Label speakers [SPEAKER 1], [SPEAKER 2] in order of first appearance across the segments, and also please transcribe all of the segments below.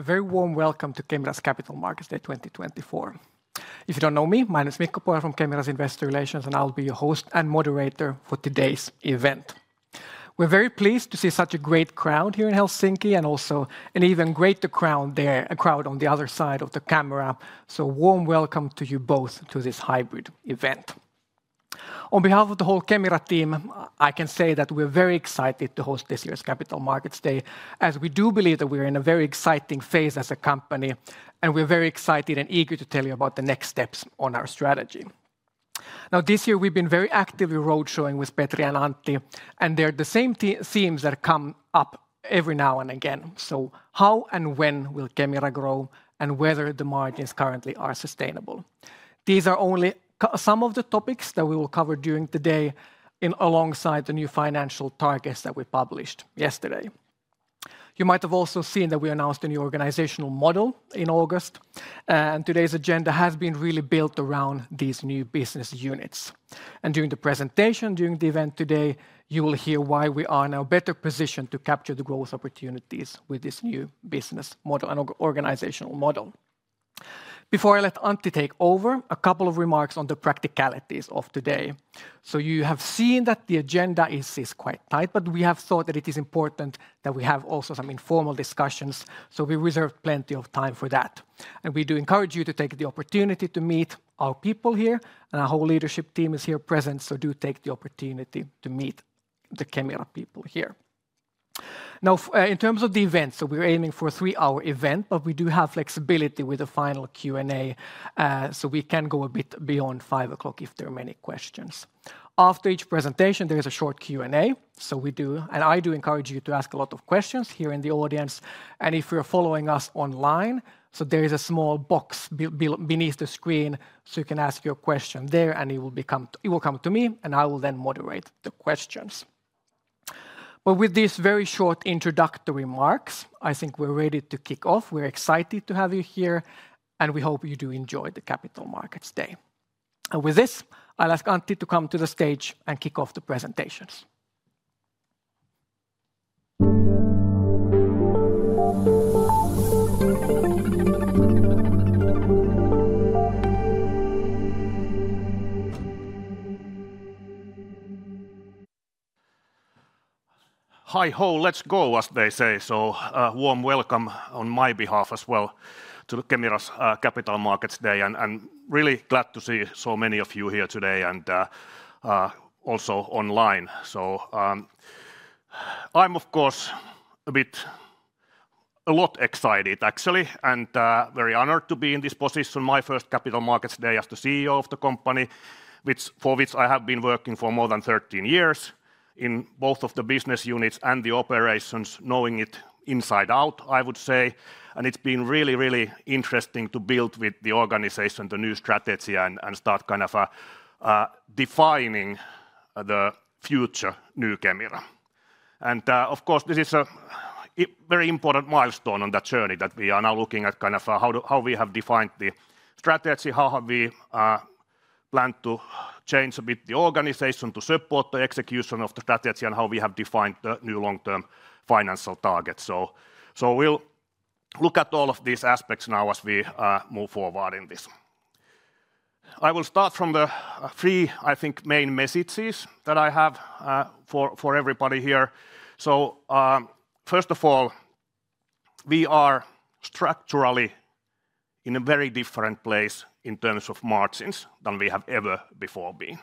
[SPEAKER 1] A very warm welcome to Kemira's Capital Markets Day 2024. If you don't know me, my name is Mikko Pohjala from Kemira's Investor Relations, and I'll be your host and moderator for today's event. We're very pleased to see such a great crowd here in Helsinki, and also an even greater crowd there, a crowd on the other side of the camera. So warm welcome to you both to this hybrid event. On behalf of the whole Kemira team, I can say that we're very excited to host this year's Capital Markets Day, as we do believe that we're in a very exciting phase as a company, and we're very excited and eager to tell you about the next steps on our strategy. Now, this year we've been very actively road showing with Petri and Antti, and they're the same themes that come up every now and again. So how and when will Kemira grow, and whether the margins currently are sustainable? These are only some of the topics that we will cover during the day, alongside the new financial targets that we published yesterday. You might have also seen that we announced a new organizational model in August, and today's agenda has been really built around these new business units. And during the presentation, during the event today, you will hear why we are now better positioned to capture the growth opportunities with this new business model and organizational model. Before I let Antti take over, a couple of remarks on the practicalities of today. So you have seen that the agenda is quite tight, but we have thought that it is important that we have also some informal discussions, so we reserved plenty of time for that. And we do encourage you to take the opportunity to meet our people here, and our whole leadership team is here present, so do take the opportunity to meet the Kemira people here. Now, in terms of the event, so we're aiming for a three-hour event, but we do have flexibility with the final Q&A, so we can go a bit beyond five o'clock if there are many questions. After each presentation, there is a short Q&A, so we do. And I do encourage you to ask a lot of questions here in the audience. And if you're following us online, there is a small box beneath the screen, so you can ask your question there, and it will come to me, and I will then moderate the questions. But with these very short introductory remarks, I think we're ready to kick off. We're excited to have you here, and we hope you do enjoy the Capital Markets Day. And with this, I'll ask Antti to come to the stage and kick off the presentations.
[SPEAKER 2] Hi, ho, let's go, as they say. So, warm welcome on my behalf as well to Kemira's Capital Markets Day, and really glad to see so many of you here today and also online. So, I'm of course a bit... a lot excited, actually, and very honored to be in this position, my first Capital Markets Day as the CEO of the company, for which I have been working for more than 13 years in both of the business units and the Operations, knowing it inside out, I would say. It's been really interesting to build with the organization the new strategy and start kind of defining the future new Kemira. Of course, this is a very important milestone on that journey, that we are now looking at, kind of, how we have defined the strategy, how have we planned to change a bit the organization to support the execution of the strategy, and how we have defined the new long-term financial targets. We'll look at all of these aspects now as we move forward in this. I will start from the three, I think, main messages that I have for everybody here. First of all, we are structurally in a very different place in terms of margins than we have ever before been.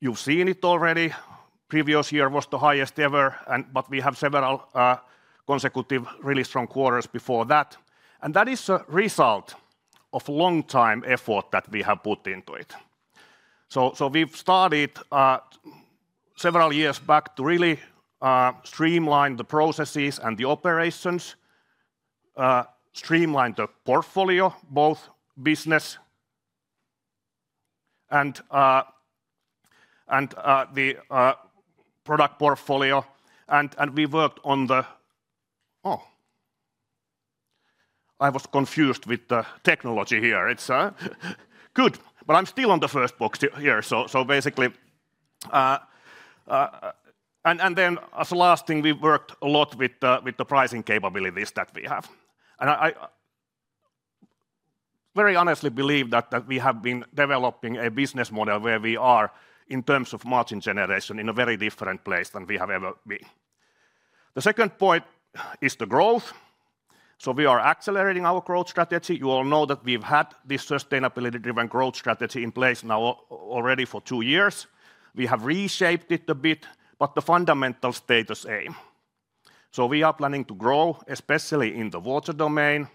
[SPEAKER 2] You've seen it already. Previous year was the highest ever, and but we have several consecutive really strong quarters before that, and that is a result of long time effort that we have put into it. We've started several years back to really streamline the processes and the Operations, streamline the portfolio, both business and the product portfolio, and we worked on the... Oh! I was confused with the technology here. It's good, but I'm still on the first box here. So basically, and then as a last thing, we've worked a lot with the pricing capabilities that we have. And I very honestly believe that we have been developing a business model where we are, in terms of margin generation, in a very different place than we have ever been. The second point is the growth. So we are accelerating our growth strategy. You all know that we've had this sustainability-driven growth strategy in place now already for two years. We have reshaped it a bit, but the fundamentals stay the same. So we are planning to grow, especially in the water domain,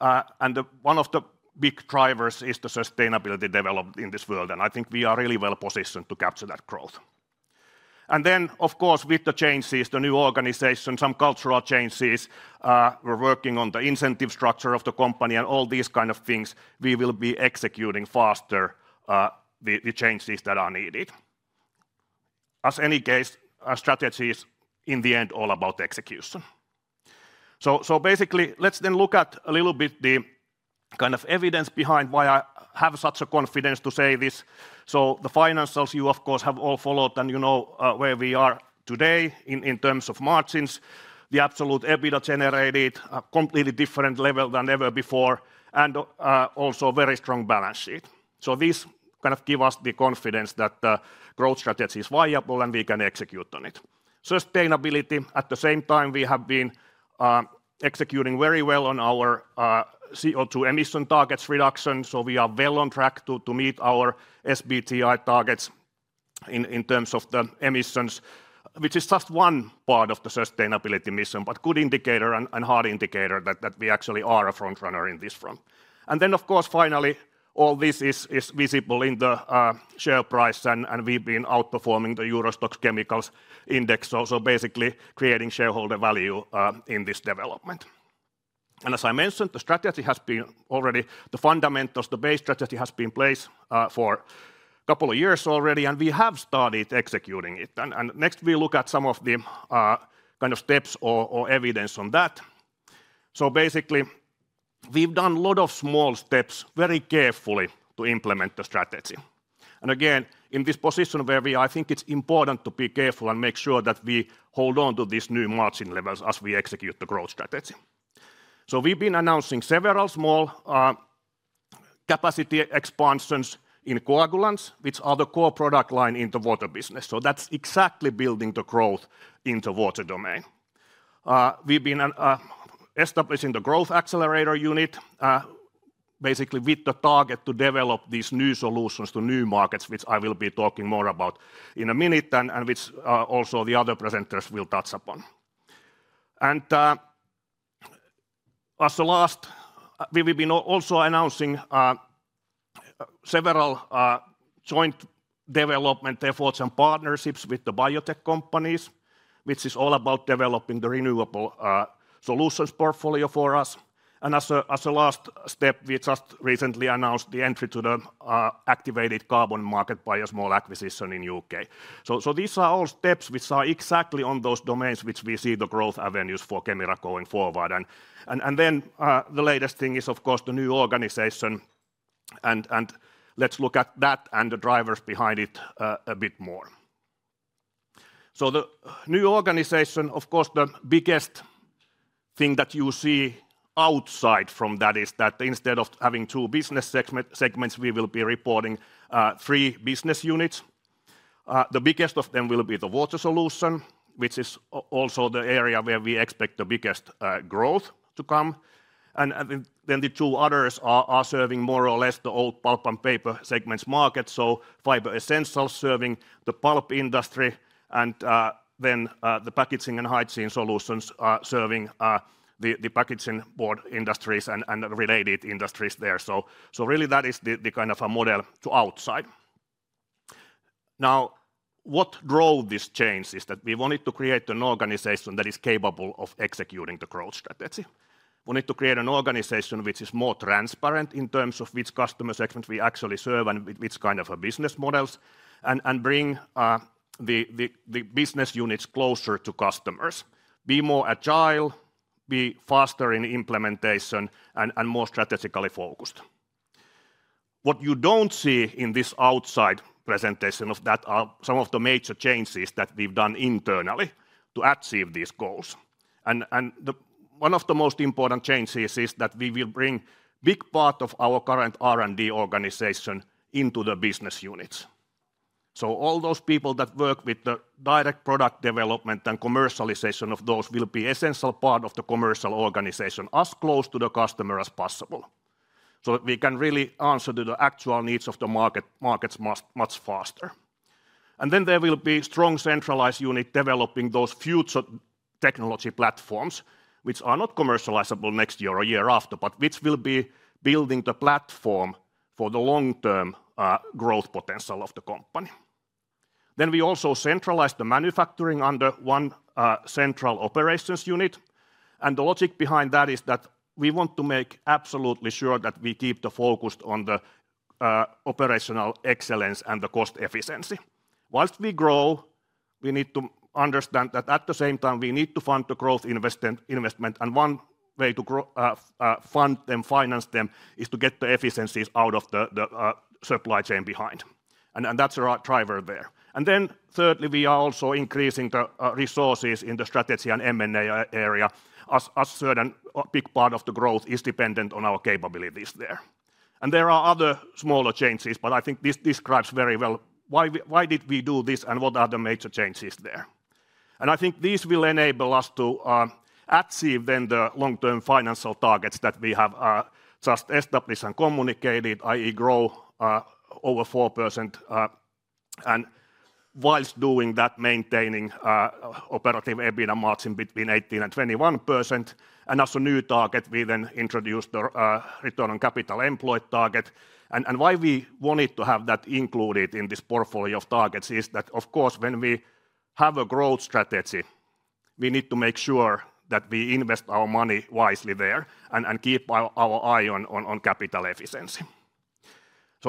[SPEAKER 2] and the one of the big drivers is the sustainability development in this world, and I think we are really well positioned to capture that growth. And then, of course, with the changes, the new organization, some cultural changes, we're working on the incentive structure of the company and all these kind of things, we will be executing faster, the changes that are needed. In any case, our strategy is, in the end, all about execution. So basically, let's then look at a little bit the-... Kind of evidence behind why I have such a confidence to say this. So the financials, you of course, have all followed, and you know, where we are today in terms of margins. The absolute EBITDA generated a completely different level than ever before, and also very strong balance sheet. So this kind of give us the confidence that the growth strategy is viable, and we can execute on it. Sustainability, at the same time, we have been executing very well on our CO2 emission targets reduction, so we are well on track to meet our SBTi targets in terms of the emissions, which is just one part of the sustainability mission, but good indicator and hard indicator that we actually are a front runner in this front. And then, of course, finally, all this is visible in the share price, and we've been outperforming the EURO STOXX Chemicals Index, so basically creating shareholder value in this development. As I mentioned, the strategy has been already the fundamentals, the base strategy has been in place for couple of years already, and we have started executing it. Next, we look at some of the kind of steps or evidence on that. Basically, we've done a lot of small steps very carefully to implement the strategy. Again, in this position where we are, I think it's important to be careful and make sure that we hold on to these new margin levels as we execute the growth strategy. So we've been announcing several small capacity expansions in coagulants, which are the core product line in the water business, so that's exactly building the growth in the water domain. We've been establishing the Growth Accelerator unit basically with the target to develop these new solutions to new markets, which I will be talking more about in a minute, and which also the other presenters will touch upon. And as the last, we've been also announcing several joint development efforts and partnerships with the biotech companies, which is all about developing the renewable solutions portfolio for us. And as a last step, we just recently announced the entry to the activated carbon market by a small acquisition in U.K. So these are all steps which are exactly on those domains which we see the growth avenues for Kemira going forward. And then the latest thing is, of course, the new organization, and let's look at that and the drivers behind it a bit more. So the new organization, of course, the biggest thing that you see outside from that is that instead of having two business segments, we will be reporting three business units. The biggest of them will be the Water Solutions, which is also the area where we expect the biggest growth to come. Then the two others are serving more or less the old pulp and paper segments market, so Fiber Essentials serving the pulp industry, and then the Packaging and Hygiene Solutions are serving the packaging board industries and related industries there. So really that is the kind of a model to outside. Now, what drove this change is that we wanted to create an organization that is capable of executing the growth strategy. We need to create an organization which is more transparent in terms of which customer segments we actually serve and which kind of a business models, and bring the business units closer to customers. Be more agile, be faster in implementation, and more strategically focused. What you don't see in this outside presentation of that are some of the major changes that we've done internally to achieve these goals. One of the most important changes is that we will bring big part of our current R&D organization into the business units. So all those people that work with the direct product development and commercialization of those will be essential part of the commercial organization, as close to the customer as possible, so that we can really answer to the actual needs of the market, much faster. And then there will be strong centralized unit developing those future technology platforms, which are not commercializable next year or year after, but which will be building the platform for the long-term, growth potential of the company. Then we also centralize the manufacturing under one central Operations unit, and the logic behind that is that we want to make absolutely sure that we keep the focus on the operational excellence and the cost efficiency. While we grow, we need to understand that at the same time, we need to fund the growth investment, and one way to grow, fund them, finance them, is to get the efficiencies out of the supply chain behind, and that's our driver there. And then thirdly, we are also increasing the resources in the strategy and M&A area, as certain big part of the growth is dependent on our capabilities there. And there are other smaller changes, but I think this describes very well why did we do this, and what are the major changes there? I think this will enable us to achieve then the long-term financial targets that we have just established and communicated, i.e., grow over 4%, and whilst doing that, maintaining operative EBITDA margin between 18% and 21%. As a new target, we then introduced the return on capital employed target. Why we wanted to have that included in this portfolio of targets is that, of course, when we have a growth strategy, we need to make sure that we invest our money wisely there and keep our eye on capital efficiency...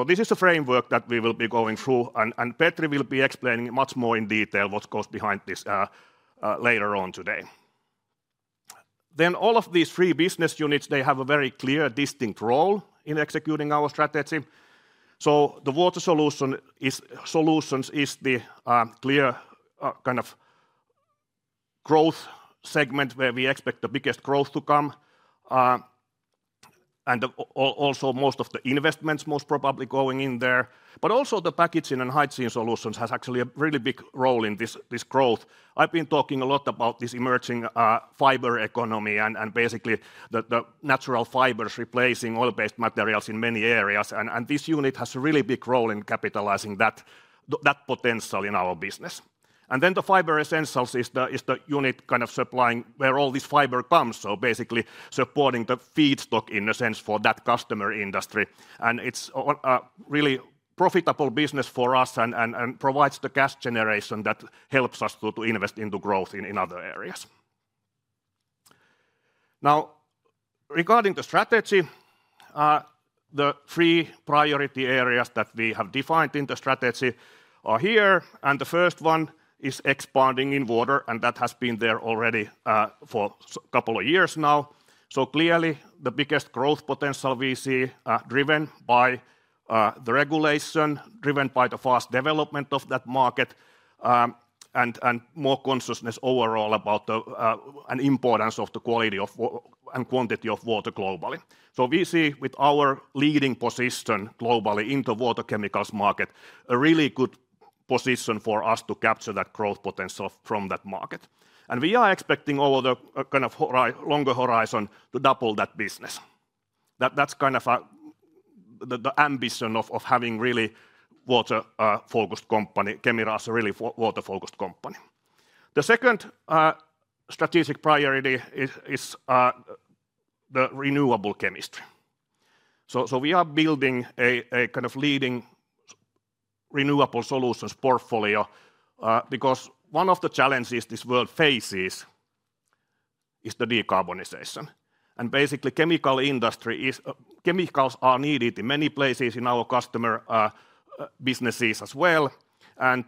[SPEAKER 2] This is the framework that we will be going through, and Petri will be explaining much more in detail what goes behind this later on today. All of these three business units, they have a very clear, distinct role in executing our strategy. The Water Solutions is the clear kind of growth segment, where we expect the biggest growth to come. And also most of the investments most probably going in there. But also the Packaging and Hygiene Solutions has actually a really big role in this growth. I've been talking a lot about this emerging fiber economy and basically the natural fibers replacing oil-based materials in many areas, and this unit has a really big role in capitalizing that potential in our business. And then the Fiber Essentials is the unit kind of supplying where all this fiber comes, so basically supporting the feedstock, in a sense, for that customer industry. And it's a really profitable business for us and provides the cash generation that helps us to invest into growth in other areas. Now, regarding the strategy, the three priority areas that we have defined in the strategy are here, and the first one is expanding in water, and that has been there already, for a couple of years now. So clearly, the biggest growth potential we see, driven by the regulation, driven by the fast development of that market, and more consciousness overall about the importance of the quality of water and quantity of water globally. So we see with our leading position globally in the water chemicals market, a really good position for us to capture that growth potential from that market. We are expecting over the kind of longer horizon to double that business. That, that's kind of the ambition of having really water-focused company, Kemira as a really water-focused company. The second strategic priority is the renewable chemistry. So we are building a kind of leading renewable solutions portfolio because one of the challenges this world faces is the decarbonization. And basically, chemical industry is... chemicals are needed in many places in our customer businesses as well. And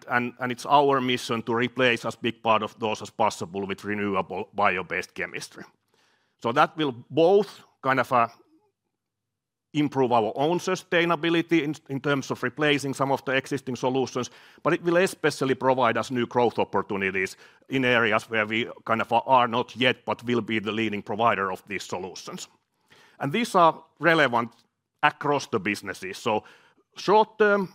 [SPEAKER 2] it's our mission to replace as big part of those as possible with renewable bio-based chemistry. That will both kind of improve our own sustainability in terms of replacing some of the existing solutions, but it will especially provide us new growth opportunities in areas where we kind of are not yet, but will be the leading provider of these solutions. These are relevant across the businesses. Short term,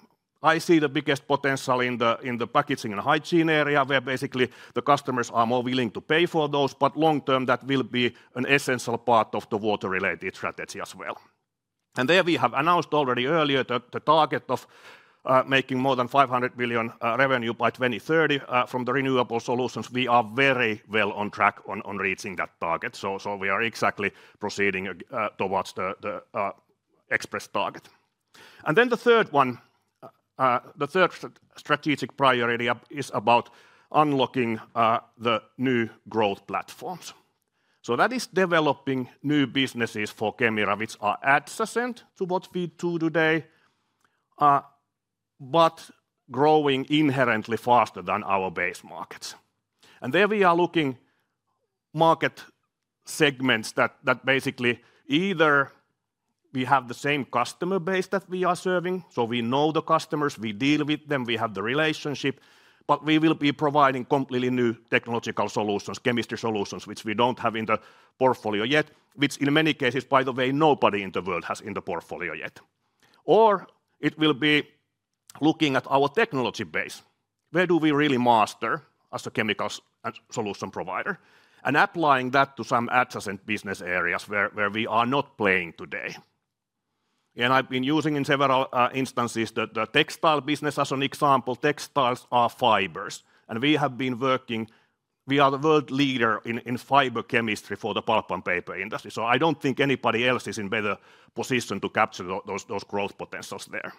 [SPEAKER 2] I see the biggest potential in the packaging and hygiene area, where basically the customers are more willing to pay for those, but long term, that will be an essential part of the water-related strategy as well. There we have announced already earlier the target of making more than 500 million revenue by 2030 from the renewable solutions. We are very well on track on reaching that target. We are exactly proceeding towards the expressed target. And then the third one, the third strategic priority is about unlocking the new growth platforms. So that is developing new businesses for Kemira, which are adjacent to what we do today, but growing inherently faster than our base markets. And there we are looking at market segments that basically either we have the same customer base that we are serving, so we know the customers, we deal with them, we have the relationship, but we will be providing completely new technological solutions, chemistry solutions, which we don't have in the portfolio yet, which in many cases, by the way, nobody in the world has in the portfolio yet. Or it will be looking at our technology base. Where do we really master as a chemicals and solution provider? And applying that to some adjacent business areas where we are not playing today. And I've been using in several instances, the textile business as an example. Textiles are fibers, and we have been working. We are the world leader in fiber chemistry for the pulp and paper industry, so I don't think anybody else is in better position to capture those growth potentials there.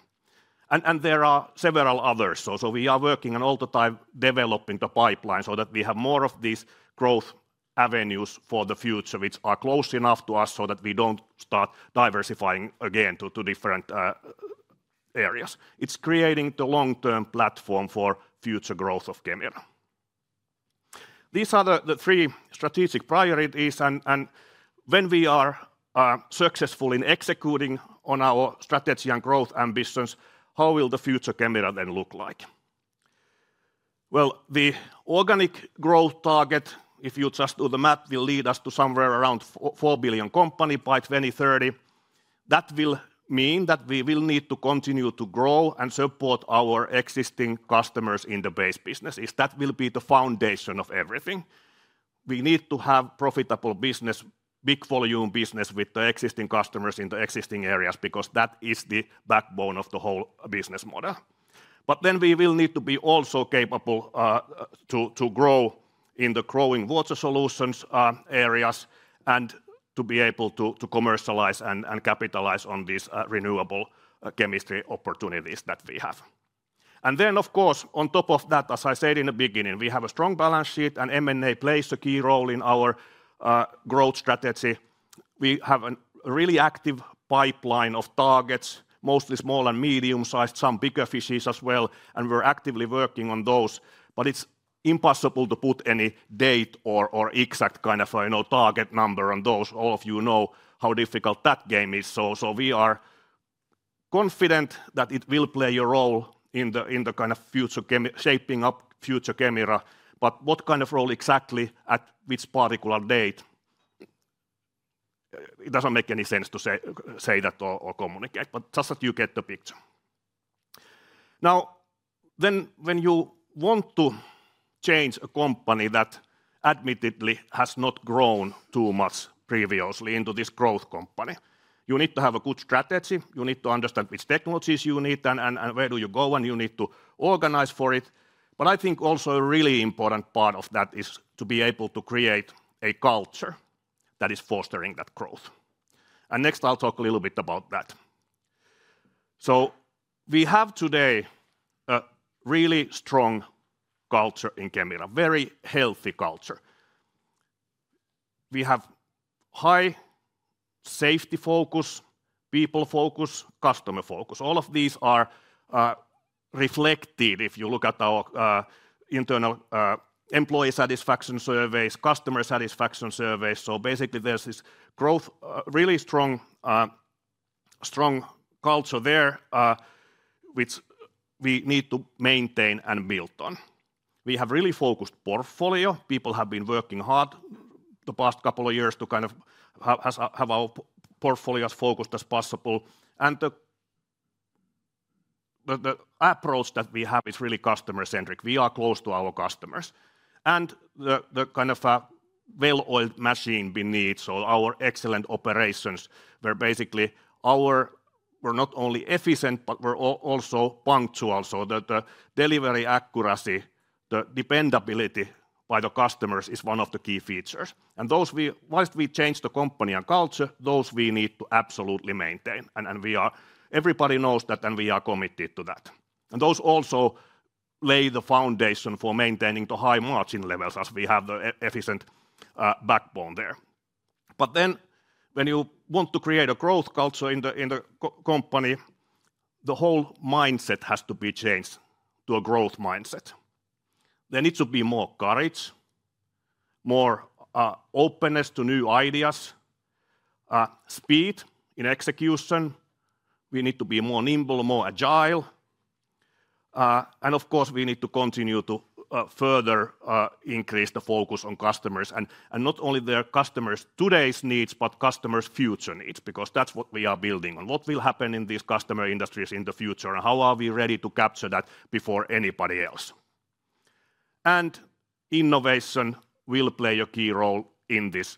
[SPEAKER 2] And there are several others also. We are working on all the time, developing the pipeline, so that we have more of these growth avenues for the future, which are close enough to us so that we don't start diversifying again to different areas. It's creating the long-term platform for future growth of Kemira. These are the three strategic priorities, and when we are successful in executing on our strategy and growth ambitions, how will the future Kemira then look like? The organic growth target, if you just do the math, will lead us to somewhere around 4 billion company by 2030. That will mean that we will need to continue to grow and support our existing customers in the base businesses. That will be the foundation of everything. We need to have profitable business, big volume business, with the existing customers in the existing areas, because that is the backbone of the whole business model. But then we will need to be also capable to grow in the growing Water Solutions areas and to be able to commercialize and capitalize on these renewable chemistry opportunities that we have. And then, of course, on top of that, as I said in the beginning, we have a strong balance sheet, and M&A plays a key role in our growth strategy. We have a really active pipeline of targets, mostly small and medium-sized, some bigger fishes as well, and we're actively working on those. But it's impossible to put any date or exact kind of, you know, target number on those. All of you know how difficult that game is. So we are confident that it will play a role in the kind of future chemical shaping up future Kemira, but what kind of role exactly at which particular date? It doesn't make any sense to say that or communicate, but just that you get the picture. Now, then, when you want to change a company that admittedly has not grown too much previously into this growth company, you need to have a good strategy. You need to understand which technologies you need and where do you go, and you need to organize for it. But I think also a really important part of that is to be able to create a culture that is fostering that growth. And next, I'll talk a little bit about that. So we have today a really strong culture in Kemira, very healthy culture. We have high safety focus, people focus, customer focus. All of these are reflected if you look at our internal employee satisfaction surveys, customer satisfaction surveys. So basically, there's this growth really strong strong culture there which we need to maintain and build on. We have really focused portfolio. People have been working hard the past couple of years to kind of have our portfolio as focused as possible. And the approach that we have is really customer-centric. We are close to our customers. And the kind of a well-oiled machine we need, so our excellent Operations, where basically our... We're not only efficient, but we're also punctual. So the delivery accuracy, the dependability by the customers, is one of the key features. And those whilst we change the company and culture, those we need to absolutely maintain, and we are... Everybody knows that, and we are committed to that. And those also lay the foundation for maintaining the high margin levels as we have the efficient backbone there. But then, when you want to create a growth culture in the company, the whole mindset has to be changed to a growth mindset. There needs to be more courage, more openness to new ideas, speed in execution. We need to be more nimble, more agile, and of course, we need to continue to further increase the focus on customers, and not only their customers' today's needs, but customers' future needs, because that's what we are building on. What will happen in these customer industries in the future? And how are we ready to capture that before anybody else? And innovation will play a key role in this.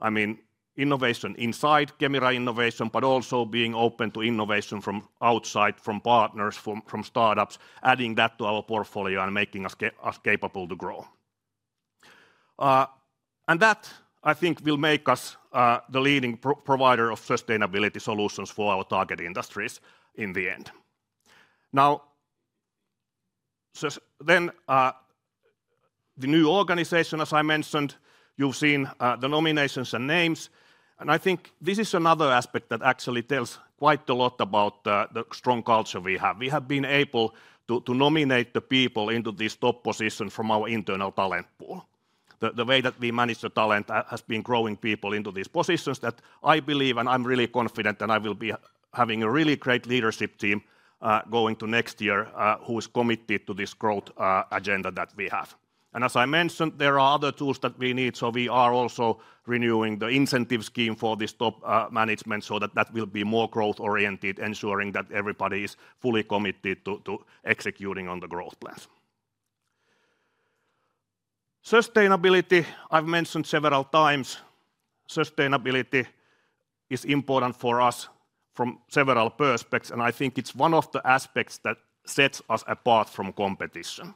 [SPEAKER 2] I mean, innovation inside Kemira innovation, but also being open to innovation from outside, from partners, from startups, adding that to our portfolio and making us capable to grow. And that, I think, will make us the leading provider of sustainability solutions for our target industries in the end. Now, so then, the new organization, as I mentioned, you've seen, the nominations and names, and I think this is another aspect that actually tells quite a lot about the strong culture we have. We have been able to nominate the people into these top positions from our internal talent pool. The way that we manage the talent has been growing people into these positions that I believe, and I'm really confident that I will be having a really great leadership team, going to next year, who is committed to this growth agenda that we have, and as I mentioned, there are other tools that we need, so we are also renewing the incentive scheme for this top management so that that will be more growth-oriented, ensuring that everybody is fully committed to executing on the growth plan. Sustainability, I've mentioned several times. Sustainability is important for us from several perspectives, and I think it's one of the aspects that sets us apart from competition.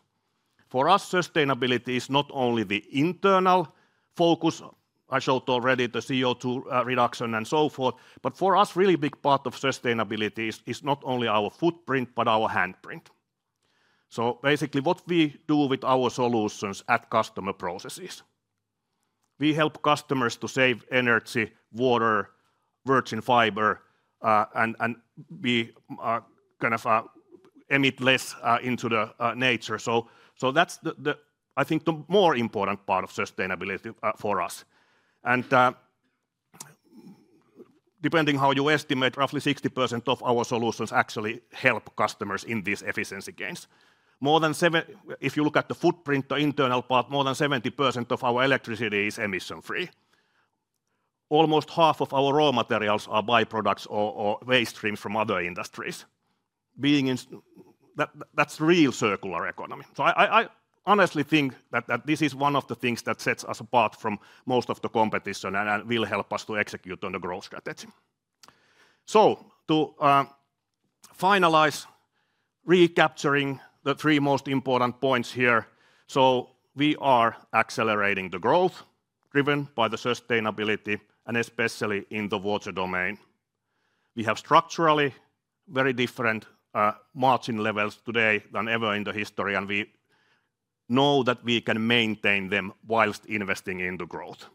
[SPEAKER 2] For us, sustainability is not only the internal focus. I showed already the CO2 reduction and so forth, but for us, really big part of sustainability is not only our footprint, but our handprint, so basically, what we do with our solutions at customer processes. We help customers to save energy, water, virgin fiber, and we emit less into the nature. So that's the, I think, the more important part of sustainability for us, and depending how you estimate, roughly 60% of our solutions actually help customers in these efficiency gains. If you look at the footprint, the internal part, more than 70% of our electricity is emission-free. Almost half of our raw materials are byproducts or waste stream from other industries. That's real circular economy. So I honestly think that this is one of the things that sets us apart from most of the competition and will help us to execute on the growth strategy. So to finalize, recapturing the three most important points here, we are accelerating the growth driven by the sustainability and especially in the water domain. We have structurally very different margin levels today than ever in the history, and we know that we can maintain them while investing in the growth,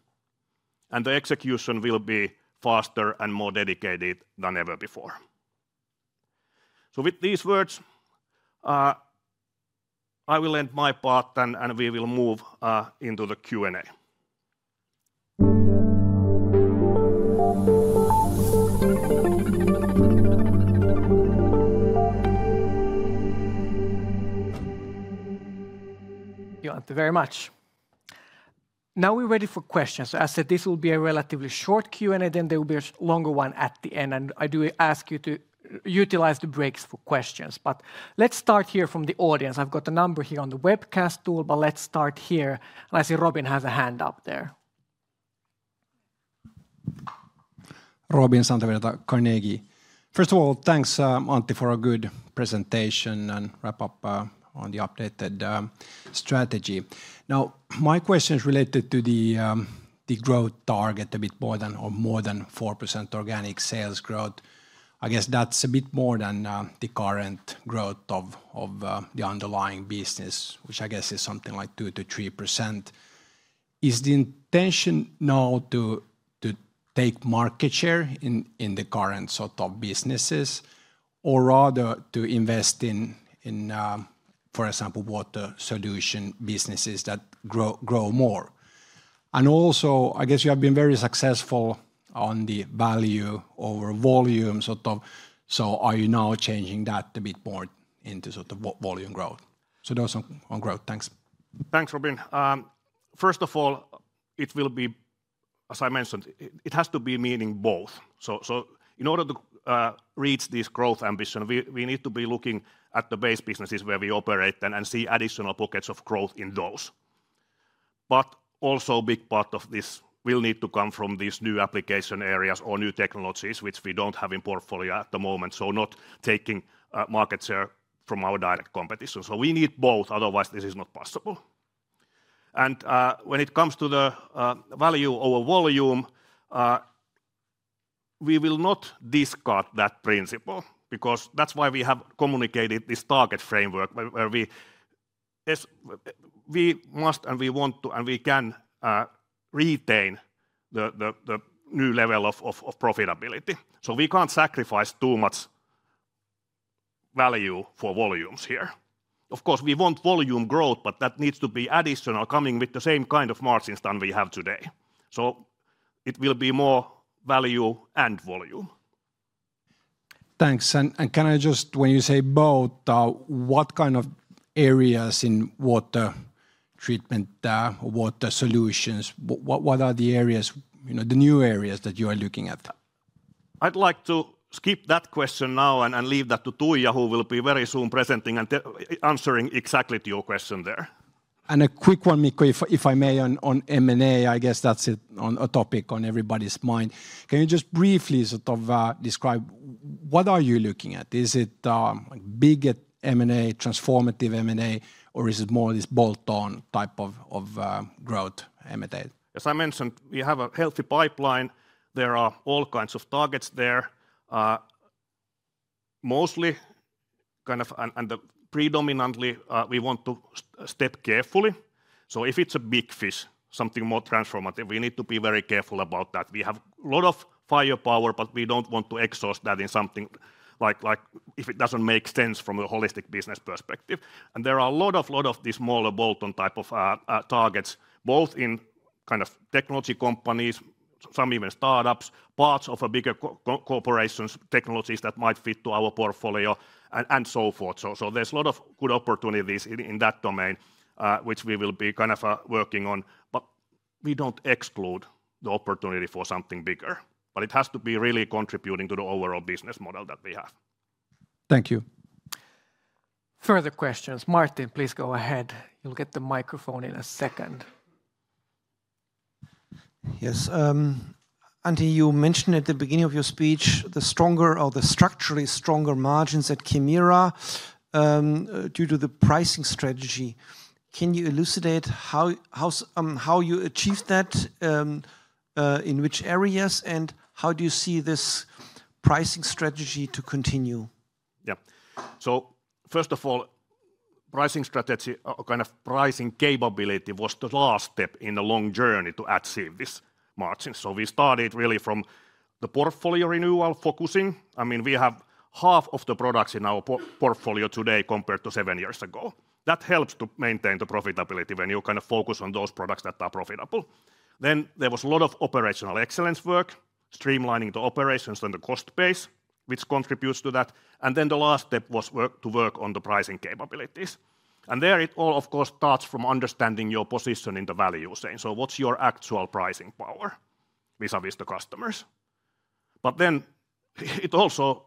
[SPEAKER 2] and the execution will be faster and more dedicated than ever before. So with these words, I will end my part, and we will move into the Q&A.
[SPEAKER 1] Thank you very much. Now we're ready for questions. As I said, this will be a relatively short Q&A, then there will be a longer one at the end, and I do ask you to utilize the breaks for questions. But let's start here from the audience. I've got a number here on the webcast tool, but let's start here. I see Robin has a hand up there.
[SPEAKER 3] Robin Santavirta, Carnegie. First of all, thanks, Antti, for a good presentation and wrap up on the updated strategy. Now, my question is related to the growth target, a bit more than, or more than 4% organic sales growth. I guess that's a bit more than the current growth of the underlying business, which I guess is something like 2%-3%. Is the intention now to take market share in the current sort of businesses, or rather to invest in, for example, water solution businesses that grow more? And also, I guess you have been very successful on the value over volume, sort of. So are you now changing that a bit more into sort of volume growth? So those are on growth. Thanks.
[SPEAKER 2] Thanks, Robin. First of all, it will be, as I mentioned, it has to be meaning both. So in order to reach this growth ambition, we need to be looking at the base businesses where we operate and see additional pockets of growth in those. But also, a big part of this will need to come from these new application areas or new technologies, which we don't have in portfolio at the moment, so not taking market share from our direct competition. So we need both, otherwise this is not possible. And when it comes to the value over volume, we will not discard that principle, because that's why we have communicated this target framework, where we- Yes, we must, and we want to, and we can retain the new level of profitability. So we can't sacrifice too much value for volumes here. Of course, we want volume growth, but that needs to be additional, coming with the same kind of margins than we have today. So it will be more value and volume.
[SPEAKER 3] Thanks. And can I just, when you say both, what kind of areas in water treatment, water solutions, what are the areas, you know, the new areas that you are looking at?
[SPEAKER 2] I'd like to skip that question now and leave that to Tuija, who will be very soon presenting and then answering exactly to your question there.
[SPEAKER 3] A quick one, Mikko, if I may, on M&A. I guess that's it, on a topic on everybody's mind. Can you just briefly sort of describe what are you looking at? Is it big M&A, transformative M&A, or is it more this bolt-on type of growth M&A?
[SPEAKER 2] As I mentioned, we have a healthy pipeline. There are all kinds of targets there. Mostly kind of and predominantly, we want to step carefully. So if it's a big fish, something more transformative, we need to be very careful about that. We have a lot of firepower, but we don't want to exhaust that in something like if it doesn't make sense from a holistic business perspective. And there are a lot of these smaller bolt-on type of targets, both in kind of technology companies, some even startups, parts of a bigger corporations, technologies that might fit to our portfolio, and so forth. So there's a lot of good opportunities in that domain, which we will be kind of working on. But we don't exclude the opportunity for something bigger, but it has to be really contributing to the overall business model that we have.
[SPEAKER 3] Thank you.
[SPEAKER 1] Further questions. Martin, please go ahead. You'll get the microphone in a second.
[SPEAKER 4] Yes, Antti, you mentioned at the beginning of your speech, the stronger or the structurally stronger margins at Kemira, due to the pricing strategy. Can you elucidate how you achieved that? In which areas, and how do you see this pricing strategy to continue?
[SPEAKER 2] Yeah. So first of all, pricing strategy, or kind of pricing capability, was the last step in a long journey to achieve this margin. So we started really from the portfolio renewal, focusing. I mean, we have half of the products in our portfolio today compared to seven years ago. That helps to maintain the profitability when you kind of focus on those products that are profitable. Then there was a lot of operational excellence work, streamlining the Operations and the cost base, which contributes to that. And then the last step was to work on the pricing capabilities. And there it all, of course, starts from understanding your position in the value chain. So what's your actual pricing power vis-à-vis the customers? But then it also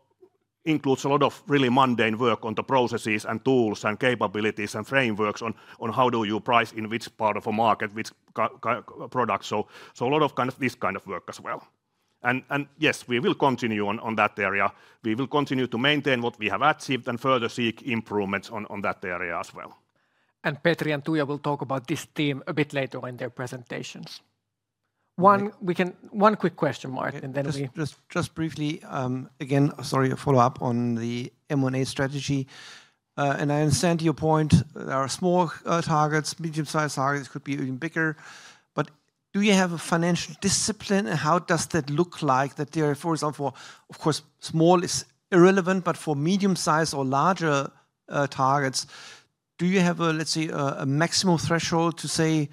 [SPEAKER 2] includes a lot of really mundane work on the processes, and tools, and capabilities, and frameworks on how do you price in which part of a market, which co-product, so a lot of kind of this kind of work as well. And yes, we will continue on that area. We will continue to maintain what we have achieved and further seek improvements on that area as well....
[SPEAKER 1] and Petri and Tuija will talk about this theme a bit later in their presentations. One quick question, Mark, and then we- Just briefly, again, sorry, a follow-up on the M&A strategy. And I understand your point, there are small targets, medium-sized targets, could be even bigger, but do you have a financial discipline, and how does that look like? That there are, for example, of course, small is irrelevant, but for medium-sized or larger targets, do you have a, let's say, a maximum threshold to say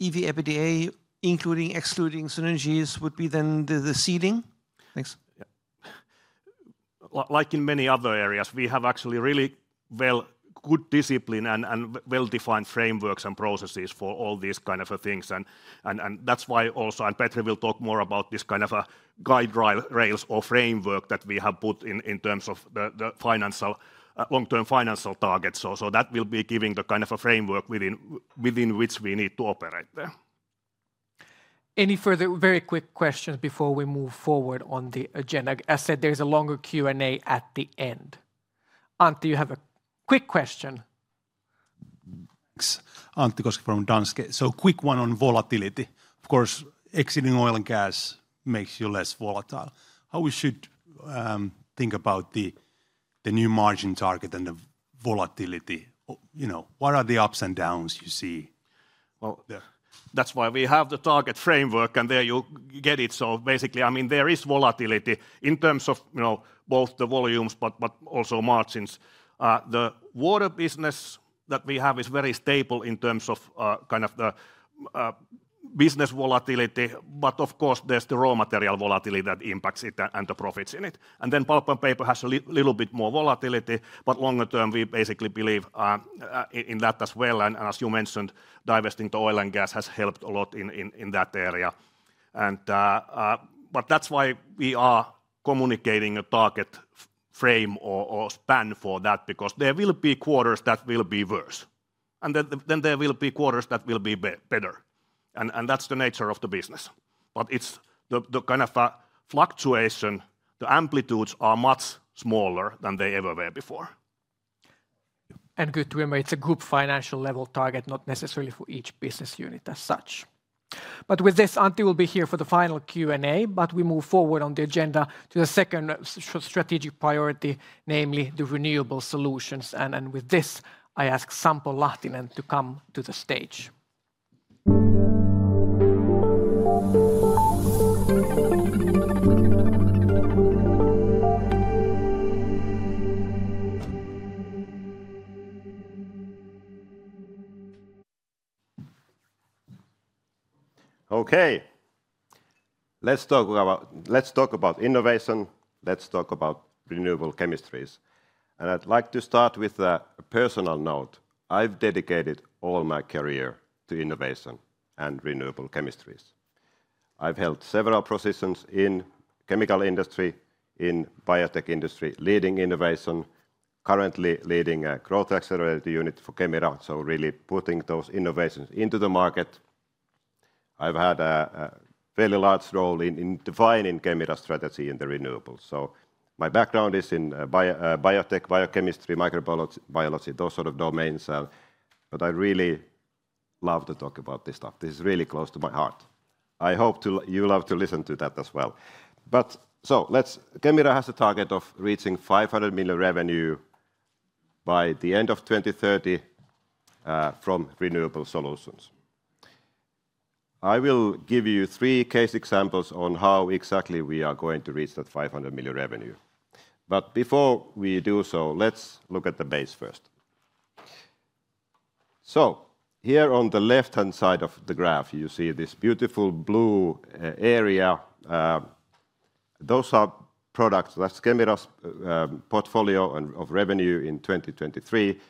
[SPEAKER 1] EV, EBITDA, including excluding synergies, would be then the seeding? Thanks.
[SPEAKER 2] Yeah. Like in many other areas, we have actually really good discipline and well-defined frameworks and processes for all these kind of things. And that's why also, Petri will talk more about this kind of a guide rails or framework that we have put in in terms of the financial long-term financial targets. So that will be giving the kind of a framework within which we need to operate there.
[SPEAKER 1] Any further very quick questions before we move forward on the agenda? As said, there's a longer Q&A at the end. Antti, you have a quick question.
[SPEAKER 5] Thanks. Antti Koskinen from Danske. So quick one on volatility. Of course, exiting oil and gas makes you less volatile. How we should think about the new margin target and the volatility? You know, what are the ups and downs you see?
[SPEAKER 2] That's why we have the target framework, and there you get it. Basically, I mean, there is volatility in terms of, you know, both the volumes, but also margins. The water business that we have is very stable in terms of kind of the business volatility, but of course, there's the raw material volatility that impacts it and the profits in it. Pulp and paper has a little bit more volatility, but longer term, we basically believe in that as well. As you mentioned, divesting the oil and gas has helped a lot in that area. But that's why we are communicating a target frame or span for that, because there will be quarters that will be worse, and then there will be quarters that will be better. And that's the nature of the business. But it's the kind of fluctuation, the amplitudes are much smaller than they ever were before.
[SPEAKER 1] Good to remember, it's a group financial level target, not necessarily for each business unit as such. With this, Antti will be here for the final Q&A, but we move forward on the agenda to the second strategic priority, namely the renewable solutions. With this, I ask Sampo Lahtinen to come to the stage.
[SPEAKER 6] Okay. Let's talk about innovation, let's talk about renewable chemistries. I'd like to start with a personal note. I've dedicated all my career to innovation and renewable chemistries. I've held several positions in chemical industry, in biotech industry, leading innovation, currently leading a growth accelerator unit for Kemira, so really putting those innovations into the market. I've had a fairly large role in defining Kemira's strategy in the renewables. So my background is in biotech, biochemistry, microbiology, those sort of domains. But I really love to talk about this stuff. This is really close to my heart. I hope you'll love to listen to that as well. But, so let's. Kemira has a target of reaching 500 million in revenue by the end of 2030 from renewable solutions. I will give you three case examples on how exactly we are going to reach that 500 million revenue. But before we do so, let's look at the base first. So here on the left-hand side of the graph, you see this beautiful blue area. Those are products. That's Kemira's portfolio and of revenue in 2023.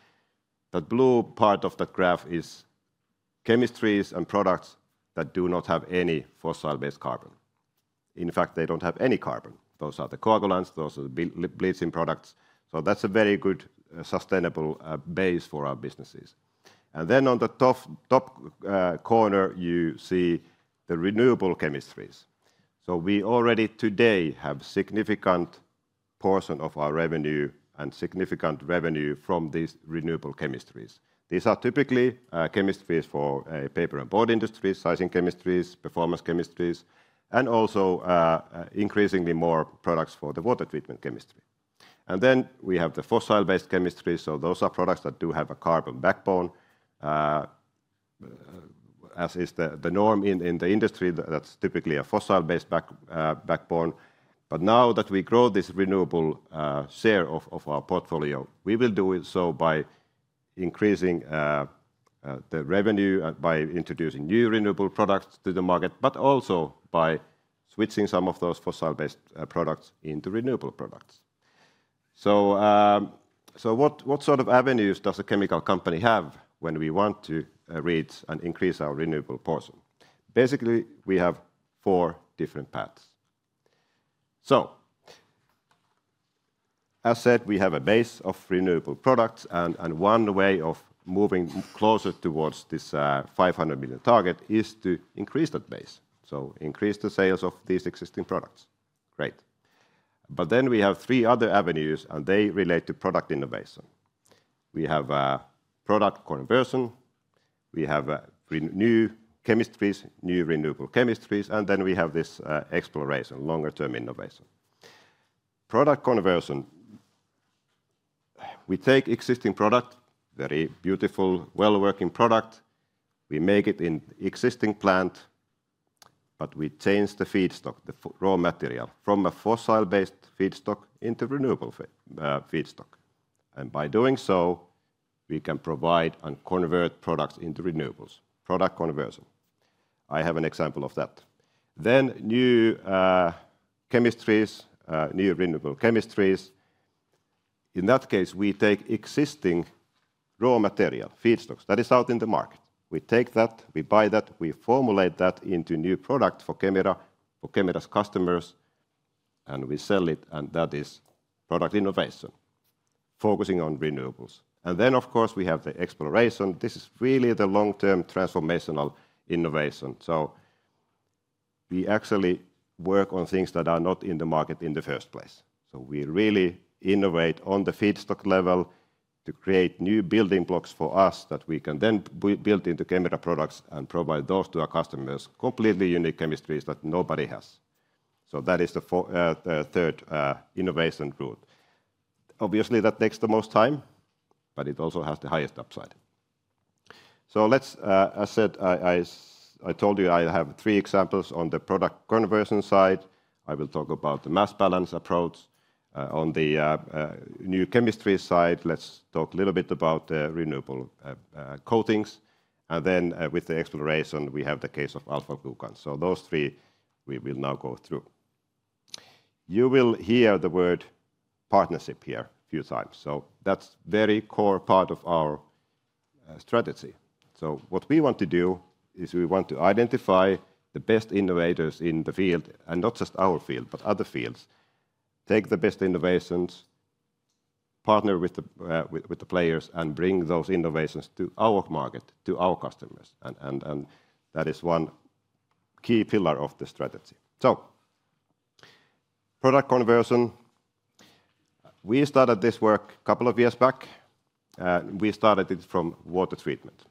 [SPEAKER 6] The blue part of the graph is chemistries and products that do not have any fossil-based carbon. In fact, they don't have any carbon. Those are the coagulants, those are the bleaching products. So that's a very good sustainable base for our businesses. And then on the top corner, you see the renewable chemistries. So we already today have significant portion of our revenue and significant revenue from these renewable chemistries. These are typically chemistries for paper and board industries, sizing chemistries, performance chemistries, and also increasingly more products for the water treatment chemistry, and then we have the fossil-based chemistry, so those are products that do have a carbon backbone. As is the norm in the industry, that's typically a fossil-based backbone, but now that we grow this renewable share of our portfolio, we will do it so by increasing the revenue by introducing new renewable products to the market, but also by switching some of those fossil-based products into renewable products, so what sort of avenues does a chemical company have when we want to reach and increase our renewable portion? Basically, we have four different paths. As said, we have a base of renewable products, and one way of moving closer toward this 500 million target is to increase that base, so increase the sales of these existing products. Great. We have three other avenues, and they relate to product innovation. We have product conversion, we have new renewable chemistries, and then we have this exploration, longer-term innovation. Product conversion: we take existing product, very beautiful, well-working product. We make it in existing plant, but we change the feedstock, the raw material, from a fossil-based feedstock into renewable feedstock. And by doing so, we can provide and convert products into renewables. Product conversion. I have an example of that. New chemistries, new renewable chemistries. In that case, we take existing raw material, feedstocks, that is out in the market. We take that, we buy that, we formulate that into new product for Kemira, for Kemira's customers, and we sell it, and that is product innovation, focusing on renewables, and then, of course, we have the exploration. This is really the long-term transformational innovation, so we actually work on things that are not in the market in the first place. We really innovate on the feedstock level to create new building blocks for us, that we can then build into Kemira products and provide those to our customers, completely unique chemistries that nobody has, so that is the third innovation route. Obviously, that takes the most time, but it also has the highest upside, so let's... As said, I told you I have three examples on the product conversion side. I will talk about the mass balance approach. On the new chemistry side, let's talk a little bit about the renewable coatings. And then, with the exploration, we have the case of alpha-glucan. So those three, we will now go through. You will hear the word partnership here a few times, so that's very core part of our strategy. So what we want to do is we want to identify the best innovators in the field, and not just our field, but other fields. Take the best innovations, partner with the players, and bring those innovations to our market, to our customers, and that is one key pillar of the strategy. So, product conversion. We started this work two years back. We started it from water treatment.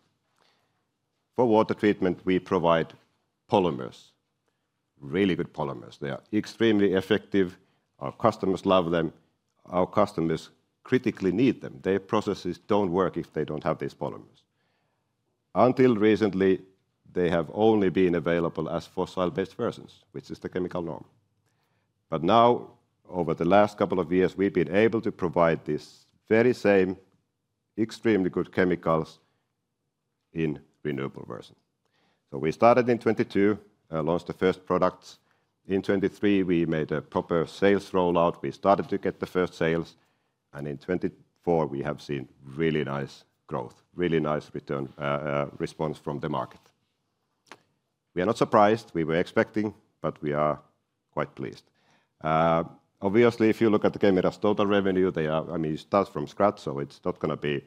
[SPEAKER 6] For water treatment, we provide polymers, really good polymers. They are extremely effective. Our customers love them. Our customers critically need them. Their processes don't work if they don't have these polymers. Until recently, they have only been available as fossil-based versions, which is the chemical norm. But now, over the last two years, we've been able to provide this very same extremely good chemicals in renewable version. So we started in 2022, launched the first products. In 2023, we made a proper sales rollout. We started to get the first sales, and in 2024, we have seen really nice growth, really nice return, response from the market. We are not surprised. We were expecting, but we are quite pleased. Obviously, if you look at the Kemira's total revenue, they are, I mean, it starts from scratch, so it's not gonna be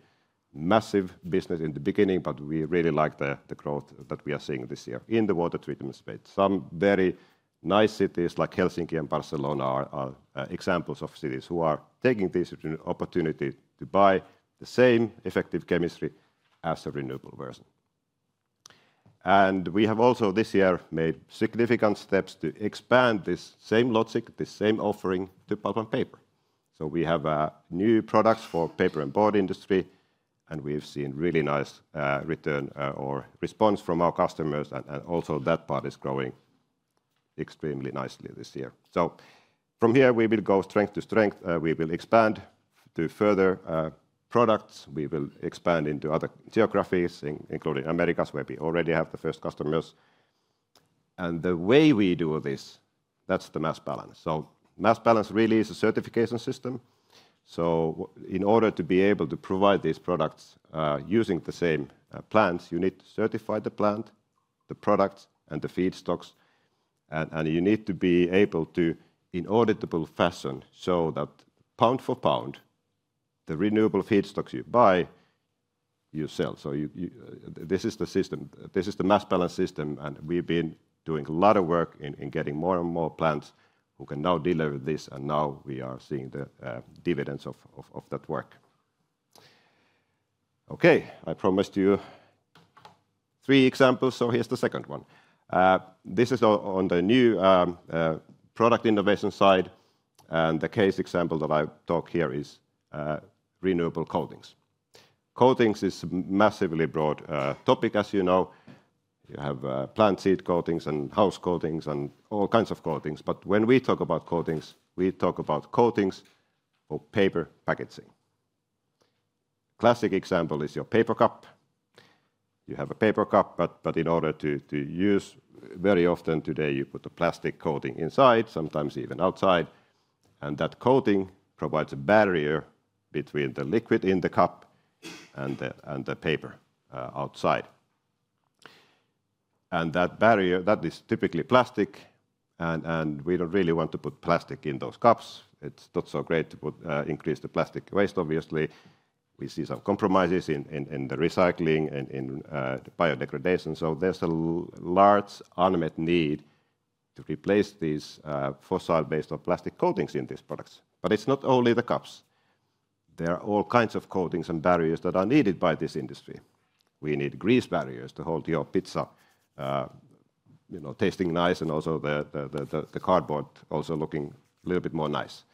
[SPEAKER 6] massive business in the beginning, but we really like the, the growth that we are seeing this year in the water treatment space. Some very nice cities, like Helsinki and Barcelona, are examples of cities who are taking this opportunity to buy the same effective chemistry as a renewable version. And we have also, this year, made significant steps to expand this same logic, this same offering, to pulp and paper. So we have new products for paper and board industry, and we've seen really nice return or response from our customers, and also that part is growing extremely nicely this year. So from here, we will go strength to strength. We will expand to further products. We will expand into other geographies, including Americas, where we already have the first customers. The way we do this, that's the mass balance. Mass balance really is a certification system. In order to be able to provide these products using the same plants, you need to certify the plant, the products, and the feedstocks, and you need to be able to, in auditable fashion, show that pound for pound, the renewable feedstocks you buy, you sell. This is the system, this is the mass balance system, and we've been doing a lot of work in getting more and more plants who can now deliver this, and now we are seeing the dividends of that work. Okay, I promised you three examples, so here's the second one. This is on the new product innovation side, and the case example that I talk here is renewable coatings. Coatings is massively broad topic, as you know. You have plant seed coatings and house coatings and all kinds of coatings, but when we talk about coatings, we talk about coatings for paper packaging. Classic example is your paper cup. You have a paper cup, but in order to use, very often today, you put a plastic coating inside, sometimes even outside, and that coating provides a barrier between the liquid in the cup and the paper outside. And that barrier, that is typically plastic, and we don't really want to put plastic in those cups. It's not so great to increase the plastic waste, obviously. We see some compromises in the recycling and in the biodegradation. So there's a large unmet need to replace these fossil-based or plastic coatings in these products. But it's not only the cups. There are all kinds of coatings and barriers that are needed by this industry. We need grease barriers to hold your pizza, you know, tasting nice and also the cardboard also looking a little bit more nice.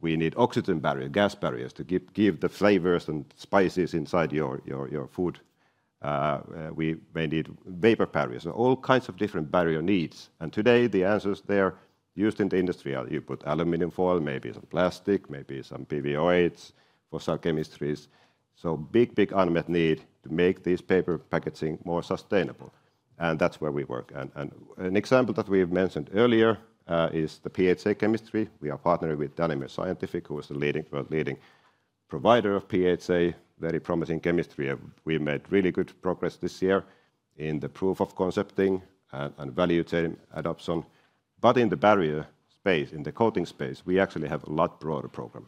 [SPEAKER 6] We need oxygen barrier, gas barriers to give the flavors and spices inside your food. We may need vapor barriers. So all kinds of different barrier needs, and today the answers there used in the industry are you put aluminum foil, maybe some plastic, maybe some PFAS, fossil chemistries. So big unmet need to make this paper packaging more sustainable, and that's where we work. An example that we've mentioned earlier is the PHA chemistry. We are partnering with Danimer Scientific, who is the leading world leading provider of PHA, very promising chemistry. We made really good progress this year in the proof of concepting and value chain adoption. But in the barrier space, in the coating space, we actually have a lot broader program.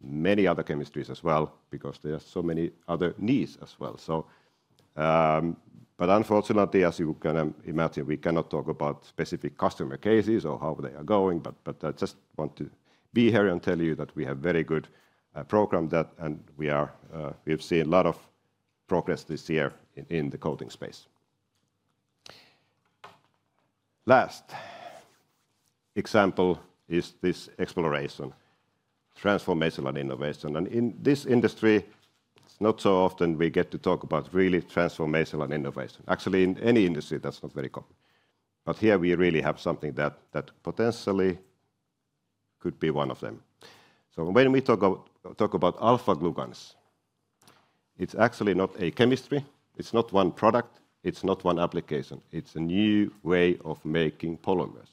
[SPEAKER 6] Many other chemistries as well, because there are so many other needs as well. But unfortunately, as you can imagine, we cannot talk about specific customer cases or how they are going. But I just want to be here and tell you that we have very good program that. We've seen a lot of progress this year in the coating space. Last example is this exploration, transformational and innovation. And in this industry, it's not so often we get to talk about really transformational and innovation. Actually, in any industry, that's not very common. But here we really have something that potentially could be one of them. So when we talk about alpha-glucans, it's actually not a chemistry, it's not one product, it's not one application. It's a new way of making polymers,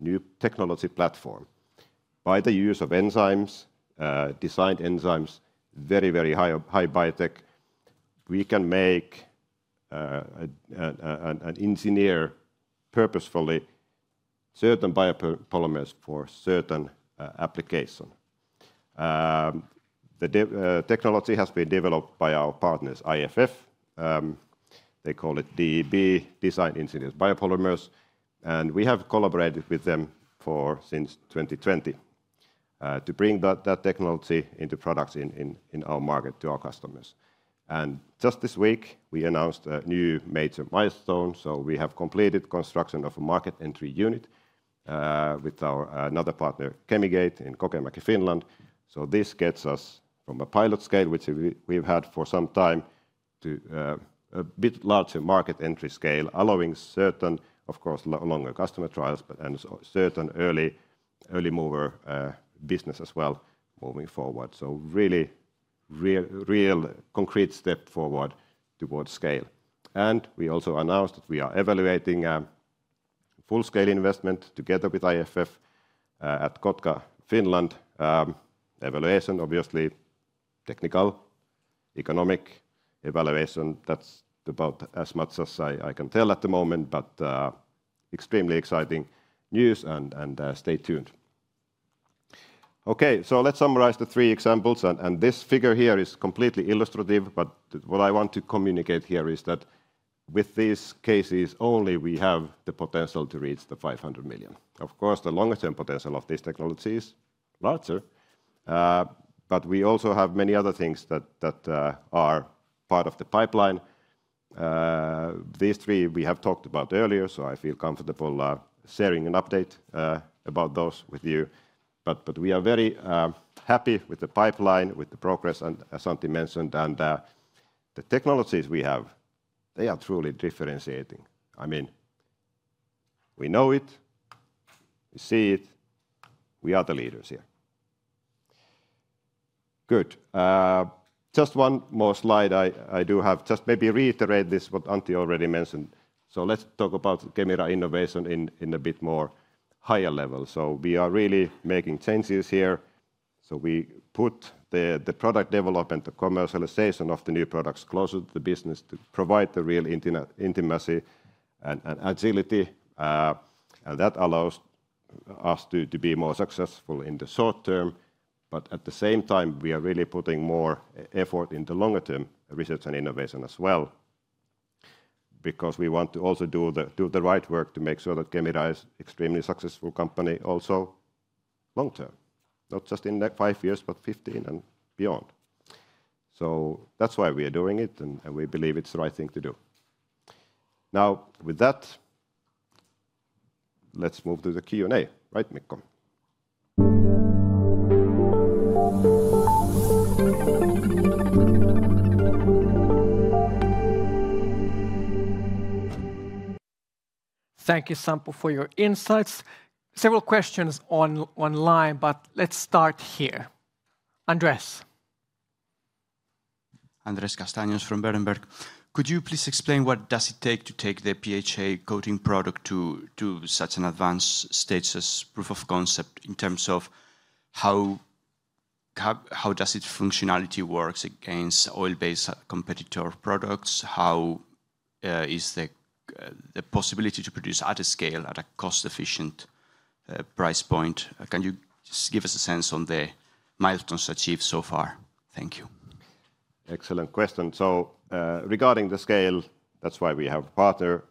[SPEAKER 6] new technology platform. By the use of enzymes, designed enzymes, very high biotech, we can make an engineered purposefully certain biopolymers for certain application. The technology has been developed by our partners, IFF. They call it DEB, Design Ingenious Biopolymers, and we have collaborated with them for since 2020 to bring that technology into products in our market to our customers. And just this week, we announced a new major milestone, so we have completed construction of a market entry unit with our another partner, Chemigate, in Kokemäki, Finland. So this gets us from a pilot scale, which we've had for some time, to a bit larger market entry scale, allowing certain, of course, longer customer trials, but and certain early, early mover business as well moving forward. So really, real, real concrete step forward towards scale. And we also announced that we are evaluating a full-scale investment together with IFF at Kotka, Finland. Evaluation, obviously, technical, economic evaluation. That's about as much as I can tell at the moment, but extremely exciting news, and stay tuned. Okay, so let's summarize the three examples, and this figure here is completely illustrative, but what I want to communicate here is that with these cases only, we have the potential to reach 500 million. Of course, the longer-term potential of this technology is larger, but we also have many other things that are part of the pipeline. These three we have talked about earlier, so I feel comfortable sharing an update about those with you. But we are very happy with the pipeline, with the progress, and as Antti mentioned, the technologies we have, they are truly differentiating. I mean, we know it, we see it, we are the leaders here. Good. Just one more slide I do have. Just maybe reiterate this, what Antti already mentioned. So let's talk about Kemira innovation in a bit more higher level. So we are really making changes here. So we put the product development, the commercialization of the new products closer to the business to provide the real intimacy and agility, and that allows us to be more successful in the short term. But at the same time, we are really putting more effort in the longer term, research and innovation as well, because we want to also do the right work to make sure that Kemira is extremely successful company also long term, not just in the five years, but 15 and beyond. So that's why we are doing it, and we believe it's the right thing to do. Now, with that, let's move to the Q&A. Right, Mikko?
[SPEAKER 1] Thank you, Sampo, for your insights. Several questions online, but let's start here. Andres?
[SPEAKER 5] Andrés Castaños-Mollor from Berenberg. Could you please explain what does it take to take the PHA coating product to such an advanced status proof of concept in terms of how does it functionality works against oil-based competitor products? How-... is the possibility to produce at a scale, at a cost-efficient price point? Can you just give us a sense on the milestones achieved so far? Thank you.
[SPEAKER 6] Excellent question. So, regarding the scale, that's why we have a partner,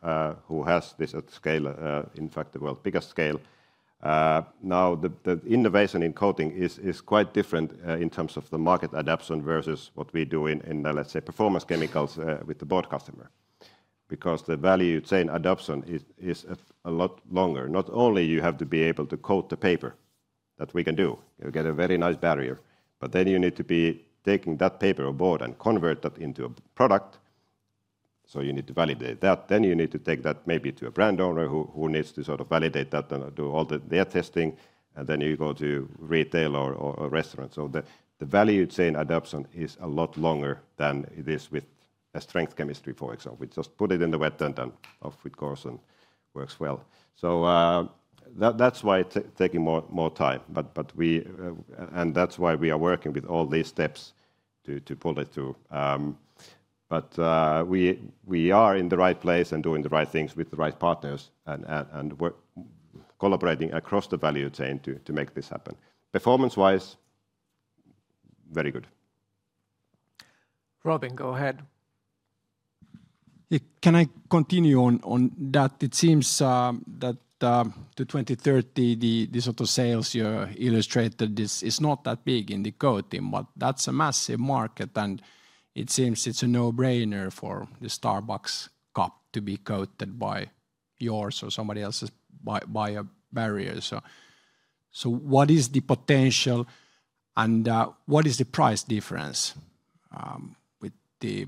[SPEAKER 6] who has this at scale, in fact, the world's biggest scale. Now, the innovation in coating is quite different, in terms of the market adoption versus what we do in, let's say, performance chemicals, with the board customer. Because the value chain adoption is a lot longer. Not only you have to be able to coat the paper, that we can do, you'll get a very nice barrier, but then you need to be taking that paper on board and convert that into a product, so you need to validate that. Then you need to take that maybe to a brand owner, who needs to sort of validate that and do all the, their testing, and then you go to retail or a restaurant. So the value chain adoption is a lot longer than it is with a strength chemistry, for example. We just put it in the wet end, and off it goes, and works well. So that's why it's taking more time. And that's why we are working with all these steps to pull it through. We are in the right place and doing the right things with the right partners, and we're collaborating across the value chain to make this happen. Performance-wise, very good.
[SPEAKER 1] Robin, go ahead.
[SPEAKER 3] Can I continue on that? It seems that to 2030, the sort of sales you illustrated is not that big in the coating, but that's a massive market, and it seems it's a no-brainer for the Starbucks cup to be coated by yours or somebody else's by a barrier. So what is the potential, and what is the price difference with the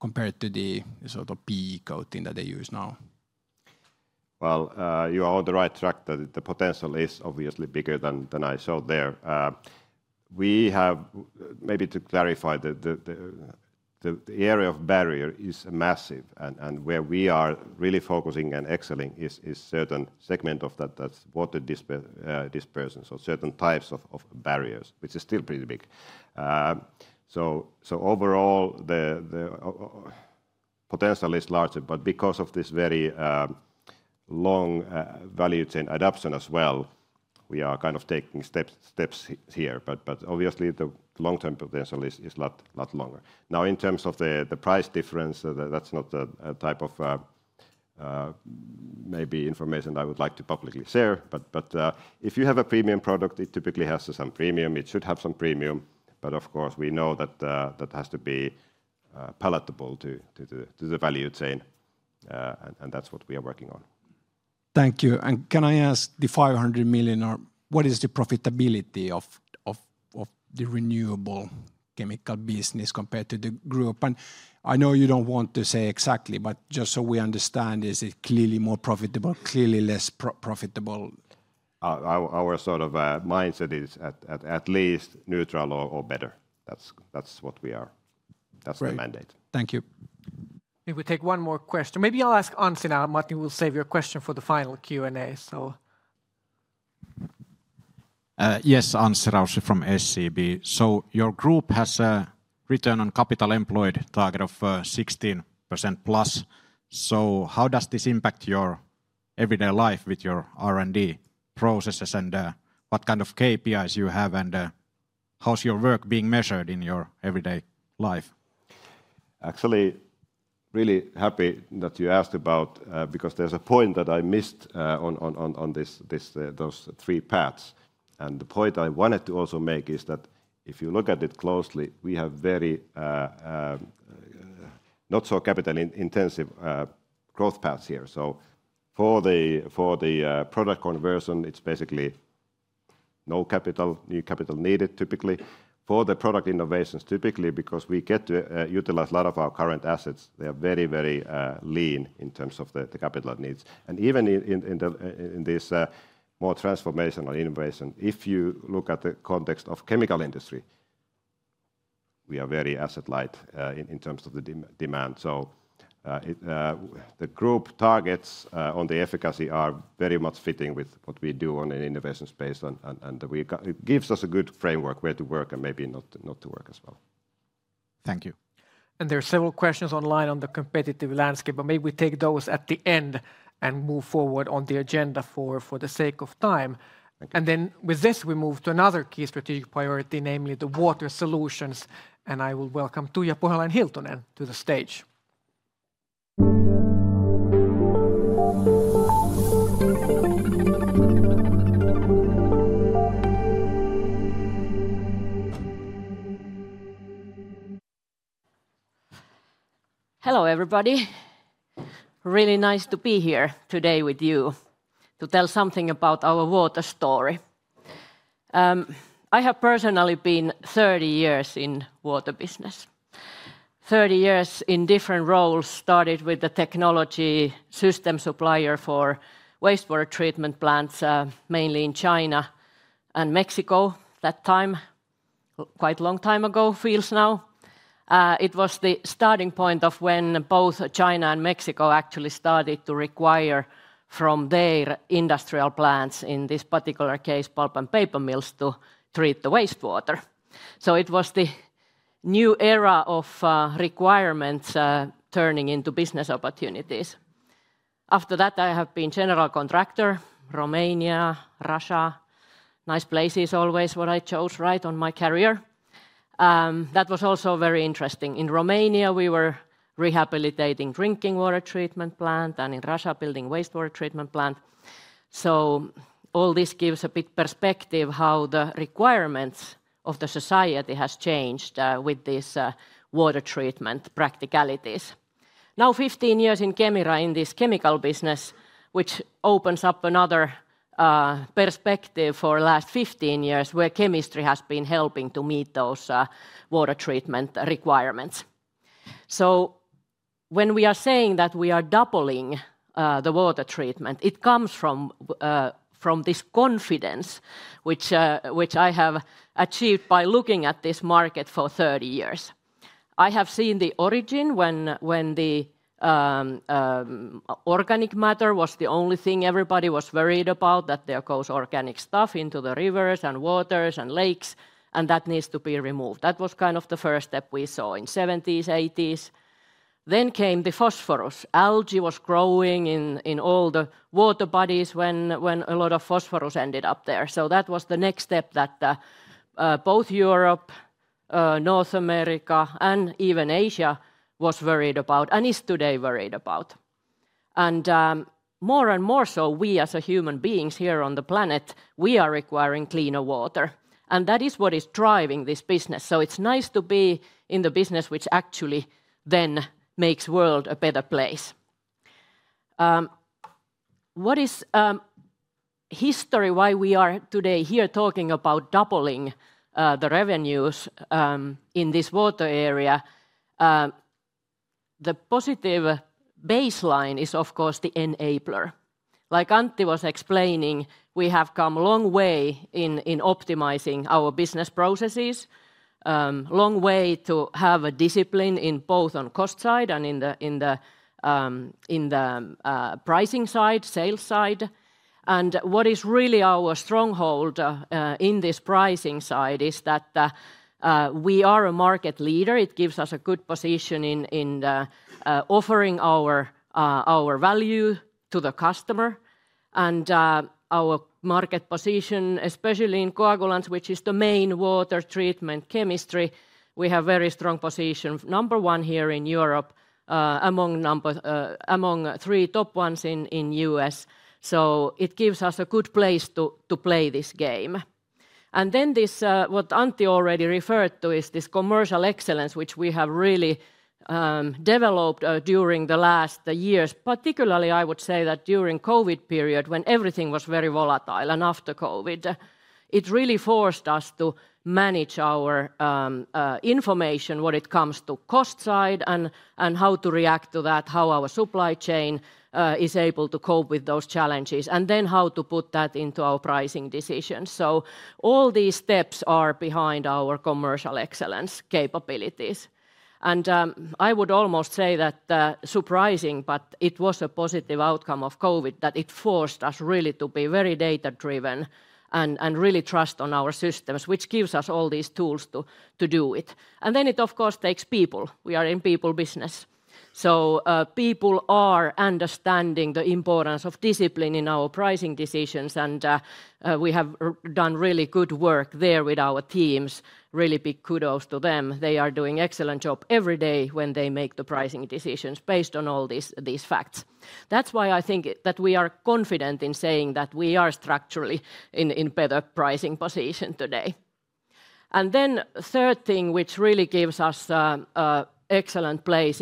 [SPEAKER 3] compared to the sort of PE coating that they use now?
[SPEAKER 6] You are on the right track. The potential is obviously bigger than I showed there. We have, maybe to clarify, the area of barrier is massive, and where we are really focusing and excelling is certain segment of that, that's water dispersion, so certain types of barriers, which is still pretty big. So overall, the potential is larger, but because of this very long value chain adoption as well, we are kind of taking steps here. But obviously, the long-term potential is a lot longer. Now, in terms of the price difference, that's not a type of maybe information I would like to publicly share, but if you have a premium product, it typically has to some premium, it should have some premium. But of course, we know that that has to be palatable to the value chain, and that's what we are working on.
[SPEAKER 3] Thank you. And can I ask the 500 million, or what is the profitability of the renewable chemical business compared to the group? And I know you don't want to say exactly, but just so we understand, is it clearly more profitable, clearly less profitable?
[SPEAKER 6] Our sort of mindset is at least neutral or better. That's what we are-
[SPEAKER 3] Great.
[SPEAKER 6] That's the mandate.
[SPEAKER 3] Thank you.
[SPEAKER 1] Maybe we take one more question. Maybe I'll ask Anssi now. Matti, we'll save your question for the final Q&A, so...
[SPEAKER 7] Yes, Anssi Rauss from SEB. So your group has a return on capital employed target of 16% plus. So how does this impact your everyday life with your R&D processes, and what kind of KPIs you have, and how's your work being measured in your everyday life?
[SPEAKER 6] Actually, really happy that you asked about, because there's a point that I missed, on this, those three paths. And the point I wanted to also make is that if you look at it closely, we have very, not so capital-intensive, growth paths here. So for the product conversion, it's basically no capital, new capital needed typically. For the product innovations, typically, because we get to utilize a lot of our current assets, they are very, very lean in terms of the capital it needs. And even in this more transformational innovation, if you look at the context of chemical industry, we are very asset light, in terms of the demand. The group targets on the efficacy are very much fitting with what we do on an innovation space, and it gives us a good framework where to work and maybe not to work as well.
[SPEAKER 7] Thank you.
[SPEAKER 1] There are several questions online on the competitive landscape, but maybe we take those at the end and move forward on the agenda for the sake of time.
[SPEAKER 6] Thank you.
[SPEAKER 1] With this, we move to another key strategic priority, namely the Water Solutions, and I will welcome Tuija Pohjolainen-Hiltunen to the stage.
[SPEAKER 8] Hello, everybody. Really nice to be here today with you to tell something about our water story. I have personally been 30 years in water business. 30 years in different roles, started with a technology system supplier for wastewater treatment plants, mainly in China and Mexico that time. Quite long time ago, feels now. It was the starting point of when both China and Mexico actually started to require from their industrial plants, in this particular case, pulp and paper mills, to treat the wastewater. So it was the new era of requirements turning into business opportunities. After that, I have been general contractor, Romania, Russia. Nice places always what I chose, right, on my career. That was also very interesting. In Romania, we were rehabilitating drinking water treatment plant, and in Russia, building wastewater treatment plant. So all this gives a big perspective how the requirements of the society has changed with this water treatment practicalities. Now, 15 years in Kemira in this chemical business, which opens up another perspective for last 15 years, where chemistry has been helping to meet those water treatment requirements. So when we are saying that we are doubling the water treatment, it comes from this confidence, which I have achieved by looking at this market for 30 years. I have seen the origin when the organic matter was the only thing everybody was worried about, that there goes organic stuff into the rivers and waters and lakes, and that needs to be removed. That was kind of the first step we saw in 1970s, 1980s. Then came the phosphorus. Algae was growing in all the water bodies when a lot of phosphorus ended up there. So that was the next step that both Europe, North America, and even Asia was worried about, and is today worried about. And, more and more so, we, as a human beings here on the planet, we are requiring cleaner water, and that is what is driving this business. So it's nice to be in the business which actually then makes world a better place. What is history, why we are today here talking about doubling the revenues in this water area? The positive baseline is, of course, the enabler. Like Antti was explaining, we have come a long way in optimizing our business processes, to have a discipline in both on cost side and in the pricing side, sales side. And what is really our stronghold in this pricing side is that we are a market leader. It gives us a good position in offering our value to the customer. And our market position, especially in coagulants, which is the main water treatment chemistry, we have very strong position. Number one here in Europe, among three top ones in U.S. So it gives us a good place to play this game. And then this, what Antti already referred to, is this commercial excellence, which we have really developed during the last years. Particularly, I would say that during COVID period, when everything was very volatile, and after COVID, it really forced us to manage our information when it comes to cost side, and how to react to that, how our supply chain is able to cope with those challenges, and then how to put that into our pricing decisions. So all these steps are behind our commercial excellence capabilities. And I would almost say that surprising, but it was a positive outcome of COVID, that it forced us really to be very data-driven and really trust on our systems, which gives us all these tools to do it. And then it, of course, takes people. We are in people business. So, people are understanding the importance of discipline in our pricing decisions, and we have done really good work there with our teams. Really big kudos to them. They are doing excellent job every day when they make the pricing decisions based on all these facts. That's why I think that we are confident in saying that we are structurally in better pricing position today. And then third thing, which really gives us excellent place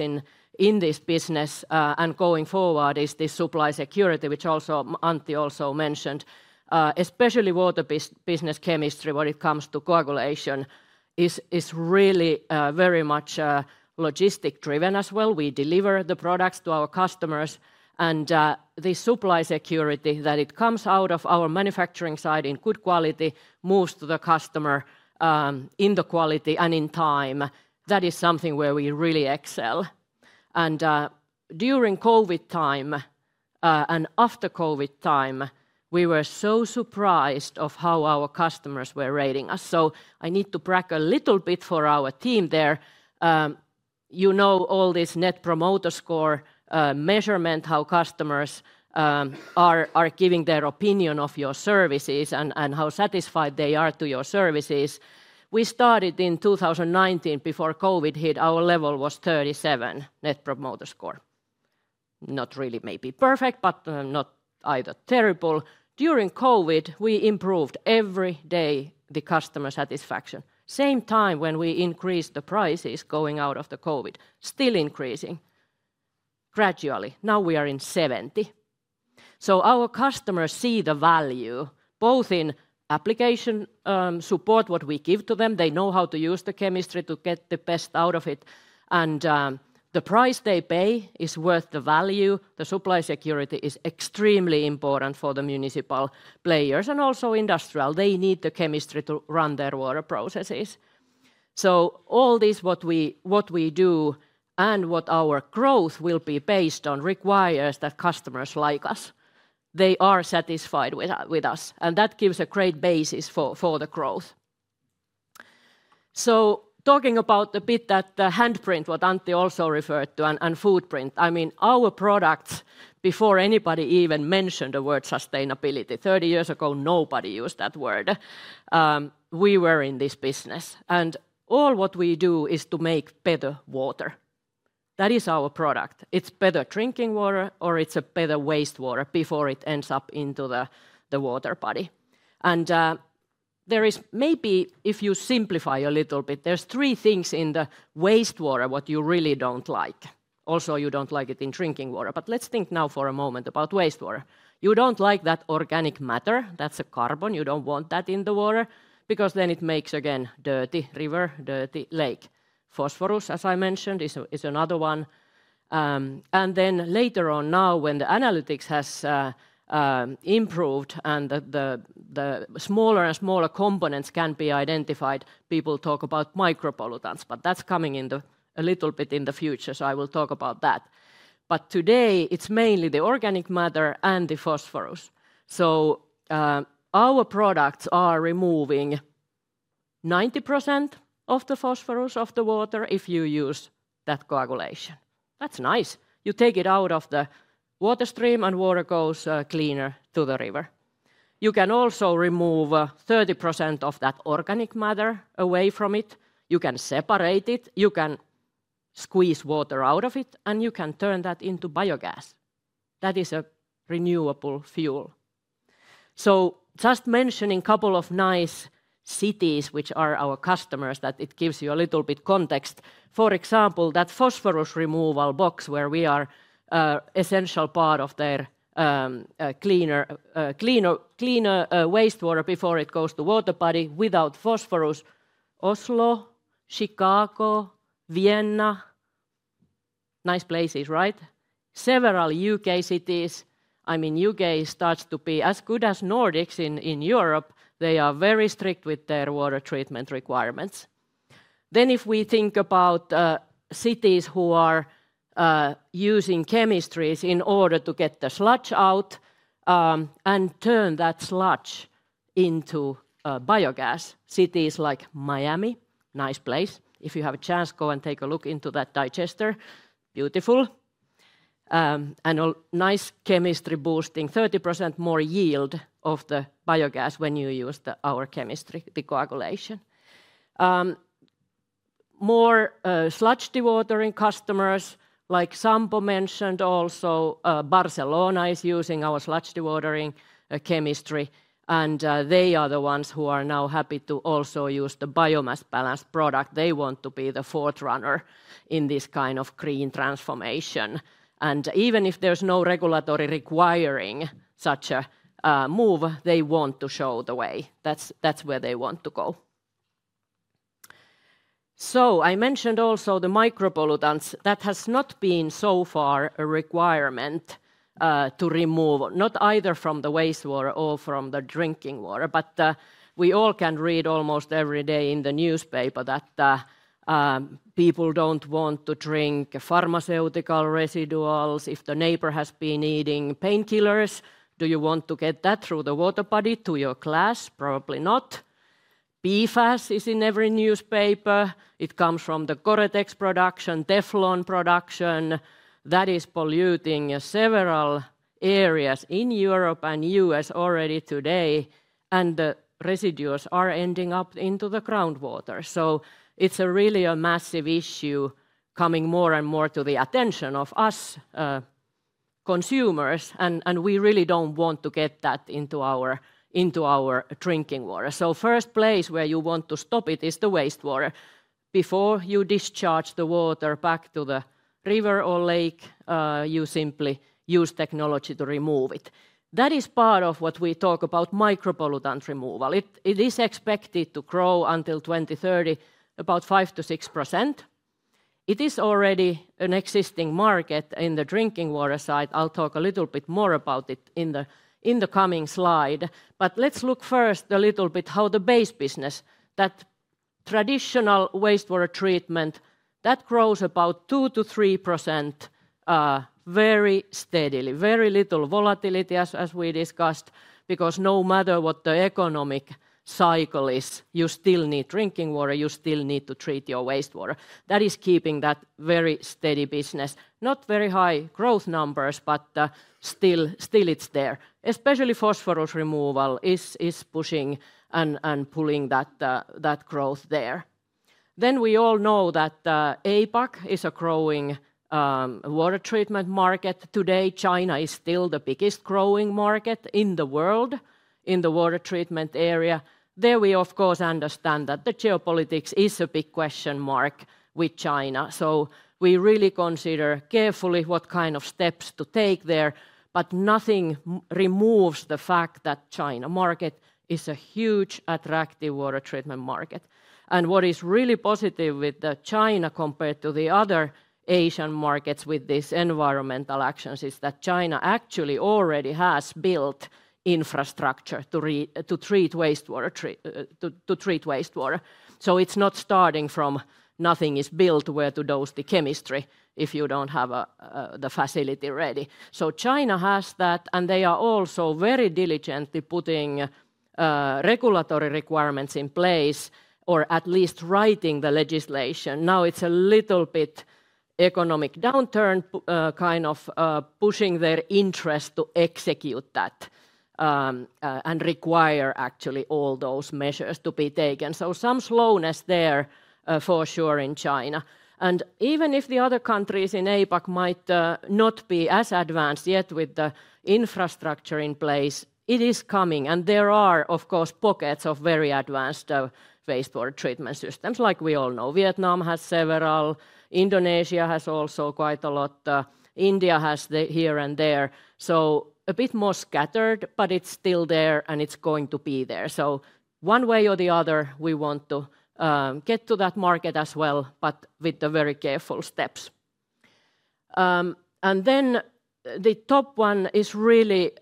[SPEAKER 8] in this business and going forward, is this supply security, which also Antti mentioned. Especially water-based business chemistry, when it comes to coagulation, is really very much logistics driven as well. We deliver the products to our customers, and, the supply security, that it comes out of our manufacturing side in good quality, moves to the customer, in the quality and in time. That is something where we really excel. During COVID time, and after COVID time, we were so surprised of how our customers were rating us. So I need to brag a little bit for our team there. You know, all this Net Promoter Score measurement, how customers are giving their opinion of your services and how satisfied they are to your services. We started in 2019. Before COVID hit, our level was 37, Net Promoter Score. Not really maybe perfect, but, not either terrible. During COVID, we improved every day the customer satisfaction. Same time, when we increased the prices going out of the COVID, still increasing gradually. Now, we are in 70. So our customers see the value, both in application support, what we give to them. They know how to use the chemistry to get the best out of it, and the price they pay is worth the value. The supply security is extremely important for the municipal players and also industrial. They need the chemistry to run their water processes. So all this, what we do and what our growth will be based on, requires that customers like us. They are satisfied with us, and that gives a great basis for the growth. Talking about the bit that the handprint, what Antti also referred to, and footprint, I mean, our products, before anybody even mentioned the word sustainability, 30 years ago, nobody used that word, we were in this business. All what we do is to make better water. That is our product. It's better drinking water, or it's a better wastewater before it ends up into the water body. And there is maybe, if you simplify a little bit, there's three things in the wastewater what you really don't like. Also, you don't like it in drinking water, but let's think now for a moment about wastewater. You don't like that organic matter. That's a carbon. You don't want that in the water because then it makes, again, dirty river, dirty lake. Phosphorus, as I mentioned, is another one. And then later on, now, when the analytics has improved and the smaller and smaller components can be identified, people talk about micropollutants, but that's coming in the future a little bit, so I will talk about that. But today, it's mainly the organic matter and the phosphorus. So, our products are removing 90% of the phosphorus of the water if you use that coagulation. That's nice. You take it out of the water stream, and water goes cleaner to the river. You can also remove 30% of that organic matter away from it. You can separate it, you can squeeze water out of it, and you can turn that into biogas. That is a renewable fuel. So just mentioning two nice cities, which are our customers, that it gives you a little bit context. For example, that phosphorus removal box, where we are essential part of their cleaner wastewater before it goes to water body without phosphorus, Oslo, Chicago, Vienna. Nice places, right? Several U.K. cities, I mean, U.K. starts to be as good as Nordics in Europe. They are very strict with their water treatment requirements. Then, if we think about cities who are using chemistries in order to get the sludge out, and turn that sludge into biogas, cities like Miami, nice place. If you have a chance, go and take a look into that digester. Beautiful, and a nice chemistry boosting 30% more yield of the biogas when you use our chemistry, the coagulation. More sludge dewatering customers, like Sampo mentioned also, Barcelona is using our sludge dewatering chemistry, and they are the ones who are now happy to also use the biomass balanced product. They want to be the frontrunner in this kind of green transformation, and even if there's no regulatory requiring such a move, they want to show the way. That's where they want to go. So I mentioned also the micropollutants. That has not been so far a requirement to remove, not either from the wastewater or from the drinking water, but we all can read almost every day in the newspaper that people don't want to drink pharmaceutical residuals. If the neighbor has been eating painkillers, do you want to get that through the water body to your glass? Probably not. PFAS is in every newspaper. It comes from the Gore-Tex production, Teflon production. That is polluting several areas in Europe and U.S. already today, and the residues are ending up into the groundwater. So it's really a massive issue coming more and more to the attention of us, consumers, and we really don't want to get that into our drinking water. So first place where you want to stop it is the wastewater. Before you discharge the water back to the river or lake, you simply use technology to remove it. That is part of what we talk about micropollutant removal. It is expected to grow until 2030, about 5%-6%. It is already an existing market in the drinking water side. I'll talk a little bit more about it in the coming slide, but let's look first a little bit how the base business, that traditional wastewater treatment, that grows about 2%-3%, very steadily. Very little volatility, as we discussed, because no matter what the economic cycle is, you still need drinking water, you still need to treat your wastewater. That is keeping that very steady business. Not very high growth numbers, but still it's there, especially phosphorus removal is pushing and pulling that growth there. Then we all know that APAC is a growing water treatment market. Today, China is still the biggest growing market in the world in the water treatment area. There, we of course understand that the geopolitics is a big question mark with China. We really consider carefully what kind of steps to take there, but nothing removes the fact that China market is a huge, attractive water treatment market. What is really positive with the China compared to the other Asian markets with this environmental actions, is that China actually already has built infrastructure to treat wastewater. It's not starting from nothing is built, where to dose the chemistry if you don't have the facility ready. China has that, and they are also very diligently putting regulatory requirements in place, or at least writing the legislation. Now, it's a little bit economic downturn kind of pushing their interest to execute that and require actually all those measures to be taken. Some slowness there, for sure in China. Even if the other countries in APAC might not be as advanced yet with the infrastructure in place, it is coming, and there are, of course, pockets of very advanced wastewater treatment systems, like we all know. Vietnam has several, Indonesia has also quite a lot, India has the here and there. So a bit more scattered, but it's still there, and it's going to be there. So one way or the other, we want to get to that market as well, but with the very careful steps. And then the top one is really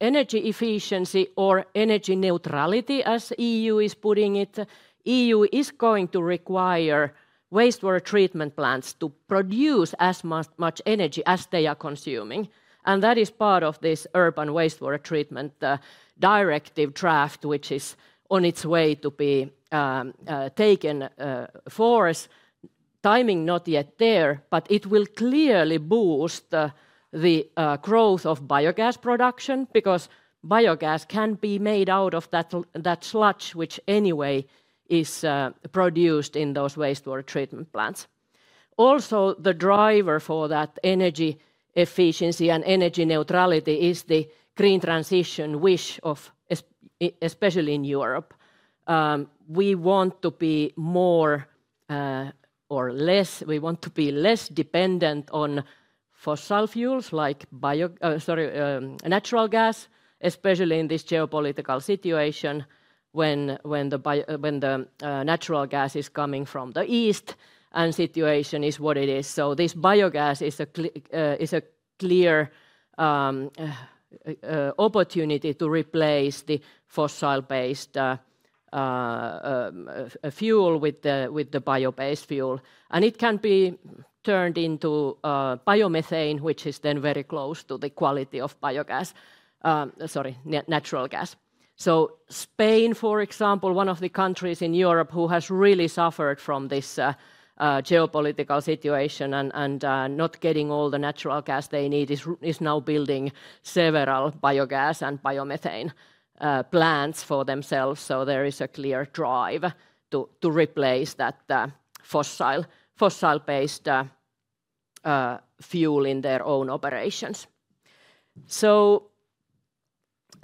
[SPEAKER 8] energy efficiency or energy neutrality, as EU is putting it. EU is going to require wastewater treatment plants to produce as much, much energy as they are consuming, and that is part of this Urban Wastewater Treatment Directive draft, which is on its way to be taken force. Timing not yet there, but it will clearly boost the growth of biogas production, because biogas can be made out of that sludge, which anyway is produced in those wastewater treatment plants. Also, the driver for that energy efficiency and energy neutrality is the green transition wish of especially in Europe. We want to be more or less—we want to be less dependent on fossil fuels like natural gas, especially in this geopolitical situation, when the natural gas is coming from the East, and situation is what it is. So this biogas is a clear opportunity to replace the fossil-based fuel with the bio-based fuel. And it can be turned into biomethane, which is then very close to the quality of natural gas. So Spain, for example, one of the countries in Europe who has really suffered from this geopolitical situation and not getting all the natural gas they need, is now building several biogas and biomethane plants for themselves. So there is a clear drive to replace that fossil-based fuel in their own Operations. So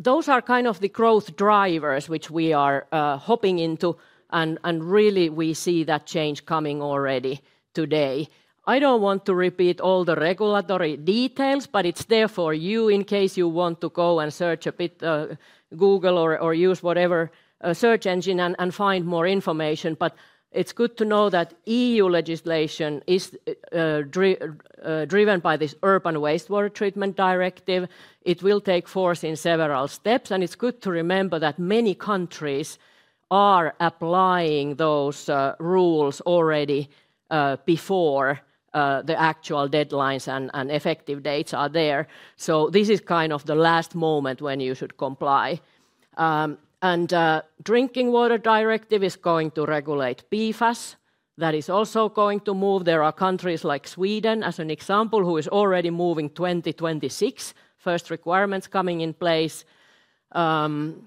[SPEAKER 8] those are kind of the growth drivers which we are hopping into, and really we see that change coming already today. I don't want to repeat all the regulatory details, but it's there for you in case you want to go and search a bit, Google or use whatever search engine and find more information. But it's good to know that EU legislation is driven by this Urban Wastewater Treatment Directive. It will take force in several steps, and it's good to remember that many countries are applying those rules already before the actual deadlines and effective dates are there. So this is kind of the last moment when you should comply. And, Drinking Water Directive is going to regulate PFAS. That is also going to move. There are countries like Sweden, as an example, who is already moving 2026, first requirements coming in place. And,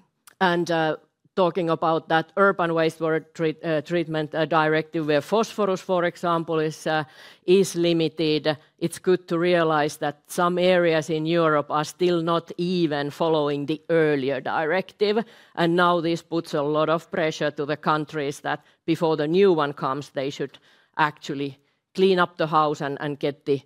[SPEAKER 8] talking about that Urban Wastewater Treatment Directive, where phosphorus, for example, is limited, it's good to realize that some areas in Europe are still not even following the earlier directive. And now, this puts a lot of pressure to the countries that before the new one comes, they should actually clean up the house and get the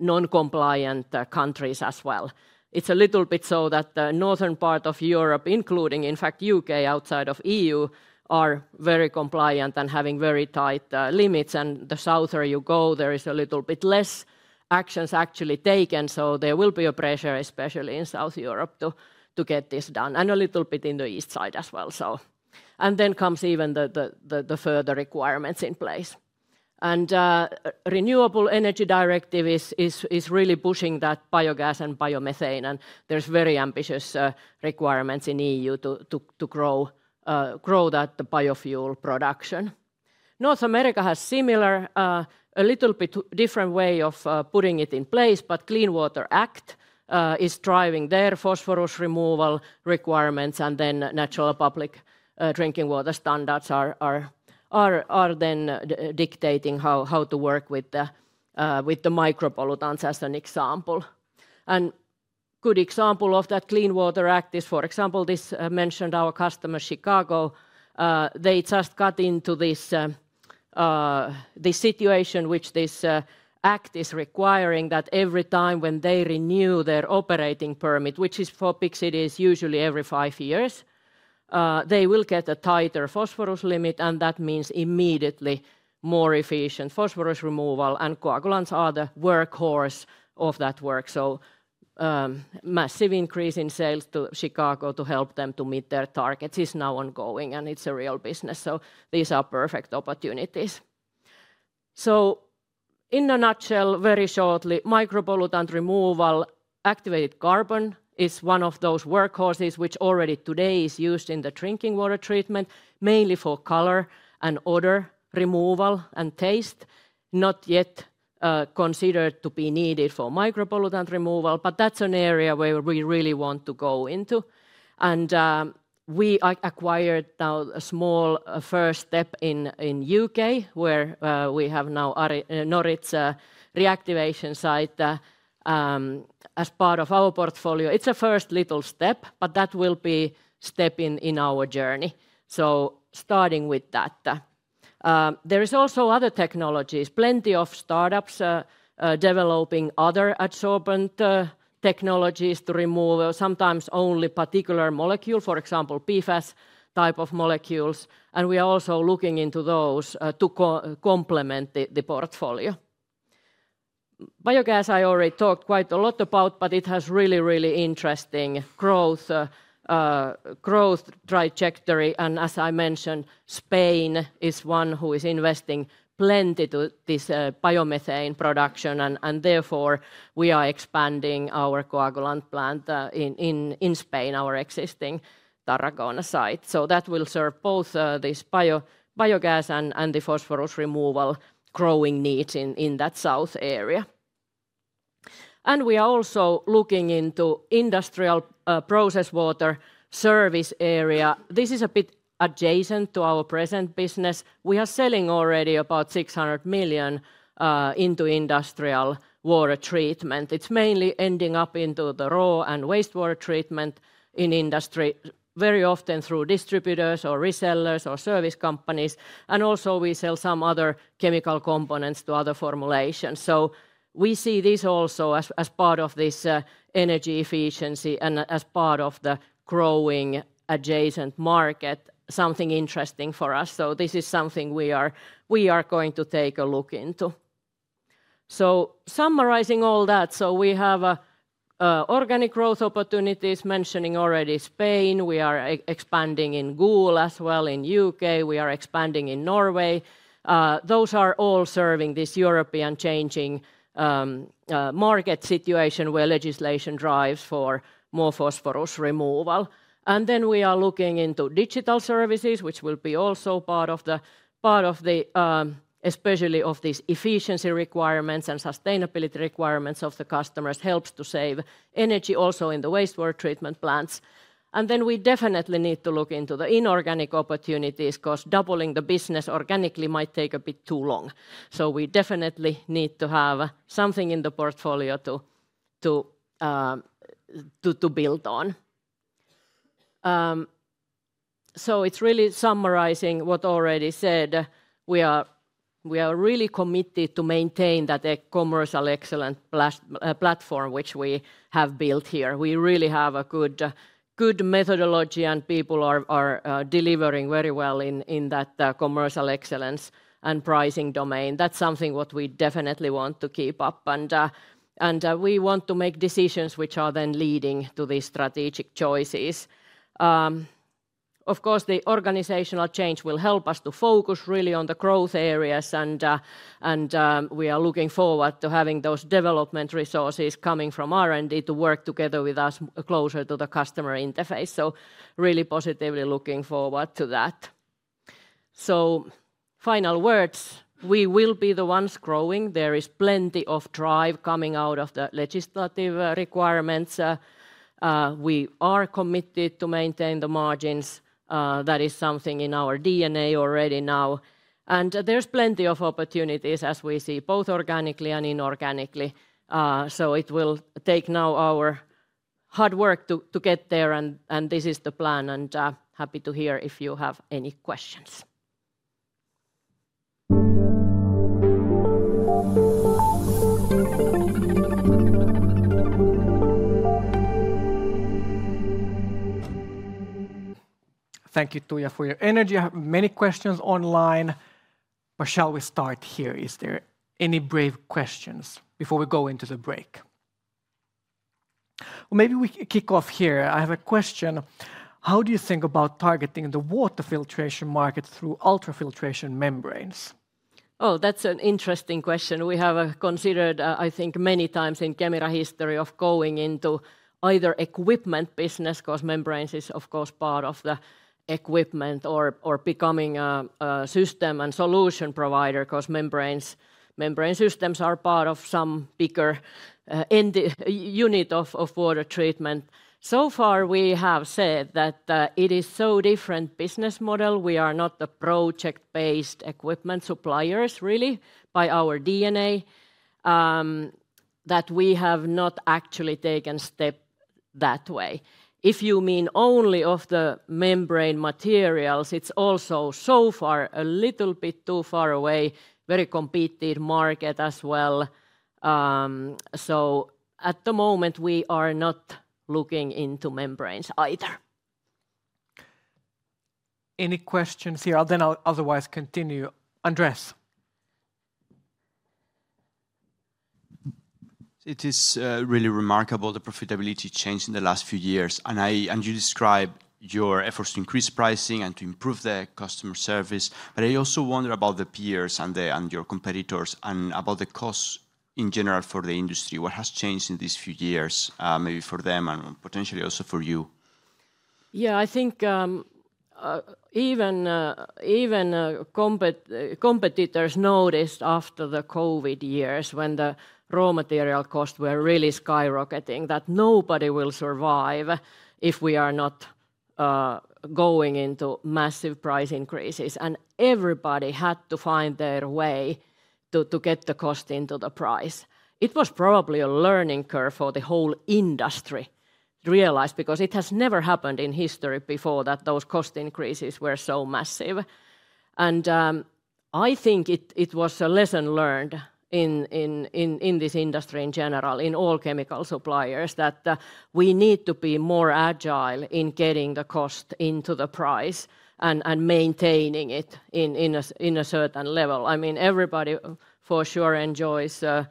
[SPEAKER 8] non-compliant countries as well. It's a little bit so that the northern part of Europe, including, in fact, U.K., outside of E.U., are very compliant and having very tight limits. And the south where you go, there is a little bit less actions actually taken. There will be a pressure, especially in South Europe, to get this done, and a little bit in the east side as well. Then comes even the further requirements in place. The Renewable Energy Directive is really pushing that biogas and biomethane, and there's very ambitious requirements in EU to grow that biofuel production. North America has similar, a little bit different way of putting it in place, but Clean Water Act is driving their phosphorus removal requirements, and then national public drinking water standards are then dictating how to work with the micropollutants, as an example. A good example of that Clean Water Act is, for example, this mentioned our customer, Chicago. They just got into this situation, which this act is requiring, that every time when they renew their operating permit, which is for big cities, usually every five years, they will get a tighter phosphorus limit, and that means immediately more efficient phosphorus removal, and coagulants are the workhorse of that work. So, massive increase in sales to Chicago to help them to meet their targets is now ongoing, and it is a real business, so these are perfect opportunities. So in a nutshell, very shortly, micropollutant removal. Activated carbon is one of those workhorses which already today is used in the drinking water treatment, mainly for color and odor removal and taste. Not yet considered to be needed for micropollutant removal, but that is an area where we really want to go into. We acquired now a small first step in U.K., where we have now our Norwich reactivation site as part of our portfolio. It's a first little step, but that will be step in our journey. Starting with that. There is also other technologies. Plenty of startups developing other adsorbent technologies to remove sometimes only particular molecule, for example, PFAS type of molecules, and we are also looking into those to complement the portfolio. Biogas, I already talked quite a lot about, but it has really interesting growth trajectory, and as I mentioned, Spain is one who is investing plenty to this biomethane production, and therefore, we are expanding our coagulant plant in Spain, our existing Tarragona site. That will serve both this biogas and the phosphorus removal growing needs in that south area. We are also looking into industrial process water service area. This is a bit adjacent to our present business. We are selling already about 600 million into industrial water treatment. It's mainly ending up into the raw and wastewater treatment in industry, very often through distributors or resellers or service companies, and also we sell some other chemical components to other formulations. We see this also as part of this energy efficiency and as part of the growing adjacent market, something interesting for us. This is something we are going to take a look into. Summarizing all that, we have organic growth opportunities, mentioning already Spain. We are expanding in Goole as well, in U.K., we are expanding in Norway. Those are all serving this European changing market situation, where legislation drives for more phosphorus removal. And then we are looking into digital services, which will be also part of the especially of these efficiency requirements and sustainability requirements of the customers, helps to save energy also in the wastewater treatment plants. And then we definitely need to look into the inorganic opportunities, because doubling the business organically might take a bit too long. So we definitely need to have something in the portfolio to build on. So it's really summarizing what already said, we are really committed to maintain that commercial excellent platform which we have built here. We really have a good methodology, and people are delivering very well in that commercial excellence and pricing domain. That's something what we definitely want to keep up, and we want to make decisions which are then leading to these strategic choices. Of course, the organizational change will help us to focus really on the growth areas, and we are looking forward to having those development resources coming from R&D to work together with us closer to the customer interface, so really positively looking forward to that. So final words, we will be the ones growing. There is plenty of drive coming out of the legislative requirements. We are committed to maintain the margins. That is something in our DNA already now. There's plenty of opportunities as we see, both organically and inorganically. It will take now our hard work to get there, and this is the plan, and happy to hear if you have any questions.
[SPEAKER 1] Thank you, Tuija, for your energy. I have many questions online, or shall we start here? Is there any brave questions before we go into the break? Well, maybe we kick off here. I have a question: How do you think about targeting the water filtration market through ultrafiltration membranes?
[SPEAKER 8] Oh, that's an interesting question. We have considered, I think many times in Kemira history of going into either equipment business, because membranes is, of course, part of the equipment, or becoming a system and solution provider, because membranes, membrane systems are part of some bigger end unit of water treatment. So far, we have said that it is so different business model. We are not the project-based equipment suppliers really, by our DNA, that we have not actually taken step that way. If you mean only of the membrane materials, it's also, so far, a little bit too far away, very competitive market as well. So at the moment, we are not looking into membranes either.
[SPEAKER 1] Any questions here? Then I'll otherwise continue. Andres?
[SPEAKER 5] It is really remarkable the profitability change in the last few years, and you described your efforts to increase pricing and to improve the customer service, but I also wonder about the peers and your competitors, and about the costs in general for the industry. What has changed in these few years, maybe for them and potentially also for you?...
[SPEAKER 8] Yeah, I think even competitors noticed after the COVID years, when the raw material costs were really skyrocketing, that nobody will survive if we are not going into massive price increases. And everybody had to find their way to get the cost into the price. It was probably a learning curve for the whole industry to realize, because it has never happened in history before that those cost increases were so massive. And I think it was a lesson learned in this industry in general, in all chemical suppliers, that we need to be more agile in getting the cost into the price and maintaining it in a certain level. I mean, everybody for sure enjoys better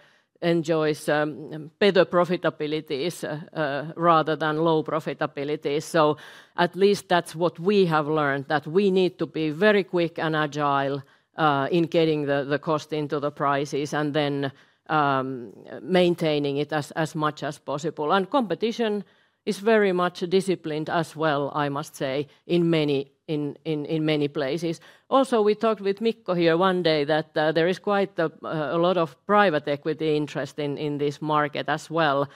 [SPEAKER 8] profitabilities rather than low profitability. So at least that's what we have learned, that we need to be very quick and agile in getting the cost into the prices and then maintaining it as much as possible. And competition is very much disciplined as well, I must say, in many places. Also, we talked with Mikko here one day that there is quite a lot of private equity interest in this market as well,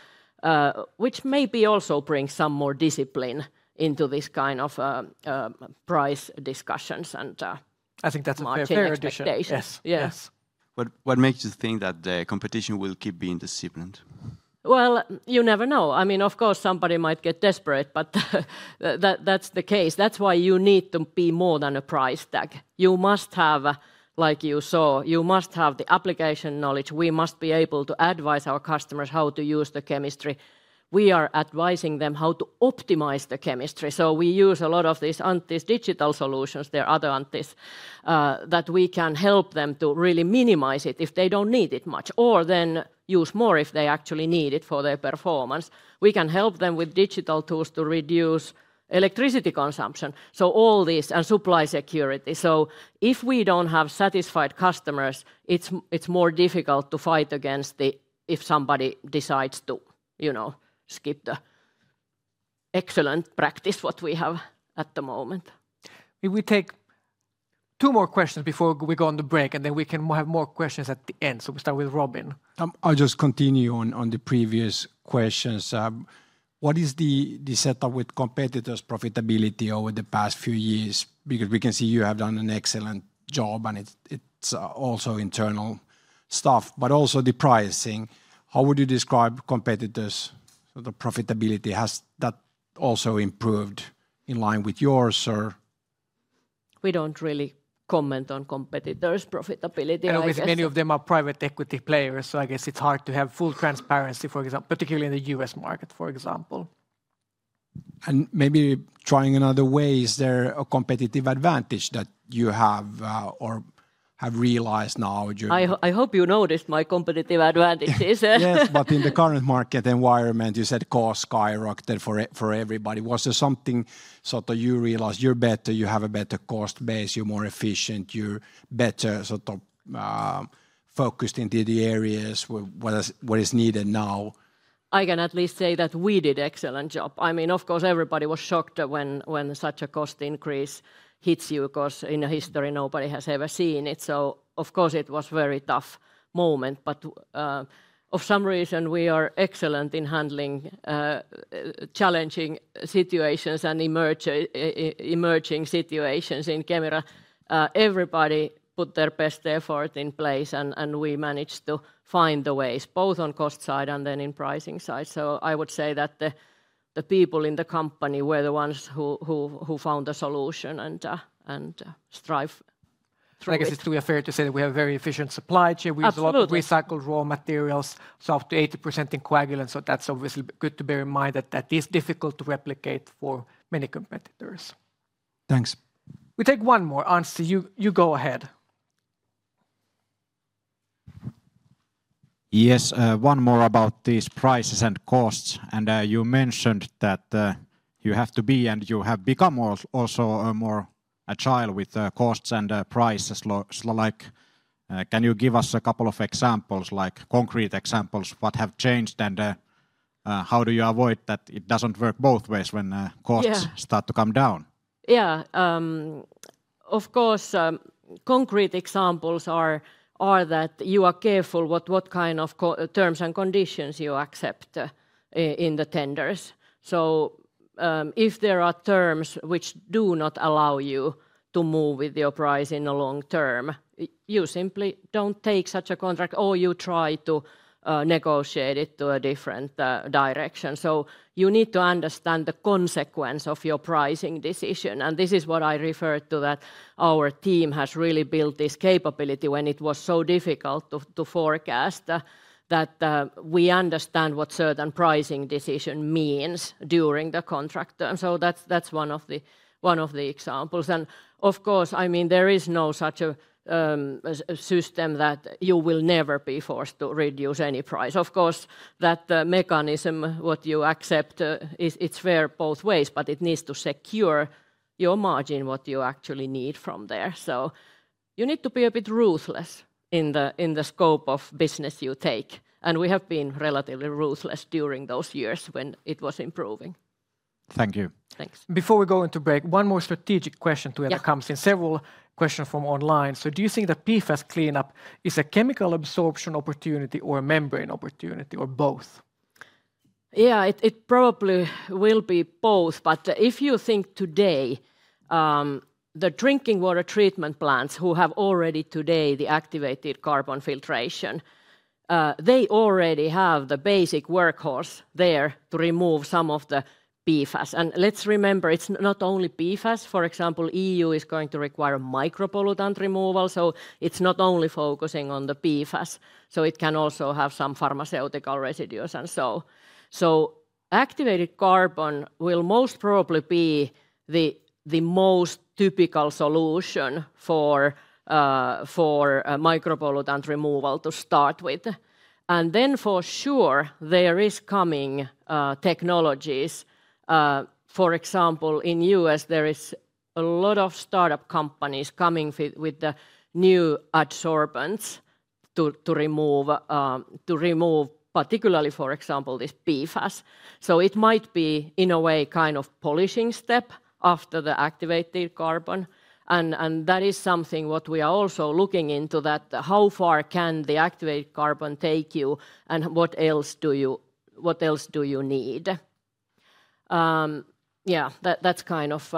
[SPEAKER 8] which maybe also brings some more discipline into this kind of price discussions and
[SPEAKER 1] I think that's a fair prediction.
[SPEAKER 8] Margin expectation.
[SPEAKER 1] Yes.
[SPEAKER 8] Yes.
[SPEAKER 1] Yes.
[SPEAKER 5] What makes you think that the competition will keep being disciplined?
[SPEAKER 8] Well, you never know. I mean, of course, somebody might get desperate, but that, that's the case. That's why you need to be more than a price tag. You must have, like you saw, you must have the application knowledge. We must be able to advise our customers how to use the chemistry. We are advising them how to optimize the chemistry. So we use a lot of these Antti's digital solutions, they're other Antti's, that we can help them to really minimize it if they don't need it much, or then use more if they actually need it for their performance. We can help them with digital tools to reduce electricity consumption. So all this and supply security. So if we don't have satisfied customers, it's more difficult to fight against the... If somebody decides to, you know, skip the excellent practice what we have at the moment.
[SPEAKER 1] We will take two more questions before we go on the break, and then we can have more questions at the end. So we start with Robin.
[SPEAKER 3] I'll just continue on the previous questions. What is the setup with competitors' profitability over the past few years? Because we can see you have done an excellent job, and it's also internal stuff, but also the pricing. How would you describe competitors' profitability? Has that also improved in line with yours, or?
[SPEAKER 8] We don't really comment on competitors' profitability, I guess.
[SPEAKER 1] With many of them are private equity players, so I guess it's hard to have full transparency, for example, particularly in the U.S. market, for example.
[SPEAKER 3] Maybe trying another way, is there a competitive advantage that you have, or have realized now during-
[SPEAKER 8] I hope you noticed my competitive advantages.
[SPEAKER 3] Yes, but in the current market environment, you said costs skyrocketed for everybody. Was there something, sort of you realize you're better, you have a better cost base, you're more efficient, you're better sort of focused into the areas where is needed now?
[SPEAKER 8] I can at least say that we did excellent job. I mean, of course, everybody was shocked when such a cost increase hits you, 'cause in the history, nobody has ever seen it. So of course, it was very tough moment, but for some reason, we are excellent in handling challenging situations and emerging situations in Kemira. Everybody put their best effort in place, and we managed to find the ways, both on cost side and then in pricing side. So I would say that the people in the company were the ones who found a solution and strive through it.
[SPEAKER 1] I guess it's truly fair to say that we have a very efficient supply chain.
[SPEAKER 8] Absolutely.
[SPEAKER 1] We use a lot of recycled raw materials, so up to 80% in coagulant, so that's obviously good to bear in mind that that is difficult to replicate for many competitors.
[SPEAKER 3] Thanks.
[SPEAKER 1] We take one more. Antti, you go ahead.
[SPEAKER 4] Yes, one more about these prices and costs. And, you mentioned that, you have to be and you have become also a more agile with the costs and, prices. So like, can you give us a couple of examples, like concrete examples, what have changed, and, how do you avoid that it doesn't work both ways when,
[SPEAKER 8] Yeah...
[SPEAKER 4] costs start to come down?
[SPEAKER 8] Yeah. Of course, concrete examples are that you are careful what kind of terms and conditions you accept in the tenders. So, if there are terms which do not allow you to move with your price in the long term, you simply don't take such a contract, or you try to negotiate it to a different direction. So you need to understand the consequence of your pricing decision, and this is what I referred to, that our team has really built this capability when it was so difficult to forecast, that we understand what certain pricing decision means during the contract. And so that's one of the examples. And of course, I mean, there is no such a system that you will never be forced to reduce any price. Of course, that mechanism, what you accept, it's fair both ways, but it needs to secure your margin, what you actually need from there. You need to be a bit ruthless in the scope of business you take, and we have been relatively ruthless during those years when it was improving.
[SPEAKER 4] Thank you.
[SPEAKER 8] Thanks.
[SPEAKER 1] Before we go into break, one more strategic question to-
[SPEAKER 8] Yeah
[SPEAKER 1] Several questions from online. So do you think the PFAS cleanup is a chemical absorption opportunity or a membrane opportunity, or both?
[SPEAKER 8] Yeah, it probably will be both, but if you think today, the drinking water treatment plants who have already today the activated carbon filtration, they already have the basic workhorse there to remove some of the PFAS. And let's remember, it's not only PFAS. For example, EU is going to require micropollutant removal, so it's not only focusing on the PFAS, so it can also have some pharmaceutical residues and so. So activated carbon will most probably be the most typical solution for micropollutant removal to start with. And then for sure, there is coming technologies. For example, in U.S., there is a lot of startup companies coming with the new adsorbents to remove particularly, for example, this PFAS. So it might be, in a way, kind of polishing step after the activated carbon, and that is something what we are also looking into, that how far can the activated carbon take you, and what else do you need? Yeah, that's kind of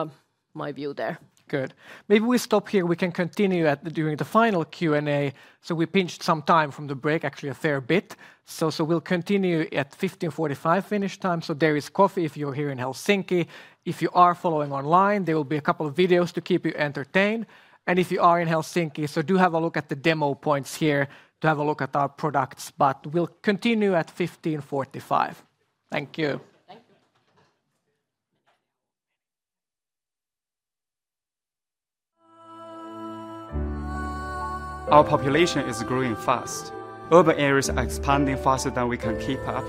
[SPEAKER 8] my view there.
[SPEAKER 1] Good. Maybe we stop here. We can continue at the during the final Q&A. So we pinched some time from the break, actually a fair bit. So we'll continue at 3:45 P.M. Finnish time. So there is coffee if you're here in Helsinki. If you are following online, there will be a couple of videos to keep you entertained. And if you are in Helsinki, so do have a look at the demo points here to have a look at our products, but we'll continue at 3:45 P.M. Thank you.
[SPEAKER 8] Thank you. Our population is growing fast. Urban areas are expanding faster than we can keep up.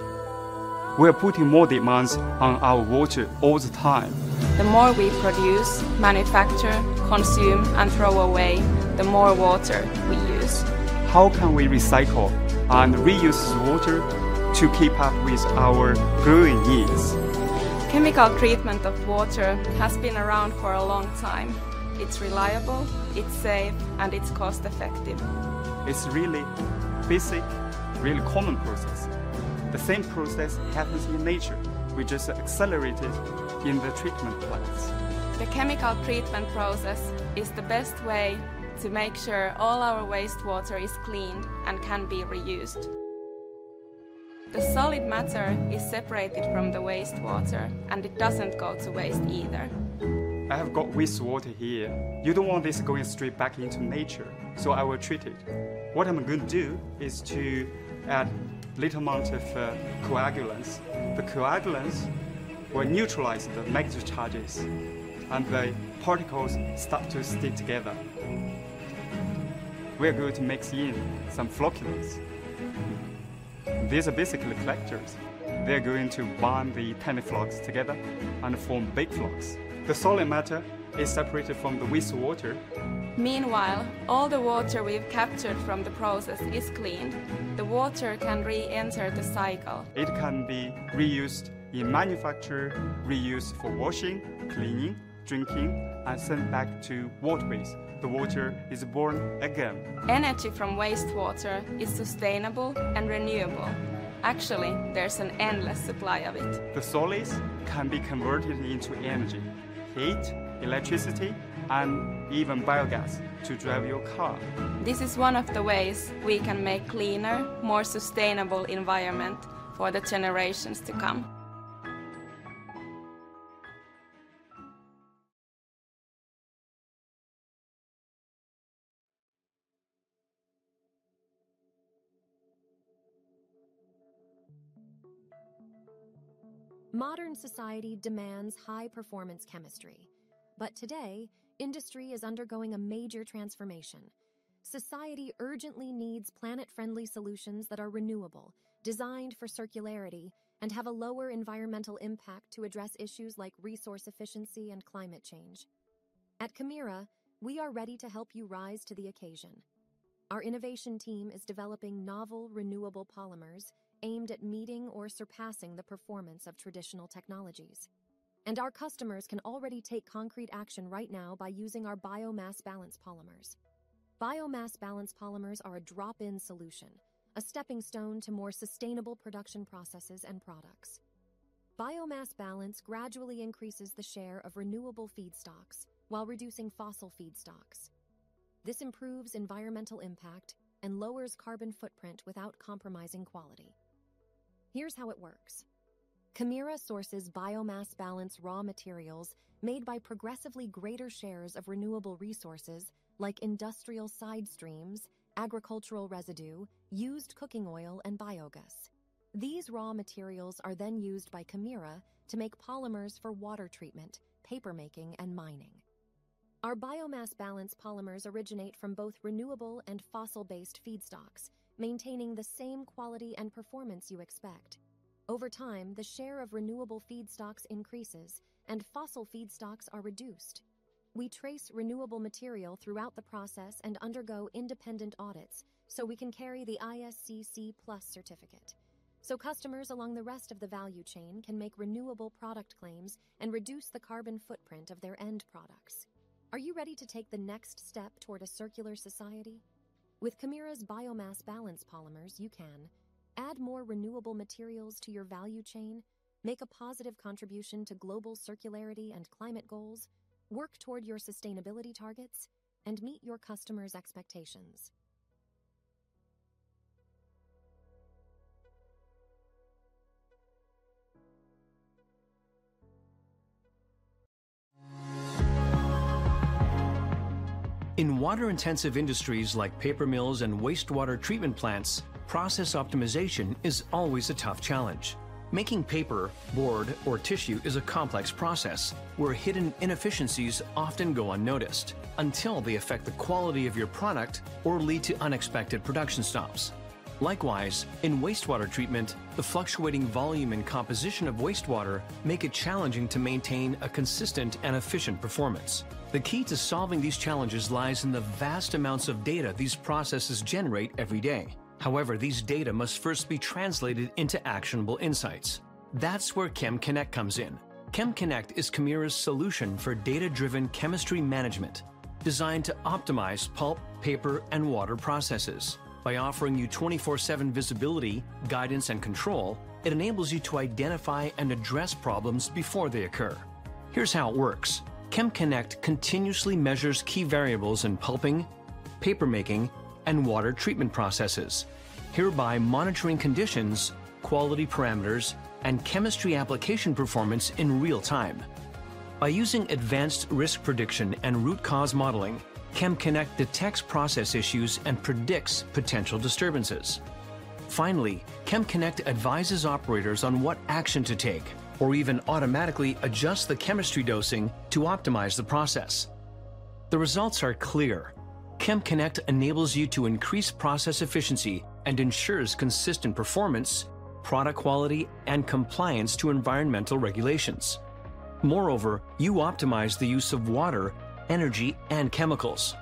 [SPEAKER 8] We are putting more demands on our water all the time. The more we produce, manufacture, consume, and throw away, the more water we use. How can we recycle and reuse water to keep up with our growing needs? Chemical treatment of water has been around for a long time. It's reliable, it's safe, and it's cost-effective. It's really basic, really common process. The same process happens in nature. We just accelerate it in the treatment plants. The chemical treatment process is the best way to make sure all our wastewater is clean and can be reused. The solid matter is separated from the wastewater, and it doesn't go to waste either. I have got wastewater here. You don't want this going straight back into nature, so I will treat it. What I'm going to do is to add little amount of coagulants. The coagulants will neutralize the negative charges, and the particles start to stick together. We are going to mix in some flocculants. These are basically collectors. They're going to bind the tiny flocs together and form big flocs. The solid matter is separated from the wastewater. Meanwhile, all the water we've captured from the process is clean. The water can reenter the cycle. It can be reused in manufacture, reused for washing, cleaning, drinking, and sent back to waterways. The water is born again. Energy from wastewater is sustainable and renewable. Actually, there's an endless supply of it. The solids can be converted into energy, heat, electricity, and even biogas to drive your car. This is one of the ways we can make cleaner, more sustainable environment for the generations to come. Modern society demands high-performance chemistry, but today, industry is undergoing a major transformation. Society urgently needs planet-friendly solutions that are renewable, designed for circularity, and have a lower environmental impact to address issues like resource efficiency and climate change. At Kemira, we are ready to help you rise to the occasion. Our innovation team is developing novel, renewable polymers aimed at meeting or surpassing the performance of traditional technologies, and our customers can already take concrete action right now by using our biomass balance polymers. Biomass balance polymers are a drop-in solution, a stepping stone to more sustainable production processes and products. Biomass balance gradually increases the share of renewable feedstocks while reducing fossil feedstocks. This improves environmental impact and lowers carbon footprint without compromising quality. Here's how it works: Kemira sources biomass balance raw materials made by progressively greater shares of renewable resources like industrial side streams, agricultural residue, used cooking oil, and biogas. These raw materials are then used by Kemira to make polymers for water treatment, paper making, and mining. Our biomass balance polymers originate from both renewable and fossil-based feedstocks, maintaining the same quality and performance you expect.... Over time, the share of renewable feedstocks increases, and fossil feedstocks are reduced. We trace renewable material throughout the process and undergo independent audits, so we can carry the ISCC Plus certificate, so customers along the rest of the value chain can make renewable product claims and reduce the carbon footprint of their end products. Are you ready to take the next step toward a circular society? With Kemira's biomass balance polymers, you can: add more renewable materials to your value chain, make a positive contribution to global circularity and climate goals, work toward your sustainability targets, and meet your customers' expectations. In water-intensive industries like paper mills and wastewater treatment plants, process optimization is always a tough challenge. Making paper, board, or tissue is a complex process, where hidden inefficiencies often go unnoticed until they affect the quality of your product or lead to unexpected production stops. Likewise, in wastewater treatment, the fluctuating volume and composition of wastewater make it challenging to maintain a consistent and efficient performance. The key to solving these challenges lies in the vast amounts of data these processes generate every day. However, these data must first be translated into actionable insights. That's where KemConnect comes in. KemConnect is Kemira's solution for data-driven chemistry management, designed to optimize pulp, paper, and water processes. By offering you 24/7 visibility, guidance, and control, it enables you to identify and address problems before they occur. Here's how it works: KemConnect continuously measures key variables in pulping, paper making, and water treatment processes, hereby monitoring conditions, quality parameters, and chemistry application performance in real time. By using advanced risk prediction and root cause modeling, KemConnect detects process issues and predicts potential disturbances. Finally, KemConnect advises operators on what action to take or even automatically adjusts the chemistry dosing to optimize the process. The results are clear. KemConnect enables you to increase process efficiency and ensures consistent performance, product quality, and compliance to environmental regulations. Moreover, you optimize the use of water, energy, and chemicals.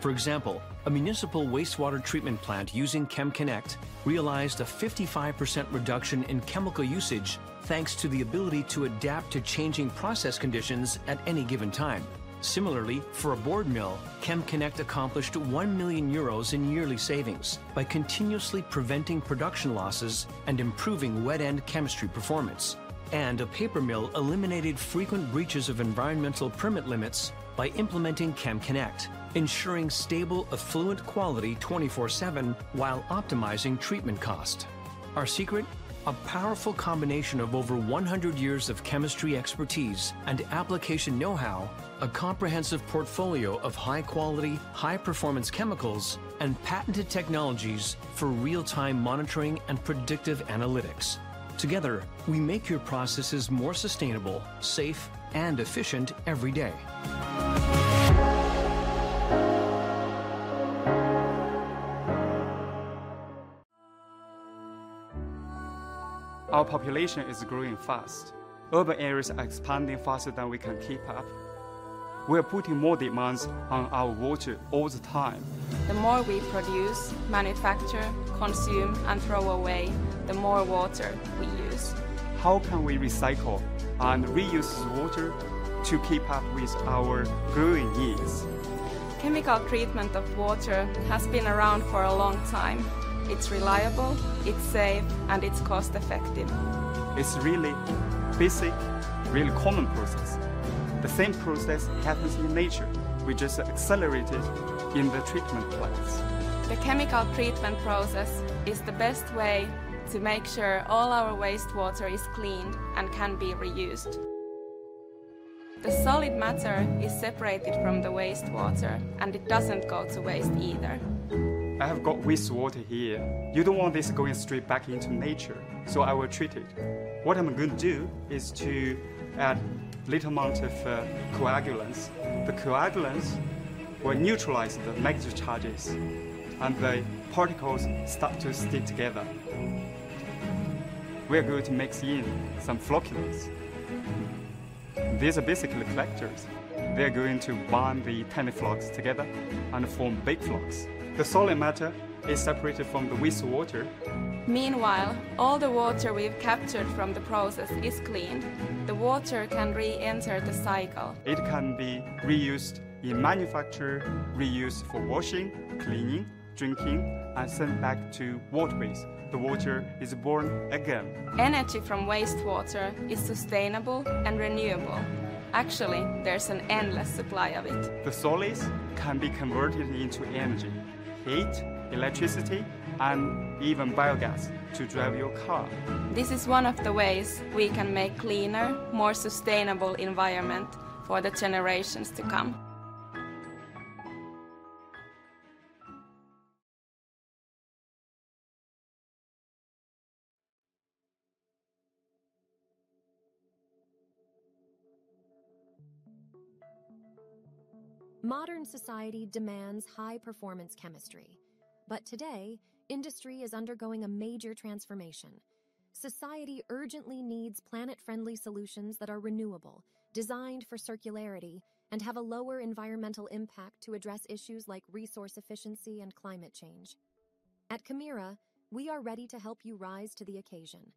[SPEAKER 8] For example, a municipal wastewater treatment plant using KemConnect realized a 55% reduction in chemical usage, thanks to the ability to adapt to changing process conditions at any given time. Similarly, for a board mill, KemConnect accomplished 1 million euros in yearly savings by continuously preventing production losses and improving wet-end chemistry performance, and a paper mill eliminated frequent breaches of environmental permit limits by implementing KemConnect, ensuring stable effluent quality 24/7 while optimizing treatment cost. Our secret? A powerful combination of over 100 years of chemistry expertise and application know-how, a comprehensive portfolio of high-quality, high-performance chemicals, and patented technologies for real-time monitoring and predictive analytics. Together, we make your processes more sustainable, safe, and efficient every day. Our population is growing fast. Urban areas are expanding faster than we can keep up. We are putting more demands on our water all the time. The more we produce, manufacture, consume, and throw away, the more water we use. How can we recycle and reuse water to keep up with our growing needs? Chemical treatment of water has been around for a long time. It's reliable, it's safe, and it's cost-effective. It's really basic, really common process. The same process happens in nature. We just accelerate it in the treatment plants. The chemical treatment process is the best way to make sure all our wastewater is cleaned and can be reused. The solid matter is separated from the wastewater, and it doesn't go to waste either. I have got wastewater here. You don't want this going straight back into nature, so I will treat it. What I'm going to do is to add little amount of coagulants. The coagulants will neutralize the negative charges, and the particles start to stick together. We are going to mix in some flocculants. These are basically collectors. They are going to bind the tiny flocs together and form big flocs. The solid matter is separated from the wastewater. Meanwhile, all the water we've captured from the process is cleaned. The water can re-enter the cycle. It can be reused in manufacture, reused for washing, cleaning, drinking, and sent back to waterways. The water is born again. Energy from wastewater is sustainable and renewable. Actually, there's an endless supply of it. The solids can be converted into energy, heat, electricity, and even biogas to drive your car. This is one of the ways we can make a cleaner, more sustainable environment for the generations to come. ... Modern society demands high-performance chemistry. But today, industry is undergoing a major transformation. Society urgently needs planet-friendly solutions that are renewable, designed for circularity, and have a lower environmental impact to address issues like resource efficiency and climate change. At Kemira, we are ready to help you rise to the occasion.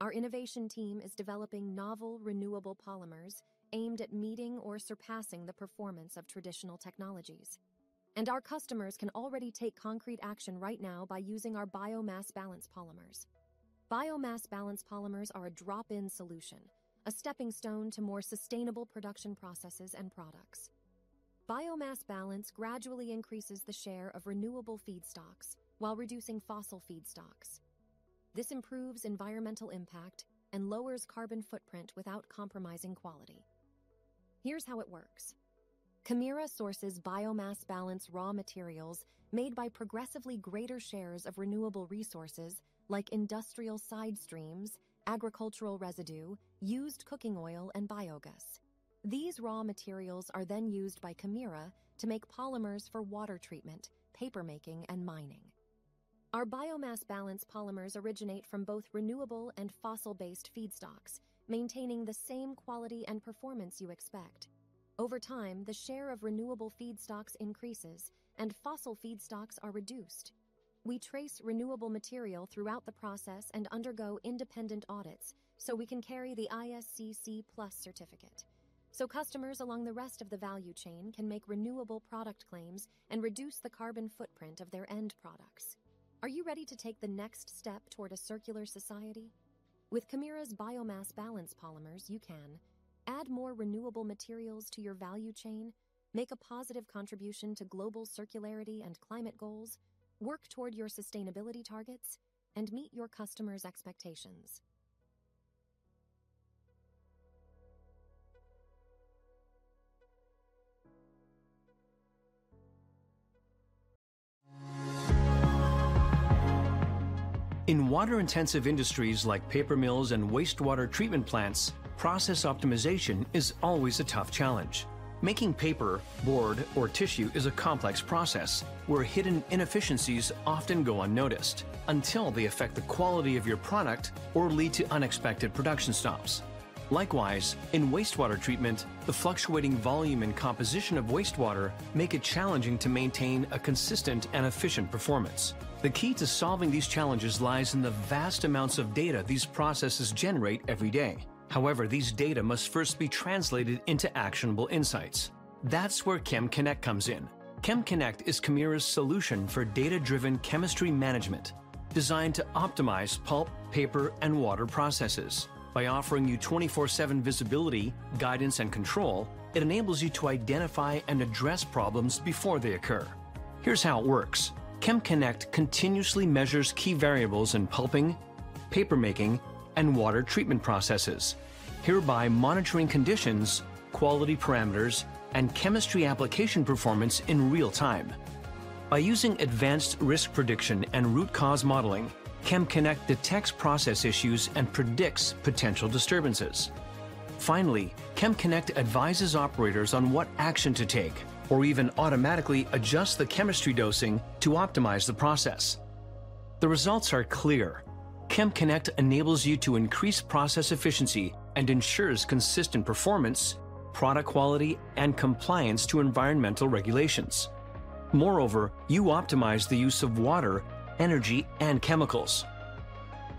[SPEAKER 8] Our innovation team is developing novel, renewable polymers aimed at meeting or surpassing the performance of traditional technologies. And our customers can already take concrete action right now by using our biomass balance polymers. Biomass balance polymers are a drop-in solution, a stepping stone to more sustainable production processes and products. Biomass balance gradually increases the share of renewable feedstocks while reducing fossil feedstocks. This improves environmental impact and lowers carbon footprint without compromising quality. Here's how it works: Kemira sources biomass balance raw materials made by progressively greater shares of renewable resources like industrial side streams, agricultural residue, used cooking oil, and biogas. These raw materials are then used by Kemira to make polymers for water treatment, paper making, and mining. Our biomass balance polymers originate from both renewable and fossil-based feedstocks, maintaining the same quality and performance you expect. Over time, the share of renewable feedstocks increases, and fossil feedstocks are reduced. We trace renewable material throughout the process and undergo independent audits, so we can carry the ISCC Plus certificate, so customers along the rest of the value chain can make renewable product claims and reduce the carbon footprint of their end products. Are you ready to take the next step toward a circular society? With Kemira's biomass balance polymers, you can add more renewable materials to your value chain, make a positive contribution to global circularity and climate goals, work toward your sustainability targets, and meet your customers' expectations. In water-intensive industries like paper mills and wastewater treatment plants, process optimization is always a tough challenge. Making paper, board, or tissue is a complex process, where hidden inefficiencies often go unnoticed until they affect the quality of your product or lead to unexpected production stops. Likewise, in wastewater treatment, the fluctuating volume and composition of wastewater make it challenging to maintain a consistent and efficient performance. The key to solving these challenges lies in the vast amounts of data these processes generate every day. However, these data must first be translated into actionable insights. That's where KemConnect comes in. KemConnect is Kemira's solution for data-driven chemistry management, designed to optimize pulp, paper, and water processes. By offering you 24/7 visibility, guidance, and control, it enables you to identify and address problems before they occur. Here's how it works: KemConnect continuously measures key variables in pulping, paper making, and water treatment processes, thereby monitoring conditions, quality parameters, and chemistry application performance in real time. By using advanced risk prediction and root cause modeling, KemConnect detects process issues and predicts potential disturbances. Finally, KemConnect advises operators on what action to take or even automatically adjusts the chemistry dosing to optimize the process. The results are clear. KemConnect enables you to increase process efficiency and ensures consistent performance, product quality, and compliance to environmental regulations. Moreover, you optimize the use of water, energy, and chemicals.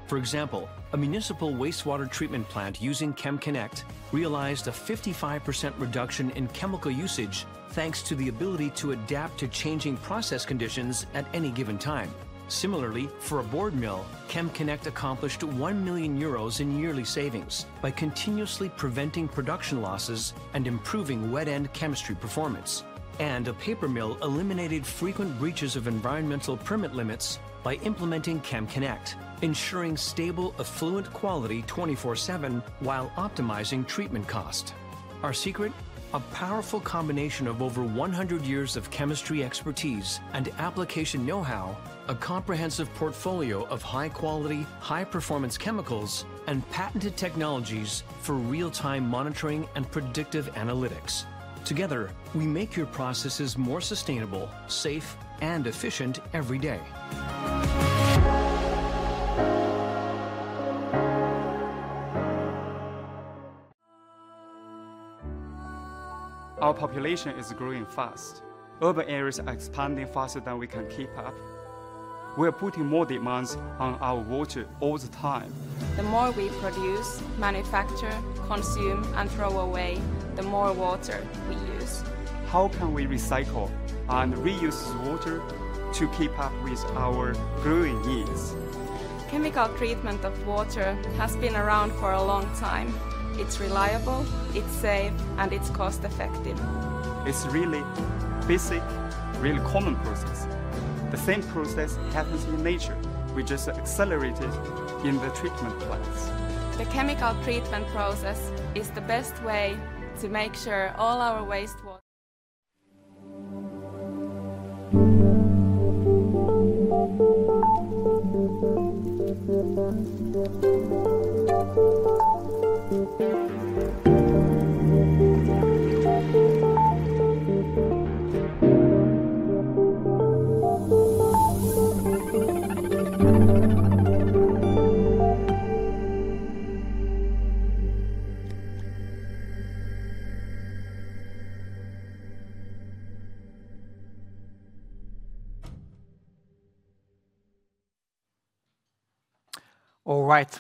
[SPEAKER 8] For example, a municipal wastewater treatment plant using KemConnect realized a 55% reduction in chemical usage, thanks to the ability to adapt to changing process conditions at any given time. Similarly, for a board mill, KemConnect accomplished 1 million euros in yearly savings by continuously preventing production losses and improving wet end chemistry performance. And a paper mill eliminated frequent breaches of environmental permit limits by implementing KemConnect, ensuring stable effluent quality 24/7 while optimizing treatment cost. Our secret? A powerful combination of over 100 years of chemistry expertise and application know-how, a comprehensive portfolio of high-quality, high-performance chemicals, and patented technologies for real-time monitoring and predictive analytics. Together, we make your processes more sustainable, safe, and efficient every day. Our population is growing fast. Urban areas are expanding faster than we can keep up. We are putting more demands on our water all the time. The more we produce, manufacture, consume, and throw away, the more water we use. How can we recycle and reuse water to keep up with our growing needs? Chemical treatment of water has been around for a long time. It's reliable, it's safe, and it's cost-effective. It's really basic, really common process. The same process happens in nature. We just accelerate it in the treatment plants. The chemical treatment process is the best way to make sure all our wastewater.
[SPEAKER 1] All right.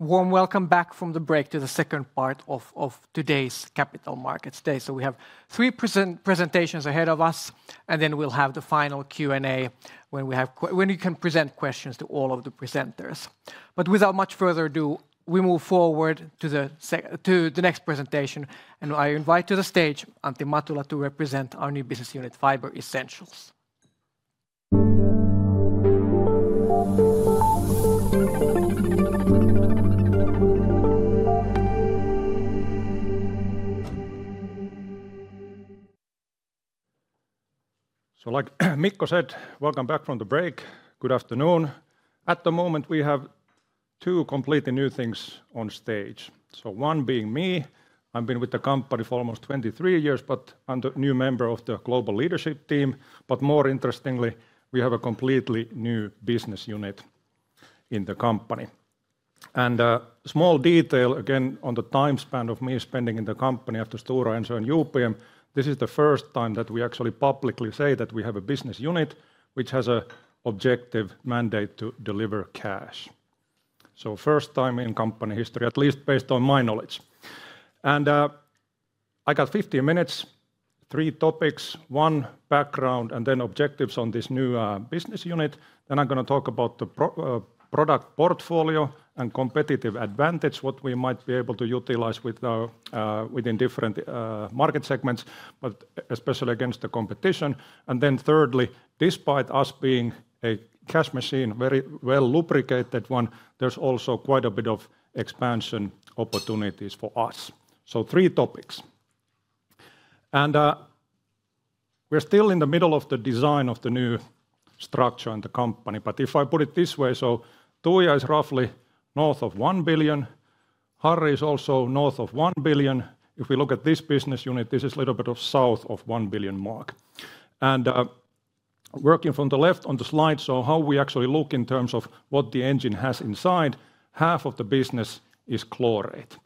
[SPEAKER 1] Warm welcome back from the break to the second part of today's Capital Markets Day. So we have three presentations ahead of us, and then we'll have the final Q&A, when you can present questions to all of the presenters. But without much further ado, we move forward to the next presentation, and I invite to the stage Antti Matula to represent our new business unit, Fiber Essentials.
[SPEAKER 9] So like Mikko said, welcome back from the break. Good afternoon. At the moment, we have two completely new things on stage. So one being me, I've been with the company for almost 23, but I'm the new member of the global leadership team. But more interestingly, we have a completely new business unit in the company. And, small detail, again, on the time span of me spending in the company after Stora Enso and UPM, this is the first time that we actually publicly say that we have a business unit which has a objective mandate to deliver cash. So first time in company history, at least based on my knowledge. And, I got 15 minutes, three topics: one, background, and then objectives on this new business unit. Then I'm gonna talk about the product portfolio and competitive advantage, what we might be able to utilize with our within different market segments, but especially against the competition. Then thirdly, despite us being a cash machine, very well-lubricated one, there's also quite a bit of expansion opportunities for us. So three topics. We're still in the middle of the design of the new structure in the company, but if I put it this way, so Tuija is roughly north of 1 billion, Harri is also north of 1 billion. If we look at this business unit, this is a little bit south of the 1 billion mark. Working from the left on the slide, so how we actually look in terms of what the engine has inside, half of the business is chlorate.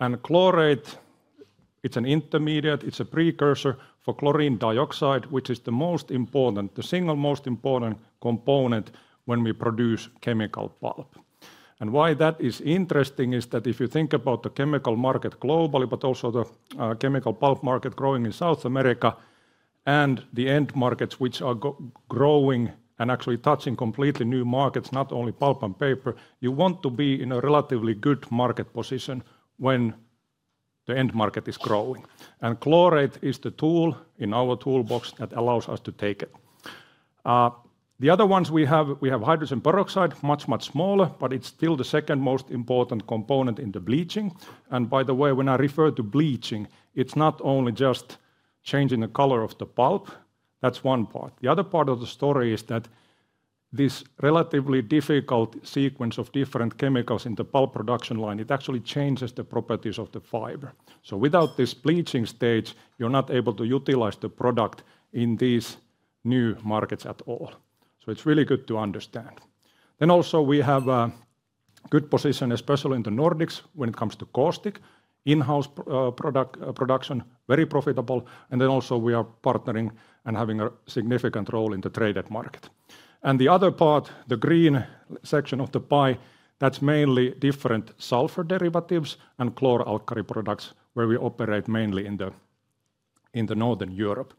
[SPEAKER 9] And chlorate, it's an intermediate, it's a precursor for chlorine dioxide, which is the most important, the single most important component when we produce chemical pulp. And why that is interesting is that if you think about the chemical market globally, but also the chemical pulp market growing in South America, and the end markets which are growing and actually touching completely new markets, not only pulp and paper, you want to be in a relatively good market position when the end market is growing. And chlorate is the tool in our toolbox that allows us to take it. The other ones we have, we have hydrogen peroxide, much, much smaller, but it's still the second most important component in the bleaching. And by the way, when I refer to bleaching, it's not only just changing the color of the pulp, that's one part. The other part of the story is that this relatively difficult sequence of different chemicals in the pulp production line, it actually changes the properties of the fiber, so without this bleaching stage, you're not able to utilize the product in these new markets at all, so it's really good to understand, then also, we have a good position, especially in the Nordics, when it comes to caustic. In-house product production, very profitable, and then also we are partnering and having a significant role in the traded market, the other part, the green section of the pie, that's mainly different sulfur derivatives and chlor-alkali products, where we operate mainly in Northern Europe,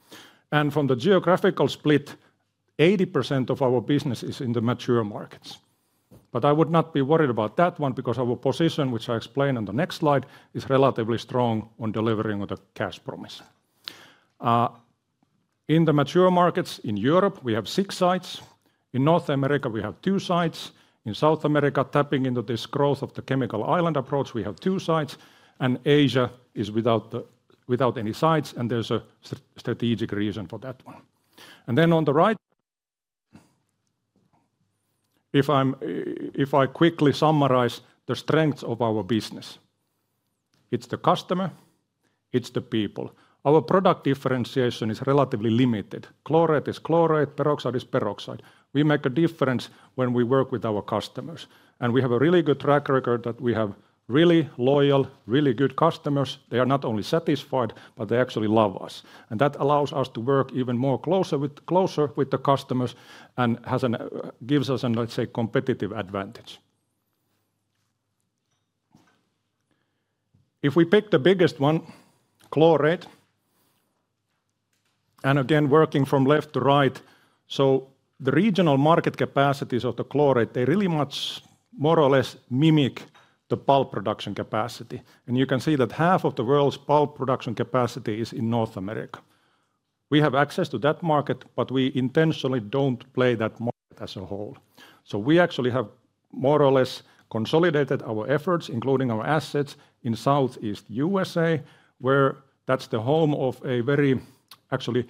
[SPEAKER 9] from the geographical split, 80% of our business is in the mature markets. But I would not be worried about that one, because our position, which I'll explain on the next slide, is relatively strong on delivering on the cash promise. In the mature markets, in Europe, we have six sites. In North America, we have two sites. In South America, tapping into this growth of the chemical island approach, we have two sites. And Asia is without any sites, and there's a strategic reason for that one. And then on the right, if I'm, if I quickly summarize the strengths of our business, it's the customer, it's the people. Our product differentiation is relatively limited. Chlorate is chlorate, peroxide is peroxide. We make a difference when we work with our customers, and we have a really good track record that we have really loyal, really good customers. They are not only satisfied, but they actually love us, and that allows us to work even more closer with the customers and gives us an, let's say, competitive advantage. If we pick the biggest one, chlorate, and again, working from left to right, so the regional market capacities of the chlorate, they really much more or less mimic the pulp production capacity. You can see that half of the world's pulp production capacity is in North America. We have access to that market, but we intentionally don't play that market as a whole. So we actually have more or less consolidated our efforts, including our assets in Southeast USA, where that's the home of a very, actually,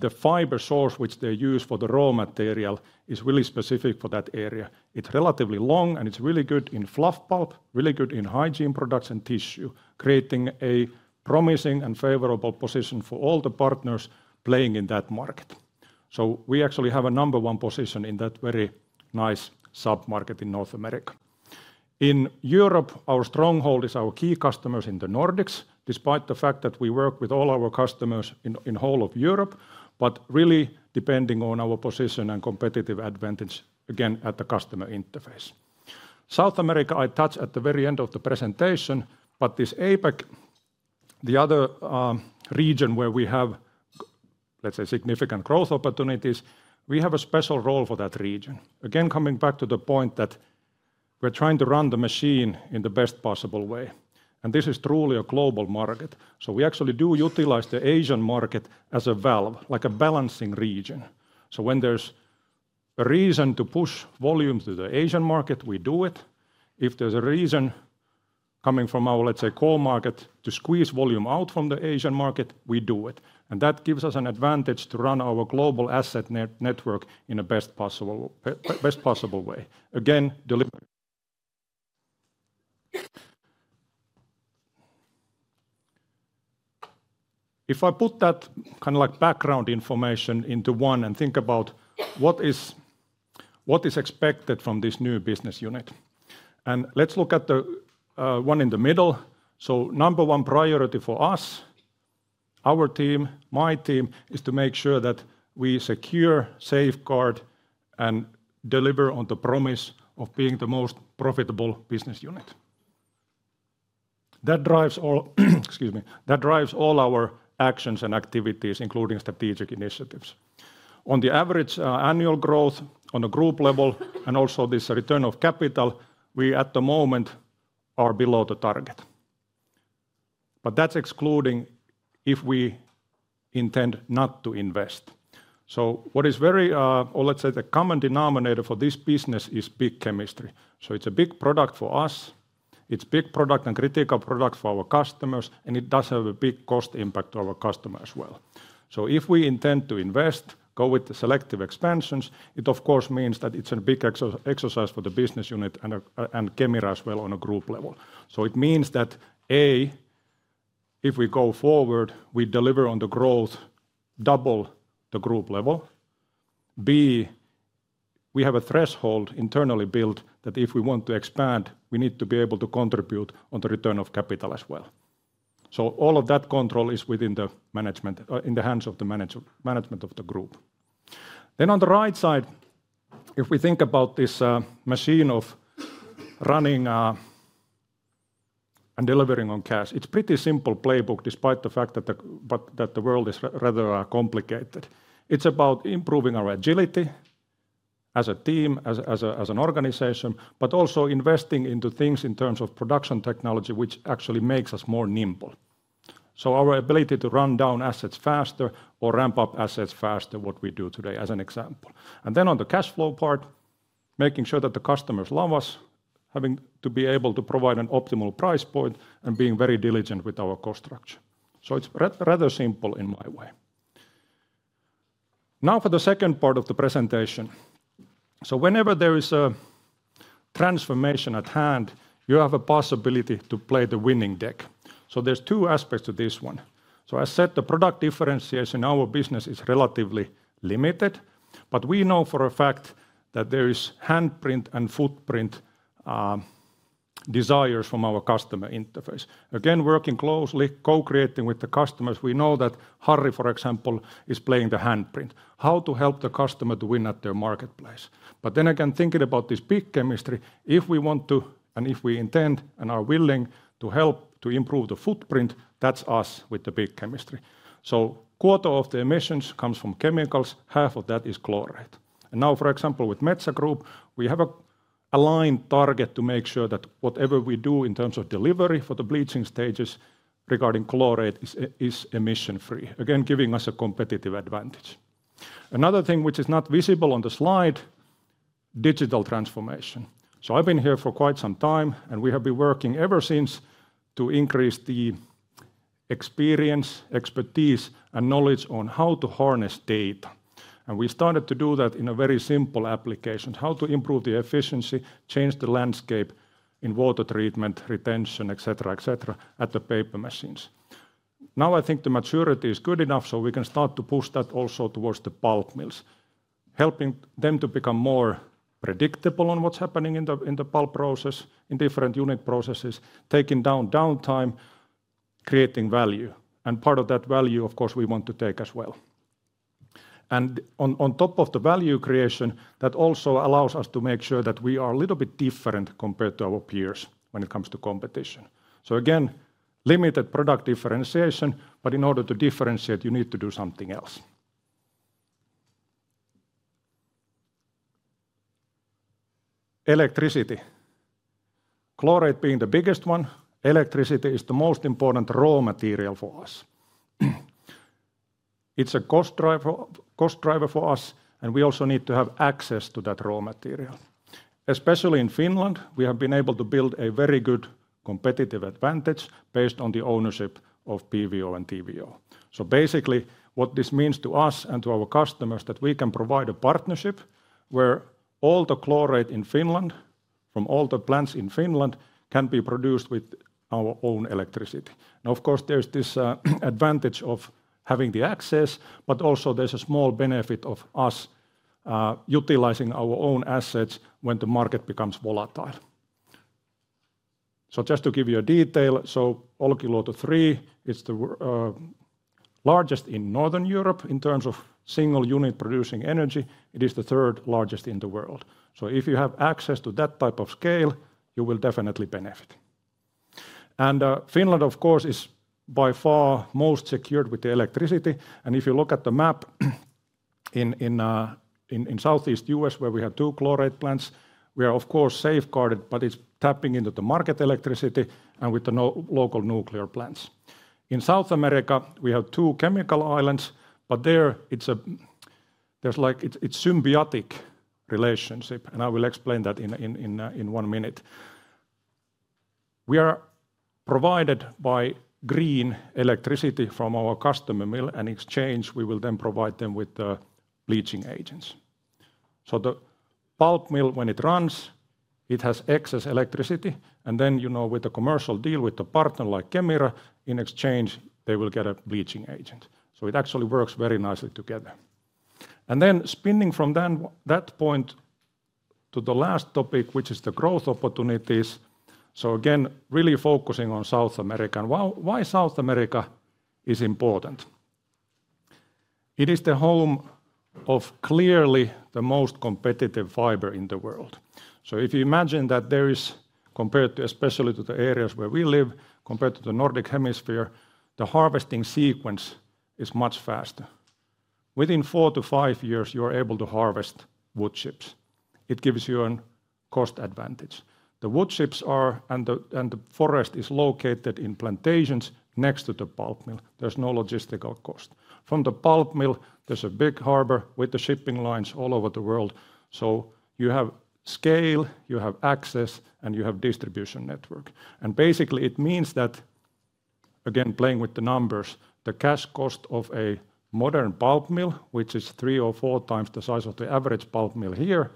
[SPEAKER 9] the fiber source which they use for the raw material is really specific for that area. It's relatively long, and it's really good in fluff pulp, really good in hygiene products and tissue, creating a promising and favorable position for all the partners playing in that market. So we actually have a number one position in that very nice sub-market in North America. In Europe, our stronghold is our key customers in the Nordics, despite the fact that we work with all our customers in whole of Europe, but really depending on our position and competitive advantage, again, at the customer interface. South America, I touch at the very end of the presentation, but this APAC, the other, region where we have, let's say, significant growth opportunities, we have a special role for that region. Again, coming back to the point that we're trying to run the machine in the best possible way, and this is truly a global market. So we actually do utilize the Asian market as a valve, like a balancing region. So when there's a reason to push volume to the Asian market, we do it. If there's a reason coming from our, let's say, core market to squeeze volume out from the Asian market, we do it. And that gives us an advantage to run our global asset network in a best possible, best possible way. Again, deliver. If I put that kind of like background information into one, and think about what is expected from this new business unit? And let's look at the one in the middle. So number one priority for us, our team, my team, is to make sure that we secure, safeguard, and deliver on the promise of being the most profitable business unit. That drives all, excuse me, that drives all our actions and activities, including strategic initiatives. On average annual growth on the group level, and also this return of capital, we, at the moment, are below the target. But that's excluding if we intend not to invest. So what is very, or let's say, the common denominator for this business is big chemistry. So it's a big product for us, it's big product and critical product for our customers, and it does have a big cost impact to our customer as well. So if we intend to invest, go with the selective expansions, it of course means that it's a big exercise for the business unit and, and Kemira as well on a group level. So it means that, A, if we go forward, we deliver on the growth, double the group level. B, we have a threshold internally built, that if we want to expand, we need to be able to contribute on the return of capital as well. So all of that control is within the management, in the hands of the management of the group. Then on the right side, if we think about this, machine of running and delivering on cash, it's pretty simple playbook, despite the fact that that the world is rather complicated. It's about improving our agility as a team, as an organization, but also investing into things in terms of production technology, which actually makes us more nimble. So our ability to run down assets faster or ramp up assets faster, what we do today, as an example. And then on the cash flow part, making sure that the customers love us, having to be able to provide an optimal price point, and being very diligent with our cost structure. So it's rather simple in my way. Now, for the second part of the presentation, so whenever there is a transformation at hand, you have a possibility to play the winning deck. So there's two aspects to this one. So I said the product differentiation in our business is relatively limited, but we know for a fact that there is handprint and footprint desires from our customer interface. Again, working closely, co-creating with the customers, we know that Harri, for example, is playing the handprint, how to help the customer to win at their marketplace. But then again, thinking about this big chemistry, if we want to, and if we intend and are willing to help to improve the footprint, that's us with the big chemistry. So quarter of the emissions comes from chemicals, half of that is chlorate. And now, for example, with Metsä Group, we have an aligned target to make sure that whatever we do in terms of delivery for the bleaching stages regarding chlorate is emission-free, again, giving us a competitive advantage. Another thing which is not visible on the slide, digital transformation. So I've been here for quite some time, and we have been working ever since to increase the experience, expertise, and knowledge on how to harness data. We started to do that in a very simple application, how to improve the efficiency, change the landscape in water treatment, retention, et cetera, et cetera, at the paper machines. Now, I think the maturity is good enough, so we can start to push that also towards the pulp mills, helping them to become more predictable on what's happening in the pulp process, in different unit processes, taking down downtime, creating value. And part of that value, of course, we want to take as well. And on top of the value creation, that also allows us to make sure that we are a little bit different compared to our peers when it comes to competition. So again, limited product differentiation, but in order to differentiate, you need to do something else. Electricity. Chlorate being the biggest one, electricity is the most important raw material for us. It's a cost driver, cost driver for us, and we also need to have access to that raw material. Especially in Finland, we have been able to build a very good competitive advantage based on the ownership of PVO and TVO. So basically, what this means to us and to our customers, that we can provide a partnership where all the chlorate in Finland, from all the plants in Finland, can be produced with our own electricity. Now, of course, there's this advantage of having the access, but also there's a small benefit of us utilizing our own assets when the market becomes volatile. So just to give you a detail, so Olkiluoto 3, it's the largest in Northern Europe in terms of single unit producing energy. It is the third largest in the world. If you have access to that type of scale, you will definitely benefit. And, Finland, of course, is by far most secured with the electricity, and if you look at the map in Southeast U.S., where we have two chlorate plants, we are of course safeguarded, but it's tapping into the market electricity and with the no local nuclear plants. In South America, we have two chemical islands, but there, it's a symbiotic relationship, and I will explain that in one minute. We are provided by green electricity from our customer mill. In exchange, we will then provide them with the bleaching agents. The pulp mill, when it runs, it has excess electricity, and then, you know, with the commercial deal with the partner like Kemira, in exchange, they will get a bleaching agent. It actually works very nicely together. Then spinning from that point to the last topic, which is the growth opportunities. Again, really focusing on South America, and why South America is important. It is the home of clearly the most competitive fiber in the world. If you imagine that there is, compared especially to the areas where we live, compared to the Nordic hemisphere, the harvesting sequence is much faster. Within four to five years, you are able to harvest wood chips. It gives you a cost advantage. The wood chips and the forest are located in plantations next to the pulp mill. There is no logistical cost. From the pulp mill, there is a big harbor with the shipping lines all over the world. You have scale, you have access, and you have distribution network. And basically, it means that, again, playing with the numbers, the cash cost of a modern pulp mill, which is three or four times the size of the average pulp mill here,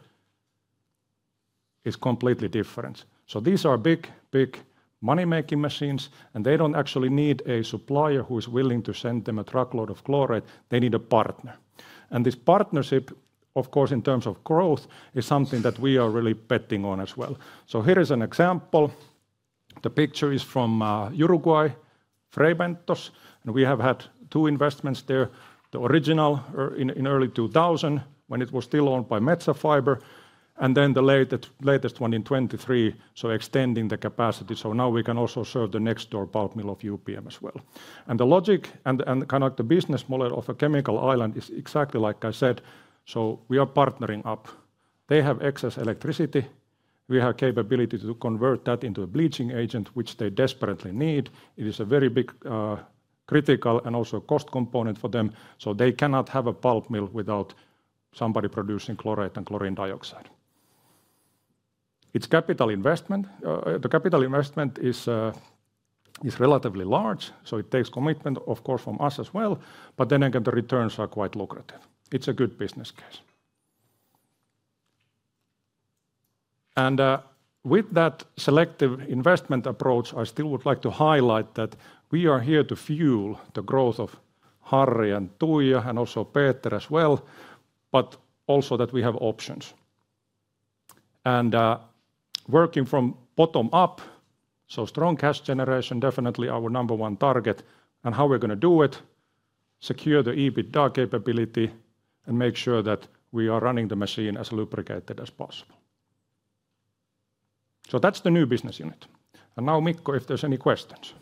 [SPEAKER 9] is completely different. So these are big, big money-making machines, and they don't actually need a supplier who is willing to send them a truckload of chlorate. They need a partner. And this partnership, of course, in terms of growth, is something that we are really betting on as well. So here is an example. The picture is from Uruguay, Fray Bentos, and we have had two investments there: the original in early 2000, when it was still owned by Metsä Fibre, and then the latest one in 2023, so extending the capacity. So now we can also serve the next door pulp mill of UPM as well. The logic and kind of the business model of a chemical island is exactly like I said, so we are partnering up. They have excess electricity, we have capability to convert that into a bleaching agent, which they desperately need. It is a very big, critical and also cost component for them, so they cannot have a pulp mill without somebody producing chlorate and chlorine dioxide. It's capital investment. The capital investment is relatively large, so it takes commitment, of course, from us as well, but then again, the returns are quite lucrative. It's a good business case. With that selective investment approach, I still would like to highlight that we are here to fuel the growth of Harri and Tuija, and also Petri as well, but also that we have options. Working from bottom up, so strong cash generation, definitely our number one target, and how we're gonna do it, secure the EBITDA capability and make sure that we are running the machine as lubricated as possible. So that's the new business unit. And now, Mikko, if there's any questions.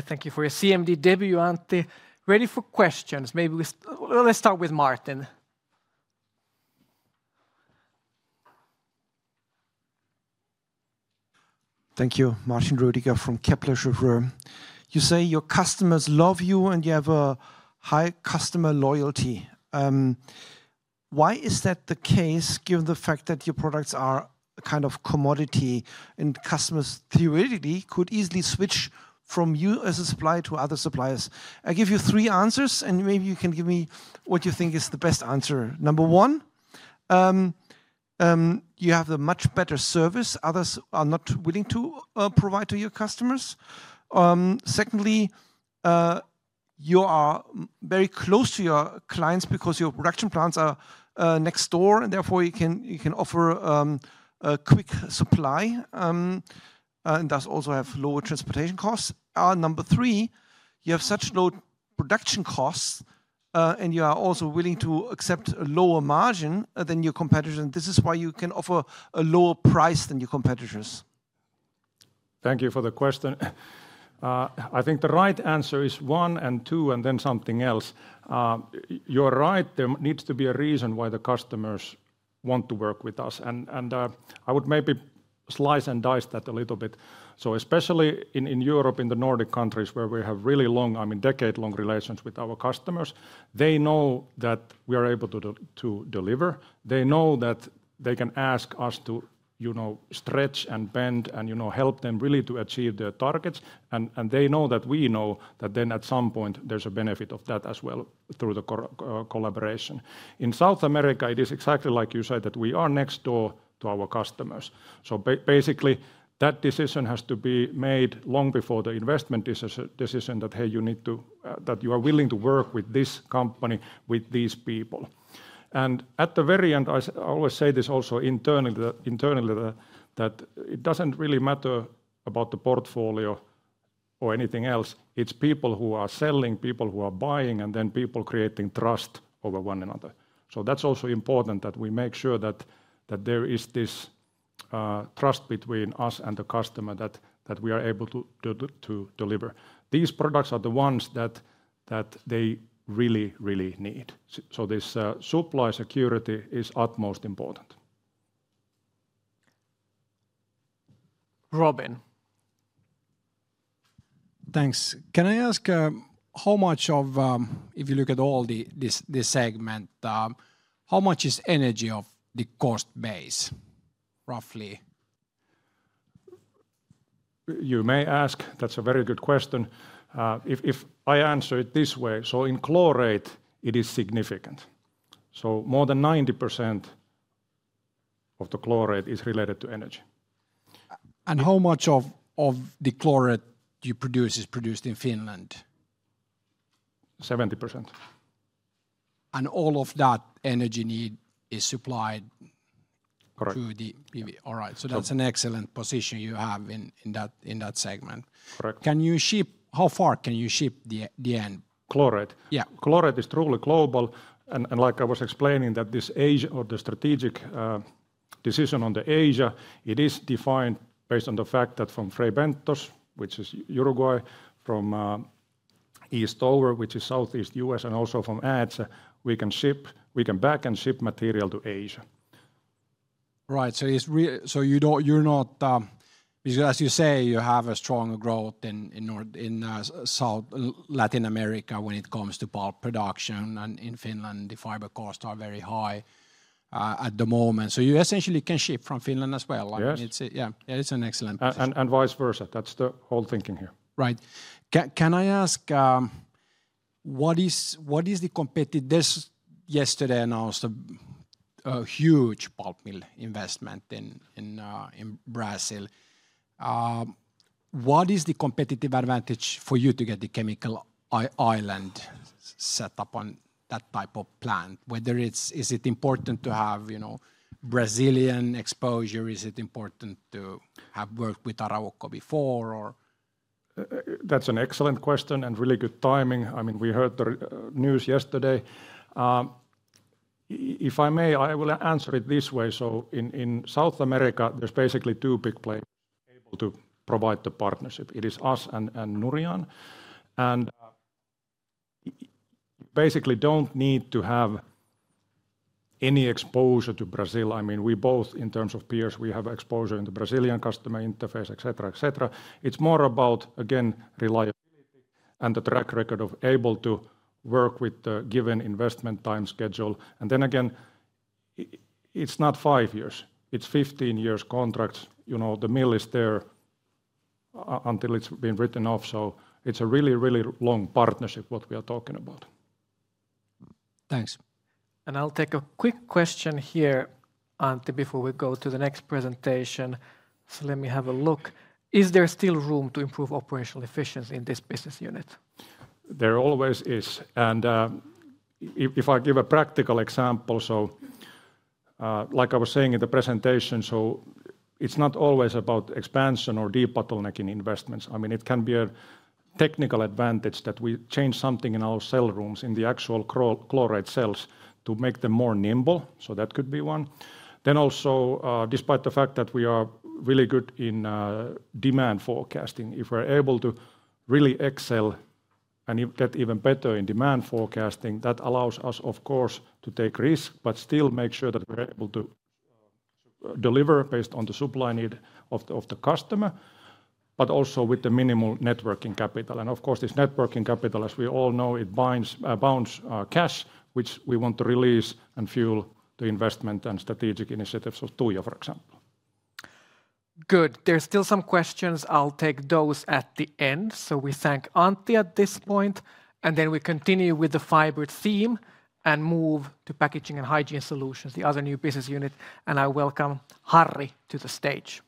[SPEAKER 1] All right. Thank you for your CMD debut, Antti. Ready for questions. Maybe let's start with Martin.
[SPEAKER 10] Thank you. Martin Rüdiger from Kepler Cheuvreux. You say your customers love you, and you have a high customer loyalty. Why is that the case, given the fact that your products are a kind of commodity and customers theoretically could easily switch from you as a supplier to other suppliers? I give you three answers, and maybe you can give me what you think is the best answer. Number one, you have a much better service others are not willing to provide to your customers. Secondly, you are very close to your clients because your production plants are next door, and therefore you can offer a quick supply, and thus also have lower transportation costs. Number three, you have such low production costs, and you are also willing to accept a lower margin than your competitor, and this is why you can offer a lower price than your competitors....
[SPEAKER 9] Thank you for the question. I think the right answer is one and two, and then something else. You're right, there needs to be a reason why the customers want to work with us, and I would maybe slice and dice that a little bit. So especially in Europe, in the Nordic countries, where we have really long, I mean, decade-long relations with our customers, they know that we are able to deliver. They know that they can ask us to, you know, stretch and bend, and, you know, help them really to achieve their targets. And they know that we know that then at some point there's a benefit of that as well through the collaboration. In South America, it is exactly like you said, that we are next door to our customers. So basically, that decision has to be made long before the investment decision, that, "Hey, you need to. That you are willing to work with this company, with these people." And at the very end, I always say this also internally, that it doesn't really matter about the portfolio or anything else, it's people who are selling, people who are buying, and then people creating trust over one another. So that's also important, that we make sure that there is this trust between us and the customer, that we are able to do to deliver. These products are the ones that they really, really need. So this supply security is utmost important.
[SPEAKER 1] Robin?
[SPEAKER 3] Thanks. Can I ask how much of this segment is energy of the cost base, roughly?
[SPEAKER 9] You may ask. That's a very good question. If I answer it this way, so in chlorate, it is significant. So more than 90% of the chlorate is related to energy.
[SPEAKER 3] How much of the chlorate you produce is produced in Finland?
[SPEAKER 9] 70%.
[SPEAKER 3] And all of that energy need is supplied-
[SPEAKER 9] Correct...
[SPEAKER 3] through the PV. All right.
[SPEAKER 9] So-
[SPEAKER 3] That's an excellent position you have in that segment.
[SPEAKER 9] Correct.
[SPEAKER 3] Can you ship... How far can you ship the end?
[SPEAKER 9] Chlorate?
[SPEAKER 3] Yeah.
[SPEAKER 9] Chlorate is truly global, and like I was explaining, that this Asia, or the strategic decision on the Asia, it is defined based on the fact that from Fray Bentos, which is Uruguay, from Eastover, which is Southeast U.S., and also from Ambès, we can ship, we can bag and ship material to Asia.
[SPEAKER 3] Right. So it's so you don't, you're not. Because as you say, you have a strong growth in Latin America when it comes to pulp production, and in Finland, the fiber costs are very high at the moment. So you essentially can ship from Finland as well.
[SPEAKER 9] Yes.
[SPEAKER 3] I mean, it's... Yeah, it is an excellent position.
[SPEAKER 9] And vice versa. That's the whole thinking here.
[SPEAKER 3] Right. Can I ask, what is the competitive- there's yesterday announced a huge pulp mill investment in Brazil. What is the competitive advantage for you to get the chemical island set up on that type of plant? Whether it's... Is it important to have, you know, Brazilian exposure? Is it important to have worked with Arauco before, or?
[SPEAKER 9] That's an excellent question and really good timing. I mean, we heard the news yesterday. If I may, I will answer it this way: so in South America, there's basically two big players able to provide the partnership. It is us and Nouryon. You basically don't need to have any exposure to Brazil. I mean, we both, in terms of peers, we have exposure in the Brazilian customer interface, et cetera, et cetera. It's more about, again, reliability and the track record of able to work with the given investment time schedule. It's not five years, it's 15 years contracts. You know, the mill is there until it's been written off, so it's a really, really long partnership, what we are talking about.
[SPEAKER 3] Thanks.
[SPEAKER 1] I'll take a quick question here, Antti, before we go to the next presentation. Let me have a look. Is there still room to improve operational efficiency in this business unit?
[SPEAKER 9] There always is. And if I give a practical example, so like I was saying in the presentation, so it's not always about expansion or debottlenecking investments. I mean, it can be a technical advantage that we change something in our cell rooms, in the actual chlorate cells, to make them more nimble. So that could be one. Then also, despite the fact that we are really good in demand forecasting, if we're able to really excel and get even better in demand forecasting, that allows us, of course, to take risk, but still make sure that we're able to deliver based on the supply need of the customer, but also with the minimal net working capital. Of course, this working capital, as we all know, binds cash, which we want to release and fuel the investment and strategic initiatives of Tuija, for example.
[SPEAKER 1] Good. There's still some questions. I'll take those at the end. We thank Antti at this point, and then we continue with the fiber theme, and move to Packaging and Hygiene Solutions, the other new business unit, and I welcome Harri to the stage.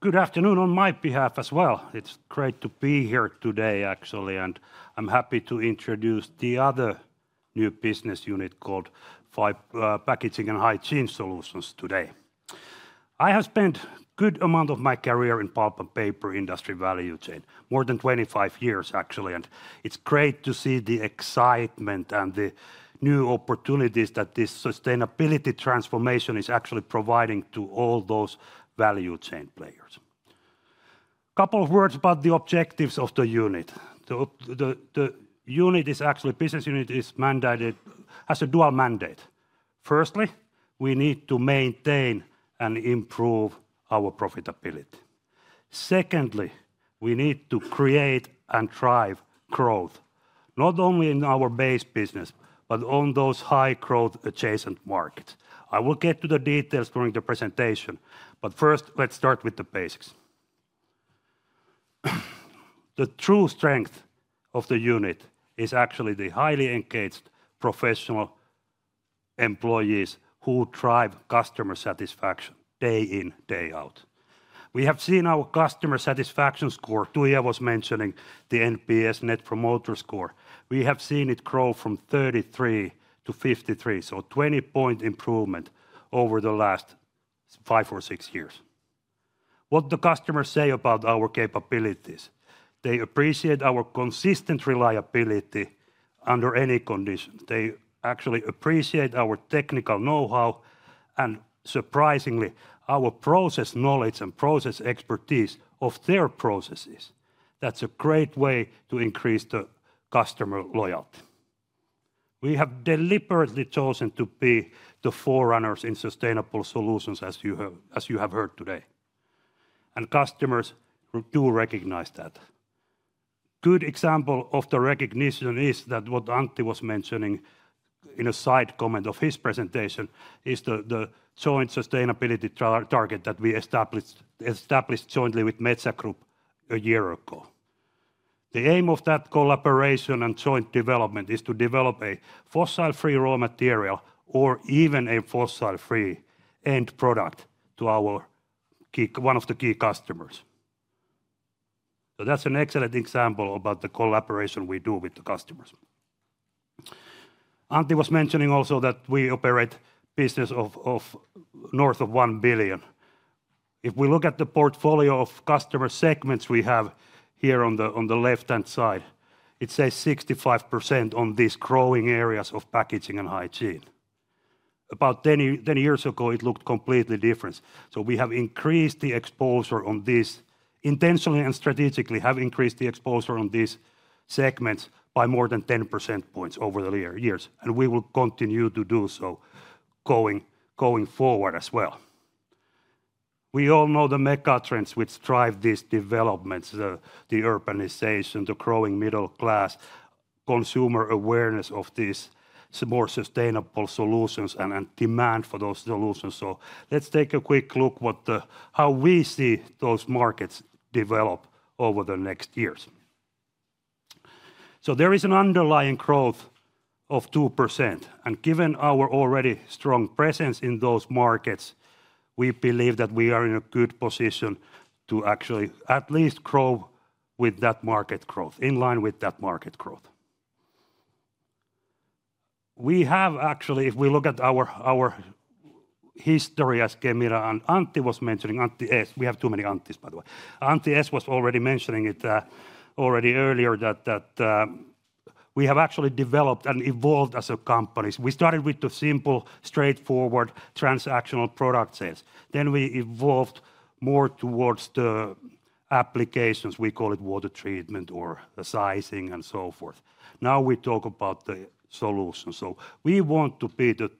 [SPEAKER 11] Good afternoon on my behalf as well. It's great to be here today, actually, and I'm happy to introduce the new business unit called Packaging and Hygiene Solutions today. I have spent good amount of my career in pulp and paper industry value chain, more than 25 years actually, and it's great to see the excitement and the new opportunities that this sustainability transformation is actually providing to all those value chain players. Couple of words about the objectives of the unit. The business unit is actually mandated, has a dual mandate. Firstly, we need to maintain and improve our profitability. Secondly, we need to create and drive growth, not only in our base business, but on those high-growth adjacent markets. I will get to the details during the presentation, but first, let's start with the basics. The true strength of the unit is actually the highly engaged professional employees who drive customer satisfaction day in, day out. We have seen our customer satisfaction score, Tuija was mentioning the NPS, Net Promoter Score. We have seen it grow from 33 to 53, so 20-point improvement over the last five or six years. What the customers say about our capabilities? They appreciate our consistent reliability under any conditions. They actually appreciate our technical know-how, and surprisingly, our process knowledge and process expertise of their processes. That's a great way to increase the customer loyalty. We have deliberately chosen to be the forerunners in sustainable solutions, as you have, as you have heard today, and customers do recognize that. Good example of the recognition is that what Antti was mentioning in a side comment of his presentation, is the joint sustainability target that we established jointly with Metsä Group a year ago. The aim of that collaboration and joint development is to develop a fossil-free raw material or even a fossil-free end product to our key, one of the key customers. So that's an excellent example about the collaboration we do with the customers. Antti was mentioning also that we operate business of north of 1 billion. If we look at the portfolio of customer segments we have here on the left-hand side, it says 65% on these growing areas of packaging and hygiene. About10 years ago, it looked completely different. So we have increased the exposure on this, intentionally and strategically, have increased the exposure on these segments by more than 10 percentage points over the years, and we will continue to do so going forward as well. We all know the mega trends which drive these developments, the urbanization, the growing middle class, consumer awareness of these more sustainable solutions, and demand for those solutions. Let's take a quick look how we see those markets develop over the next years. There is an underlying growth of 2%, and given our already strong presence in those markets, we believe that we are in a good position to actually at least grow with that market growth, in line with that market growth. We have actually, if we look at our history, as Kemira and Antti was mentioning, Antti S. We have too many Antti's, by the way. Antti S. was already mentioning it, already earlier that we have actually developed and evolved as a company. We started with the simple, straightforward transactional product sales. Then we evolved more towards the applications. We call it water treatment or sizing, and so forth. Now, we talk about the solution. So we want to be the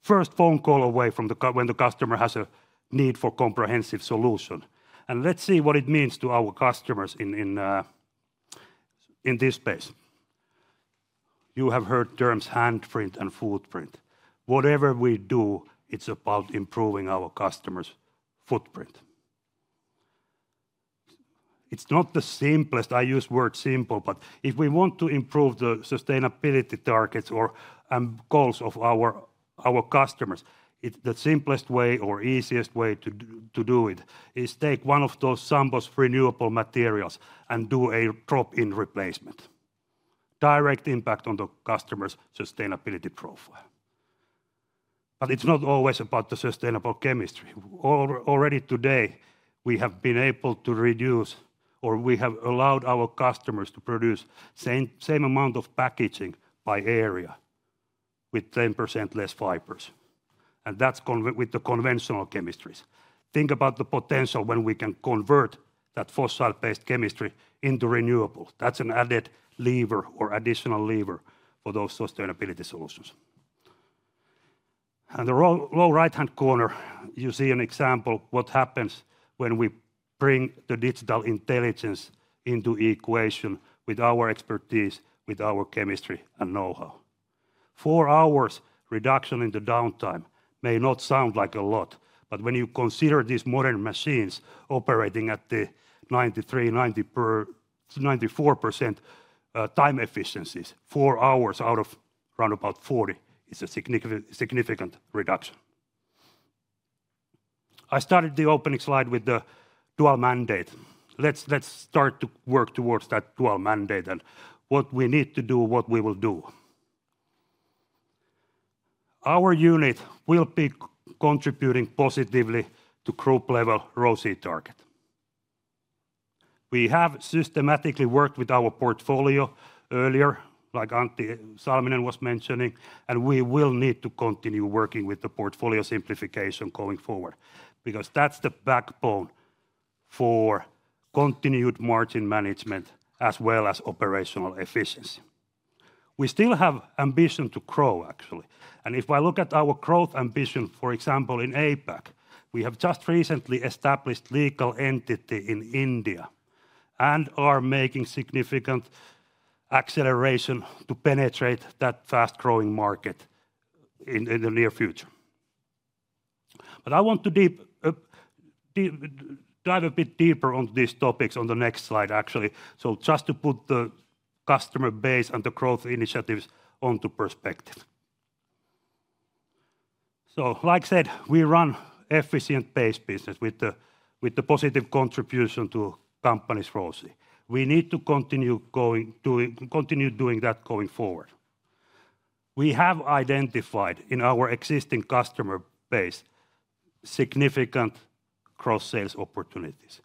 [SPEAKER 11] first phone call away from the cu- when the customer has a need for comprehensive solution. And let's see what it means to our customers in this space. You have heard terms handprint and footprint. Whatever we do, it's about improving our customer's footprint. It's not the simplest. I use word simple, but if we want to improve the sustainability targets or goals of our customers, the simplest way or easiest way to do it is take one of those samples for renewable materials and do a drop-in replacement. Direct impact on the customer's sustainability profile. But it's not always about the sustainable chemistry. Already today, we have been able to reduce, or we have allowed our customers to produce same amount of packaging by area with 10% less fibers, and that's with the conventional chemistries. Think about the potential when we can convert that fossil-based chemistry into renewable. That's an added lever or additional lever for those sustainability solutions. On the lower right-hand corner, you see an example what happens when we bring the digital intelligence into equation with our expertise, with our chemistry and know-how. Four hours reduction in the downtime may not sound like a lot, but when you consider these modern machines operating at the 93%-94% time efficiencies, four hours out of round about 40 is a significant reduction. I started the opening slide with the dual mandate. Let's start to work towards that dual mandate, and what we need to do, what we will do. Our unit will be contributing positively to group level ROCE target. We have systematically worked with our portfolio earlier, like Antti Salminen was mentioning, and we will need to continue working with the portfolio simplification going forward, because that's the backbone for continued margin management as well as operational efficiency. We still have ambition to grow, actually, and if I look at our growth ambition, for example, in APAC, we have just recently established legal entity in India and are making significant acceleration to penetrate that fast-growing market in the near future. But I want to deep dive a bit deeper on these topics on the next slide, actually. So just to put the customer base and the growth initiatives into perspective. So, like I said, we run efficient base business with the positive contribution to company's ROCE. We need to continue doing that going forward. We have identified in our existing customer base, significant cross-sales opportunities.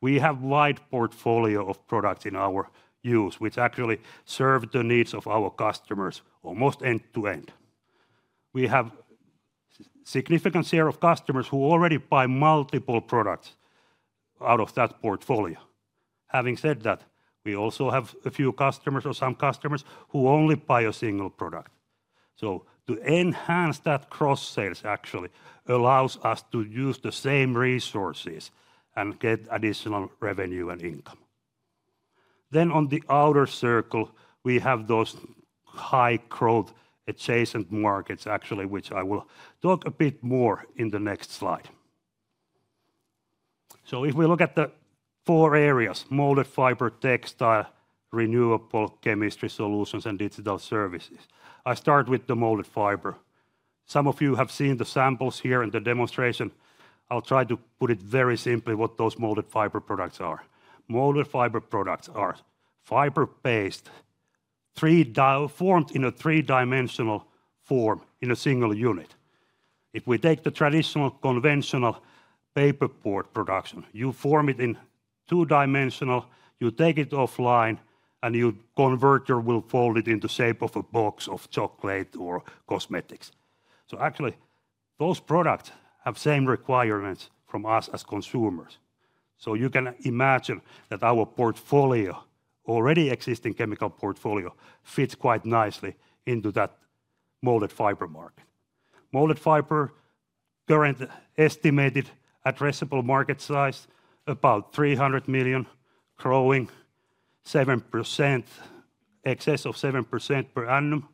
[SPEAKER 11] We have wide portfolio of products in our unit, which actually serve the needs of our customers almost end to end. We have significant share of customers who already buy multiple products out of that portfolio. Having said that, we also have a few customers or some customers who only buy a single product. So to enhance that cross-sales actually allows us to use the same resources and get additional revenue and income. Then on the outer circle, we have those high growth adjacent markets, actually, which I will talk a bit more in the next slide. So if we look at the four areas: molded fiber, textile, renewable chemistry solutions, and digital services. I start with the molded fiber. Some of you have seen the samples here in the demonstration. I'll try to put it very simply what those molded fiber products are. Molded fiber products are fiber-based, 3D-formed in a three-dimensional form in a single unit. If we take the traditional, conventional paperboard production, you form it in two-dimensional, you take it offline, and your converter will fold it into shape of a box of chocolate or cosmetics. So actually, those products have same requirements from us as consumers. So you can imagine that our portfolio, already existing chemical portfolio, fits quite nicely into that molded fiber market. Molded fiber, current estimated addressable market size, about 300 million, growing 7%, excess of 7% per annum.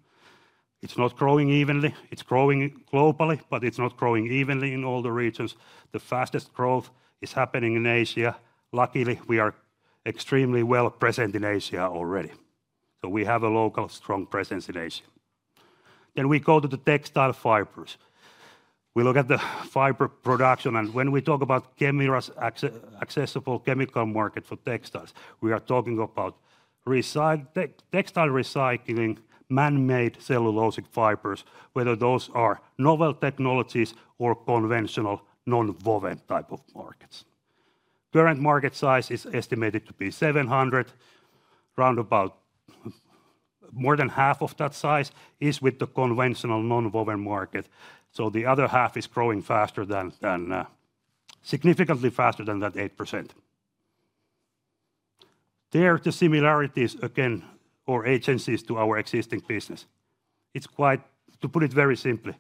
[SPEAKER 11] It's not growing evenly. It's growing globally, but it's not growing evenly in all the regions. The fastest growth is happening in Asia. Luckily, we are extremely well present in Asia already. So we have a local strong presence in Asia. Then we go to the textile fibers. We look at the fiber production, and when we talk about Kemira's accessible chemical market for textiles, we are talking about textile recycling, man-made cellulosic fibers, whether those are novel technologies or conventional nonwoven type of markets. Current market size is estimated to be 700 million. Roundabout more than half of that size is with the conventional nonwoven market. So the other half is growing faster, significantly faster than that 8%. There are the similarities again, or synergies to our existing business. To put it very simply,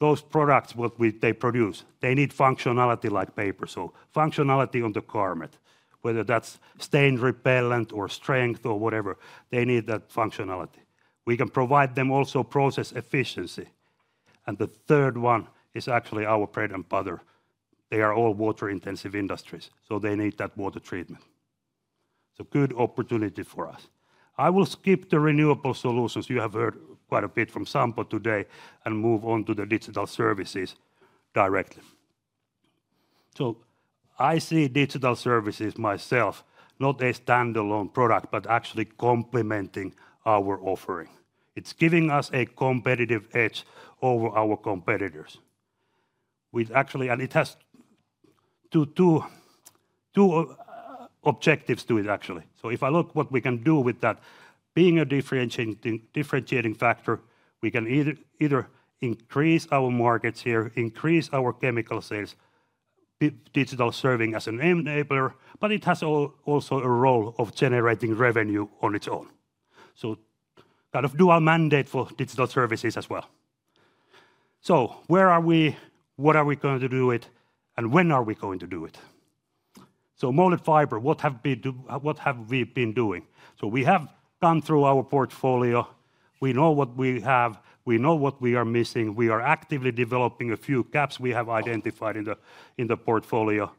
[SPEAKER 11] those products, what they produce, they need functionality like paper. So functionality on the garment, whether that's stain repellent or strength or whatever, they need that functionality. We can provide them also process efficiency. And the third one is actually our bread and butter. They are all water-intensive industries, so they need that water treatment. So good opportunity for us. I will skip the renewable solutions, you have heard quite a bit from Sampo today, and move on to the digital services directly. So I see digital services myself, not a standalone product, but actually complementing our offering. It's giving us a competitive edge over our competitors. We've actually... And it has two objectives to it, actually. So if I look what we can do with that, being a differentiating factor, we can either increase our markets here, increase our chemical sales, digital serving as an enabler, but it has also a role of generating revenue on its own. So kind of dual mandate for digital services as well. So where are we? What are we going to do it? And when are we going to do it? So molded fiber, what have we been doing? So we have gone through our portfolio. We know what we have, we know what we are missing. We are actively developing a few gaps we have identified in the portfolio.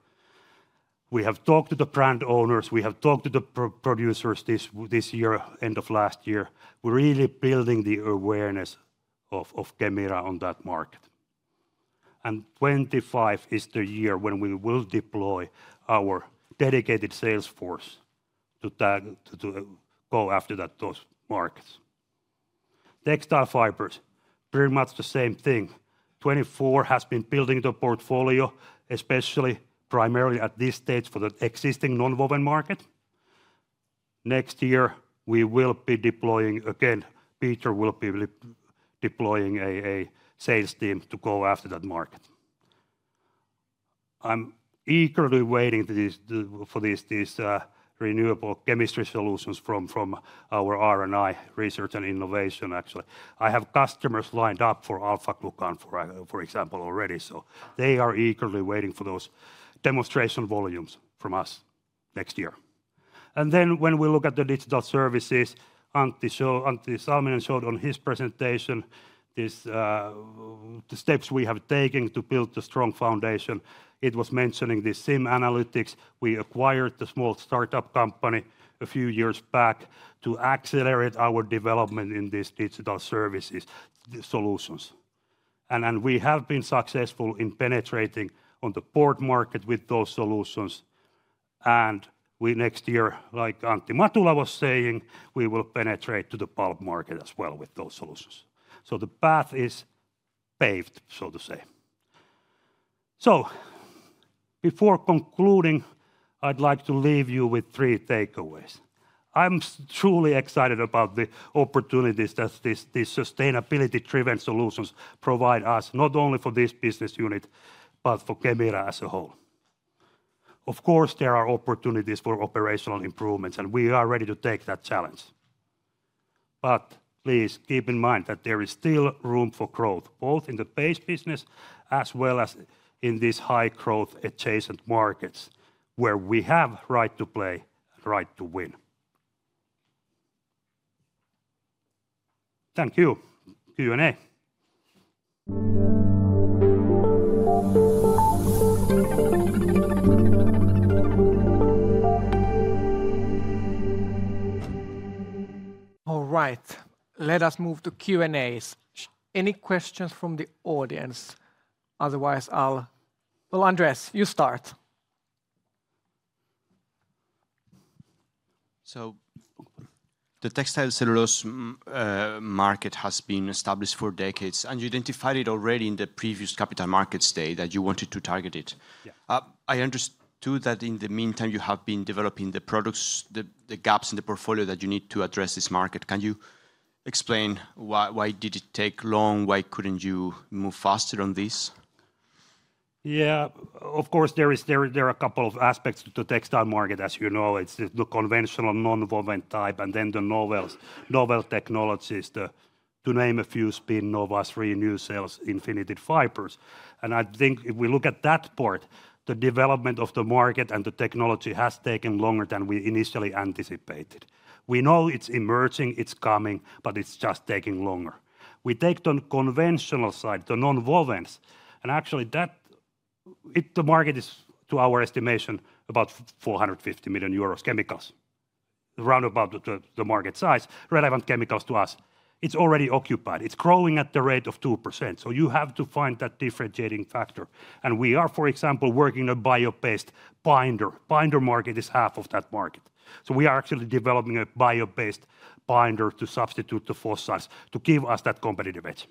[SPEAKER 11] We have talked to the brand owners, we have talked to the producers this year, end of last year. We're really building the awareness of Kemira on that market. And 2025 is the year when we will deploy our dedicated sales force to go after those markets. Textile fibers, pretty much the same thing. 2024 has been building the portfolio, especially primarily at this stage for the existing nonwoven market. Next year, we will be deploying again. Peter will be redeploying a sales team to go after that market. I'm eagerly waiting for these renewable chemistry solutions from our R&I, research and innovation, actually. I have customers lined up for alpha-glucan, for example, already, so they are eagerly waiting for those demonstration volumes from us next year. When we look at the digital services, Antti Salminen showed on his presentation this, the steps we have taken to build the strong foundation. It was mentioning the same analytics. We acquired the small startup company a few years back to accelerate our development in these digital services, the solutions. We have been successful in penetrating the broad market with those solutions. And we next year, like Antti Matula was saying, we will penetrate to the pulp market as well with those solutions. So the path is paved, so to say. So before concluding, I'd like to leave you with three takeaways. I'm truly excited about the opportunities that these, these sustainability-driven solutions provide us, not only for this business unit, but for Kemira as a whole. Of course, there are opportunities for operational improvements, and we are ready to take that challenge. But please keep in mind that there is still room for growth, both in the base business as well as in these high-growth adjacent markets, where we have right to play and right to win. Thank you. Q&A.
[SPEAKER 1] All right, let us move to Q&As. Any questions from the audience? Otherwise, I'll... Well, Andres, you start.
[SPEAKER 5] The textile cellulose market has been established for decades, and you identified it already in the previous Capital Markets Day that you wanted to target it.
[SPEAKER 11] Yeah.
[SPEAKER 5] I understood that in the meantime, you have been developing the products, the gaps in the portfolio that you need to address this market. Can you explain why did it take long? Why couldn't you move faster on this?
[SPEAKER 11] Yeah. Of course, there are a couple of aspects to the textile market, as you know. It's the conventional nonwoven type, and then the novel technologies, to name a few, Spinnova, Renewcell, Infinited Fibers. And I think if we look at that part, the development of the market and the technology has taken longer than we initially anticipated. We know it's emerging, it's coming, but it's just taking longer. We take the conventional side, the nonwovens, and actually, the market is, to our estimation, about 450 million euros chemicals, roundabout the market size, relevant chemicals to us. It's already occupied. It's growing at the rate of 2%, so you have to find that differentiating factor. And we are, for example, working a bio-based binder. Binder market is half of that market. We are actually developing a bio-based binder to substitute the fossils, to give us that competitive edge.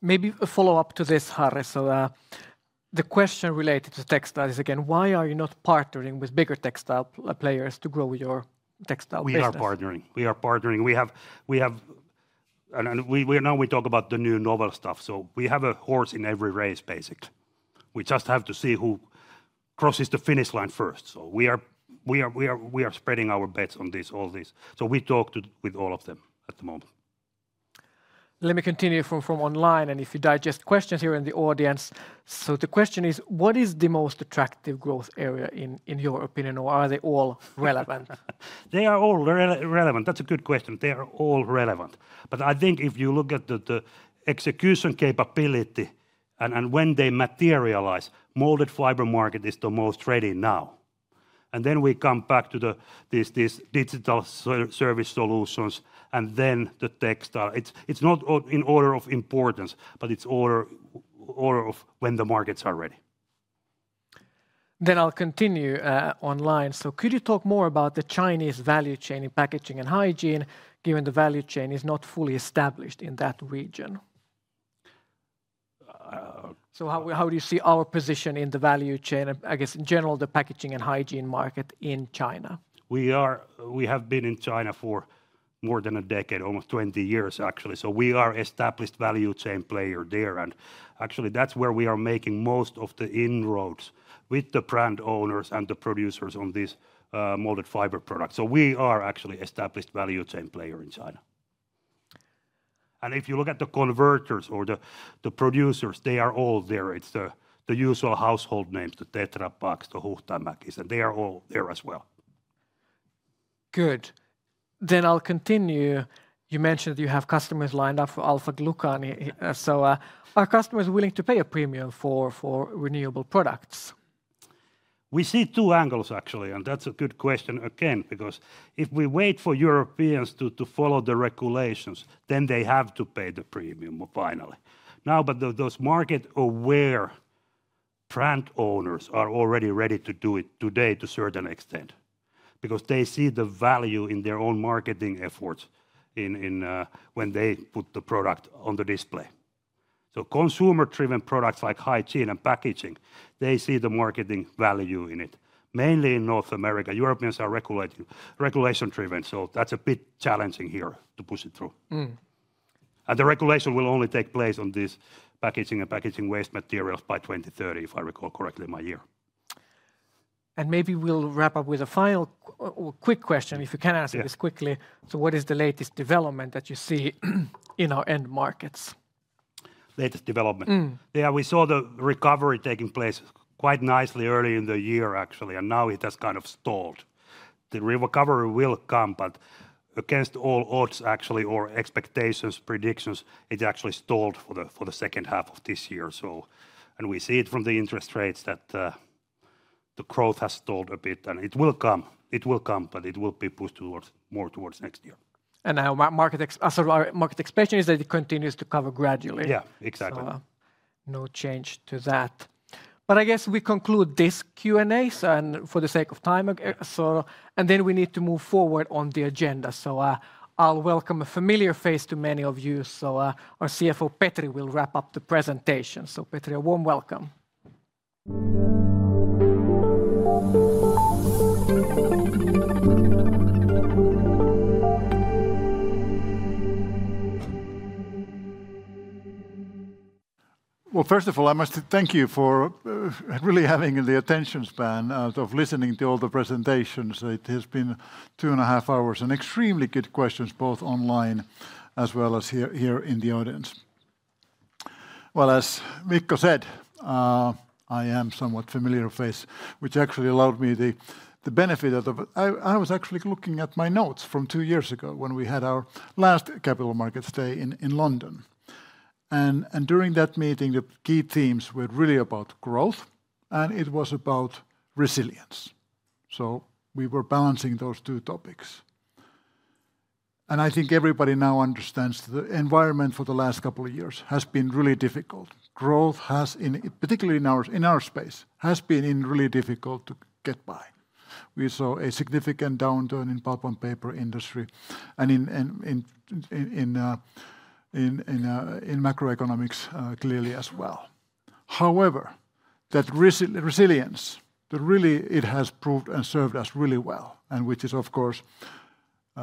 [SPEAKER 1] Maybe a follow-up to this, Harri. So, the question related to textile is, again, why are you not partnering with bigger textile players to grow your textile business?
[SPEAKER 11] We are partnering. We have... and now we talk about the new novel stuff, so we have a horse in every race, basically. We just have to see who crosses the finish line first, so we are spreading our bets on this, all this, so we talk with all of them at the moment.
[SPEAKER 1] Let me continue from online, and if you take questions here in the audience. The question is: What is the most attractive growth area in your opinion, or are they all relevant?
[SPEAKER 11] They are all relevant. That's a good question. They are all relevant. But I think if you look at the execution capability and when they materialize, molded fiber market is the most ready now. And then we come back to these digital service solutions, and then the textile. It's not in order of importance, but it's order of when the markets are ready.
[SPEAKER 1] Then I'll continue online. So could you talk more about the Chinese value chain in packaging and hygiene, given the value chain is not fully established in that region?
[SPEAKER 11] Uh-
[SPEAKER 1] So how do you see our position in the value chain, I guess, in general, the packaging and hygiene market in China?
[SPEAKER 11] We have been in China for more than a decade, almost twenty years, actually. So we are established value chain player there, and actually, that's where we are making most of the inroads with the brand owners and the producers on these molded fiber products. So we are actually established value chain player in China. And if you look at the converters or the producers, they are all there. It's the usual household names, the Tetra Paks, the Huhtamakis, and they are all there as well....
[SPEAKER 1] Good. Then I'll continue. You mentioned you have customers lined up for alpha-glucan, so, are customers willing to pay a premium for, for renewable products?
[SPEAKER 11] We see two angles actually, and that's a good question again, because if we wait for Europeans to follow the regulations, then they have to pay the premium finally. Now, but those market-aware brand owners are already ready to do it today to a certain extent, because they see the value in their own marketing efforts in when they put the product on the display. So consumer-driven products like hygiene and packaging, they see the marketing value in it, mainly in North America. Europeans are regulating, regulation-driven, so that's a bit challenging here to push it through.
[SPEAKER 1] Mm.
[SPEAKER 11] The regulation will only take place on this packaging and packaging waste materials by 2030, if I recall correctly the year.
[SPEAKER 1] Maybe we'll wrap up with a final quick question, if you can answer this quickly.
[SPEAKER 11] Yeah.
[SPEAKER 1] What is the latest development that you see in our end markets?
[SPEAKER 11] Latest development?
[SPEAKER 1] Mm.
[SPEAKER 11] Yeah, we saw the recovery taking place quite nicely early in the year, actually, and now it has kind of stalled. The recovery will come, but against all odds, actually, or expectations, predictions, it actually stalled for the second half of this year, so. And we see it from the interest rates that the growth has stalled a bit, and it will come. It will come, but it will be pushed towards, more towards next year.
[SPEAKER 1] And now our market so our market expectation is that it continues to cover gradually.
[SPEAKER 11] Yeah, exactly.
[SPEAKER 1] So, no change to that. But I guess we conclude this Q&A, so, and for the sake of time. And then we need to move forward on the agenda. So, I'll welcome a familiar face to many of you. So, our CFO, Petri, will wrap up the presentation. So, Petri, a warm welcome.
[SPEAKER 12] First of all, I must thank you for really having the attention span out of listening to all the presentations. It has been two and a half hours, and extremely good questions, both online as well as here in the audience. As Mikko said, I am a somewhat familiar face, which actually allowed me the benefit of the... I was actually looking at my notes from two years ago when we had our last Capital Markets Day in London, and during that meeting, the key themes were really about growth, and it was about resilience. We were balancing those two topics. I think everybody now understands the environment for the last couple of years has been really difficult. Growth has particularly in our space has been really difficult to get by. We saw a significant downturn in pulp and paper industry, and in macroeconomics, clearly as well. However, that resilience, that really it has proved and served us really well, and which is, of course,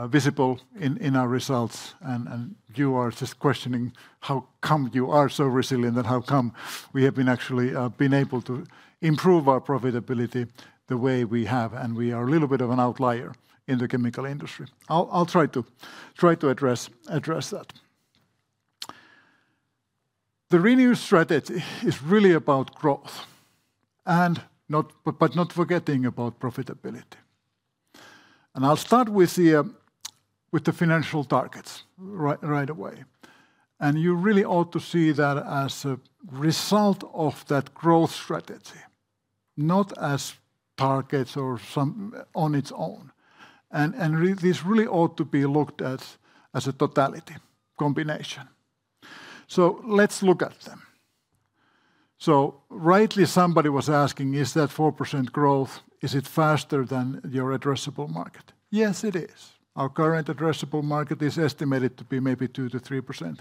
[SPEAKER 12] visible in our results, and you are just questioning, how come you are so resilient, and how come we have been actually able to improve our profitability the way we have, and we are a little bit of an outlier in the chemical industry? I'll try to address that. The Renew Strategy is really about growth, but not forgetting about profitability. And I'll start with the financial targets right away. You really ought to see that as a result of that growth strategy, not as targets or some on its own, and this really ought to be looked at as a totality combination. Let's look at them. Rightly, somebody was asking: "Is that 4% growth, is it faster than your addressable market?" Yes, it is. Our current addressable market is estimated to be maybe 2%-3%.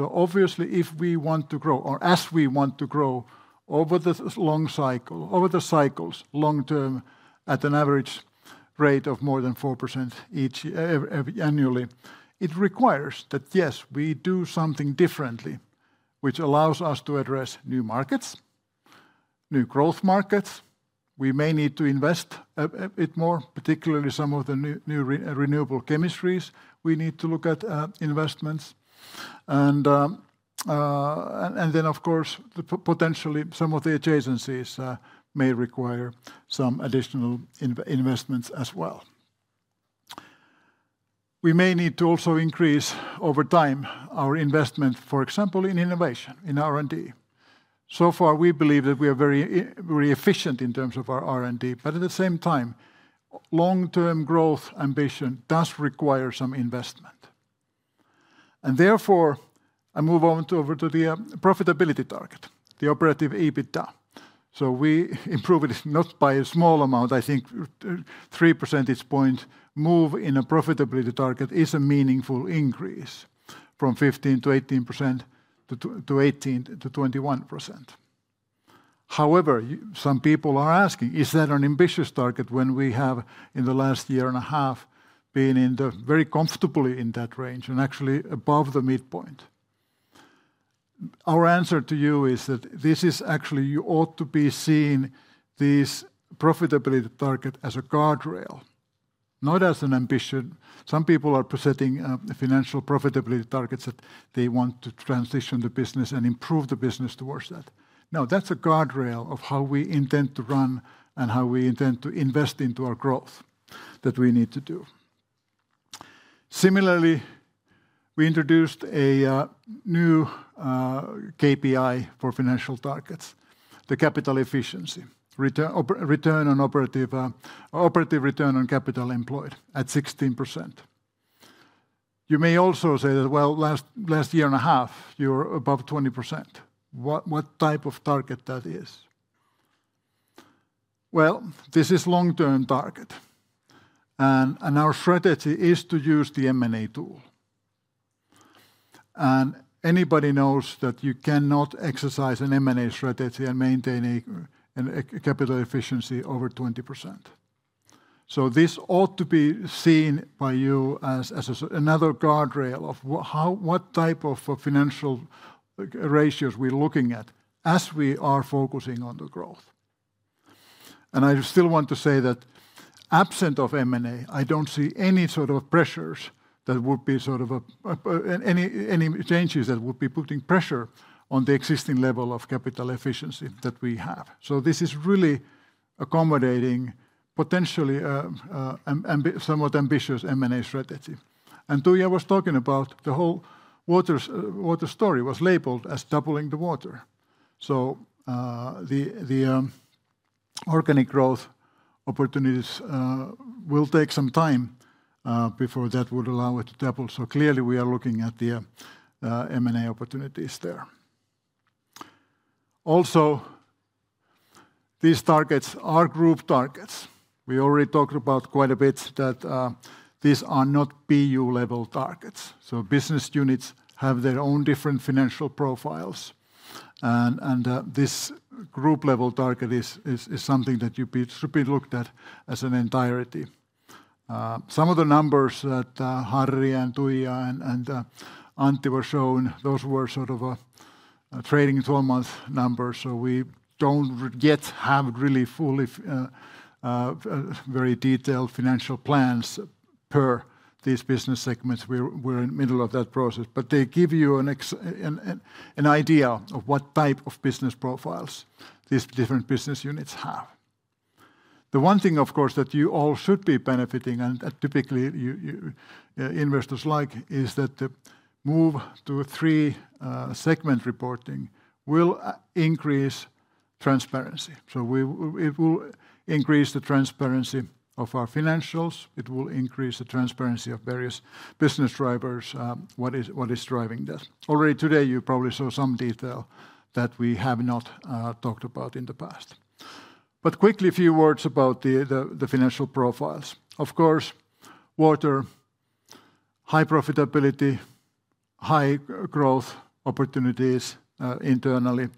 [SPEAKER 12] Obviously, if we want to grow, or as we want to grow over this long cycle, over the cycles, long term, at an average rate of more than 4% each year annually, it requires that, yes, we do something differently, which allows us to address new markets, new growth markets. We may need to invest a bit more, particularly some of the new renewable chemistries. We need to look at investments, and then, of course, potentially some of the adjacencies may require some additional investments as well. We may need to also increase, over time, our investment, for example, in innovation, in R&D. So far, we believe that we are very efficient in terms of our R&D, but at the same time, long-term growth ambition does require some investment. And therefore, I move on to the profitability target, the operative EBITDA. So we improve it, not by a small amount. I think three percentage points move in a profitability target is a meaningful increase from 15%-18% to 18%-21%. However, some people are asking: "Is that an ambitious target when we have, in the last year and a half, been very comfortably in that range and actually above the midpoint?" Our answer to you is that this is actually you ought to be seeing this profitability target as a guardrail, not as an ambition. Some people are presenting the financial profitability targets that they want to transition the business and improve the business towards that. Now, that's a guardrail of how we intend to run and how we intend to invest into our growth that we need to do. Similarly, we introduced a new KPI for financial targets: the capital efficiency, operative return on capital employed at 16%. You may also say that, "Well, last year and a half, you're above 20%. What type of target is that?" This is a long-term target, and our strategy is to use the M&A tool. Anybody knows that you cannot exercise an M&A strategy and maintain a capital efficiency over 20%. This ought to be seen by you as another guardrail of what type of financial ratios we're looking at as we are focusing on the growth. I still want to say that absent of M&A, I don't see any sort of pressures that would be any changes that would be putting pressure on the existing level of capital efficiency that we have. This is really accommodating, potentially, somewhat ambitious M&A strategy. Tuija was talking about the whole water story was labeled as doubling the water. The organic growth opportunities will take some time before that would allow it to double. Clearly, we are looking at the M&A opportunities there. Also, these targets are group targets. We already talked about quite a bit that these are not BU-level targets. So business units have their own different financial profiles, and this group-level target is something that you should be looked at as an entirety. Some of the numbers that Harri and Tuija and Antti were showing, those were sort of trading 12-month numbers, so we don't yet have really fully very detailed financial plans per these business segments. We're in middle of that process, but they give you an idea of what type of business profiles these different business units have. The one thing, of course, that you all should be benefiting, and that typically you investors like, is that the move to a three segment reporting will increase transparency, so it will increase the transparency of our financials. It will increase the transparency of various business drivers, what is driving this. Already today, you probably saw some detail that we have not talked about in the past. But quickly, a few words about the financial profiles. Of course, water, high profitability, high growth opportunities, internally,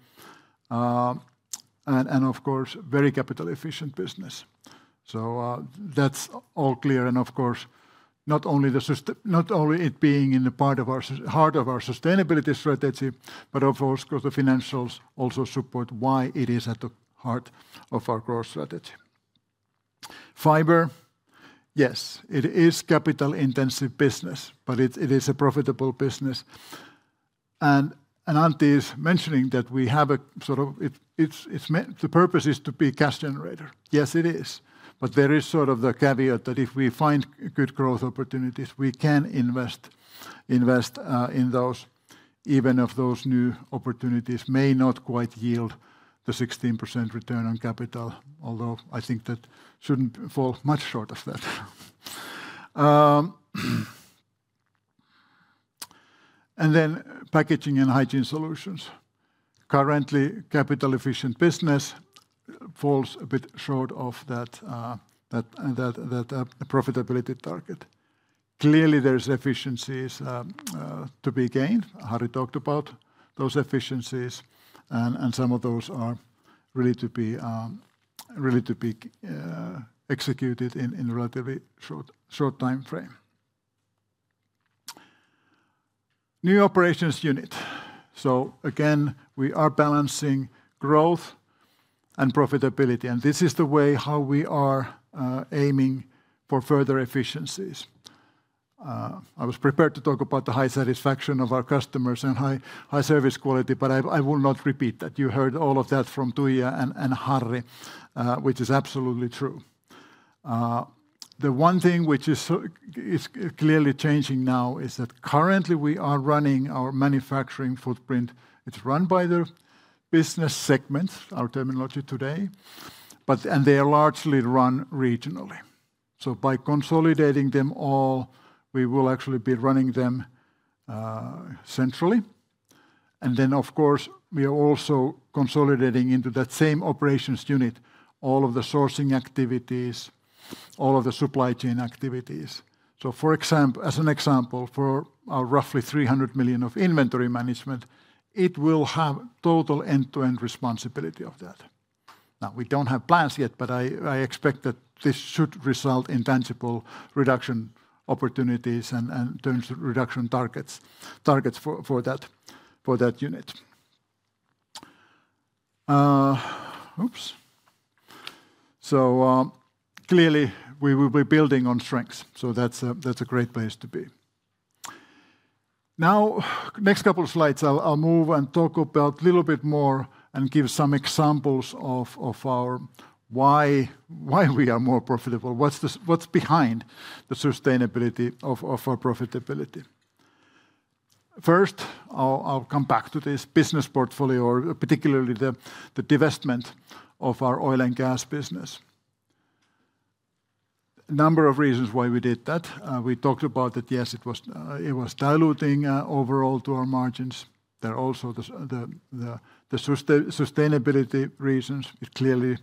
[SPEAKER 12] and of course, very capital-efficient business, so that's all clear, and of course, not only it being in the heart of our sustainability strategy, but of course, the financials also support why it is at the heart of our growth strategy. Fiber, yes, it is capital-intensive business, but it is a profitable business. And Antti is mentioning that we have a sort of. It's meant- the purpose is to be cash generator. Yes, it is. But there is sort of the caveat that if we find good growth opportunities, we can invest in those, even if those new opportunities may not quite yield the 16% return on capital, although I think that shouldn't fall much short of that. And then Packaging and Hygiene Solutions. Currently, capital-efficient business falls a bit short of that profitability target. Clearly, there's efficiencies to be gained. Harri talked about those efficiencies, and some of those are really to be executed in a relatively short timeframe. New operations unit. So again, we are balancing growth and profitability, and this is the way how we are aiming for further efficiencies. I was prepared to talk about the high satisfaction of our customers and high service quality, but I will not repeat that. You heard all of that from Tuija and Harri, which is absolutely true. The one thing which is clearly changing now is that currently we are running our manufacturing footprint. It's run by the business segments, our terminology today, but, and they are largely run regionally, so by consolidating them all, we will actually be running them centrally, and then, of course, we are also consolidating into that same Operations unit, all of the sourcing activities, all of the supply chain activities. So as an example, for our roughly 300 million of inventory management, it will have total end-to-end responsibility of that. Now, we don't have plans yet, but I expect that this should result in tangible reduction opportunities and terms reduction targets for that unit. Clearly, we will be building on strengths, so that's a great place to be. Now, next couple of slides, I'll move and talk about a little bit more, and give some examples of our why we are more profitable. What's behind the sustainability of our profitability? First, I'll come back to this business portfolio, or particularly the divestment of our oil and gas business. Number of reasons why we did that. We talked about that, yes, it was diluting overall to our margins. There are also the sustainability reasons. It clearly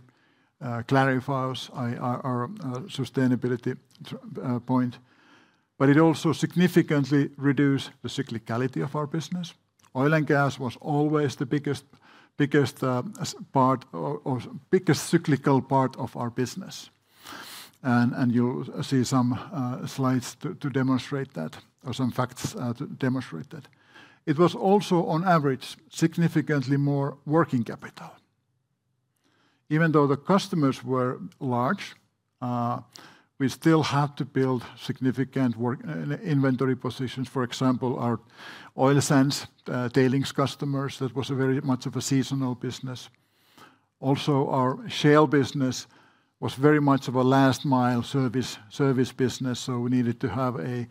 [SPEAKER 12] clarifies our sustainability point. But it also significantly reduced the cyclicality of our business. Oil and gas was always the biggest cyclical part of our business, and you'll see some slides to demonstrate that, or some facts to demonstrate that. It was also, on average, significantly more working capital. Even though the customers were large, we still had to build significant inventory positions. For example, our oil sands tailings customers, that was a very much of a seasonal business. Also, our shale business was very much of a last mile service business, so we needed to have a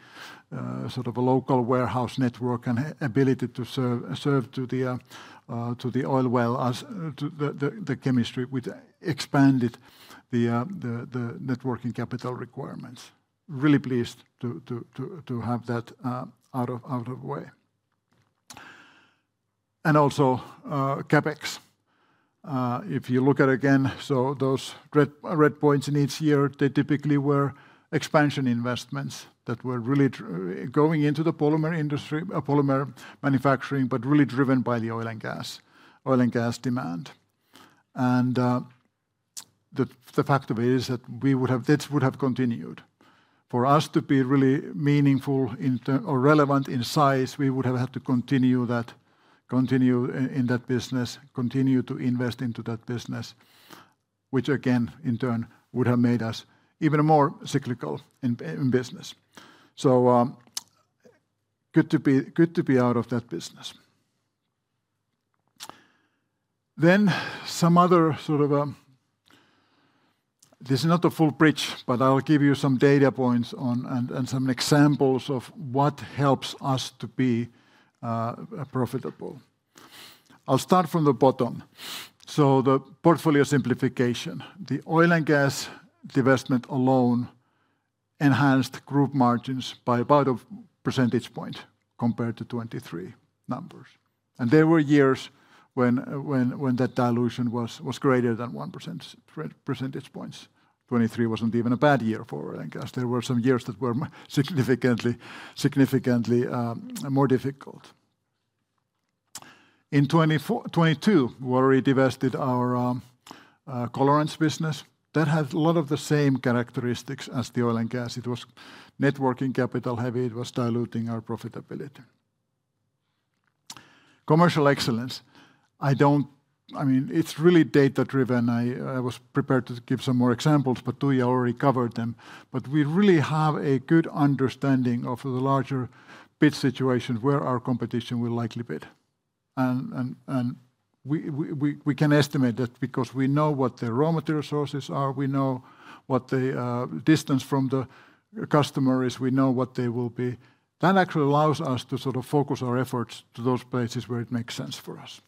[SPEAKER 12] sort of a local warehouse network and ability to serve to the oil well as to the chemistry, which expanded the working capital requirements. Really pleased to have that out of the way. And also, CapEx. If you look at again, so those red points in each year, they typically were expansion investments that were really going into the polymer industry, polymer manufacturing, but really driven by the oil and gas demand. And the fact of it is that we would have this would have continued. For us to be really meaningful in terms or relevant in size, we would have had to continue that, continue in that business, continue to invest into that business, which again, in turn, would have made us even more cyclical in business. Good to be out of that business. Then some other sort. This is not a full bridge, but I'll give you some data points on, and some examples of what helps us to be profitable. I'll start from the bottom. So the portfolio simplification. The oil and gas divestment alone enhanced group margins by about a percentage point compared to 2023 numbers, and there were years when that dilution was greater than one percentage point. 2023 wasn't even a bad year for oil and gas. There were some years that were significantly more difficult. In 2022, we already divested our colorants business. That had a lot of the same characteristics as the oil and gas. It was net working capital heavy. It was diluting our profitability. Commercial excellence. I mean, it's really data-driven. I was prepared to give some more examples, but Tuija already covered them. But we really have a good understanding of the larger bid situations, where our competition will likely bid, and we can estimate that, because we know what the raw material sources are, we know what the distance from the customer is, we know what they will be. That actually allows us to sort of focus our efforts to those places where it makes sense for us.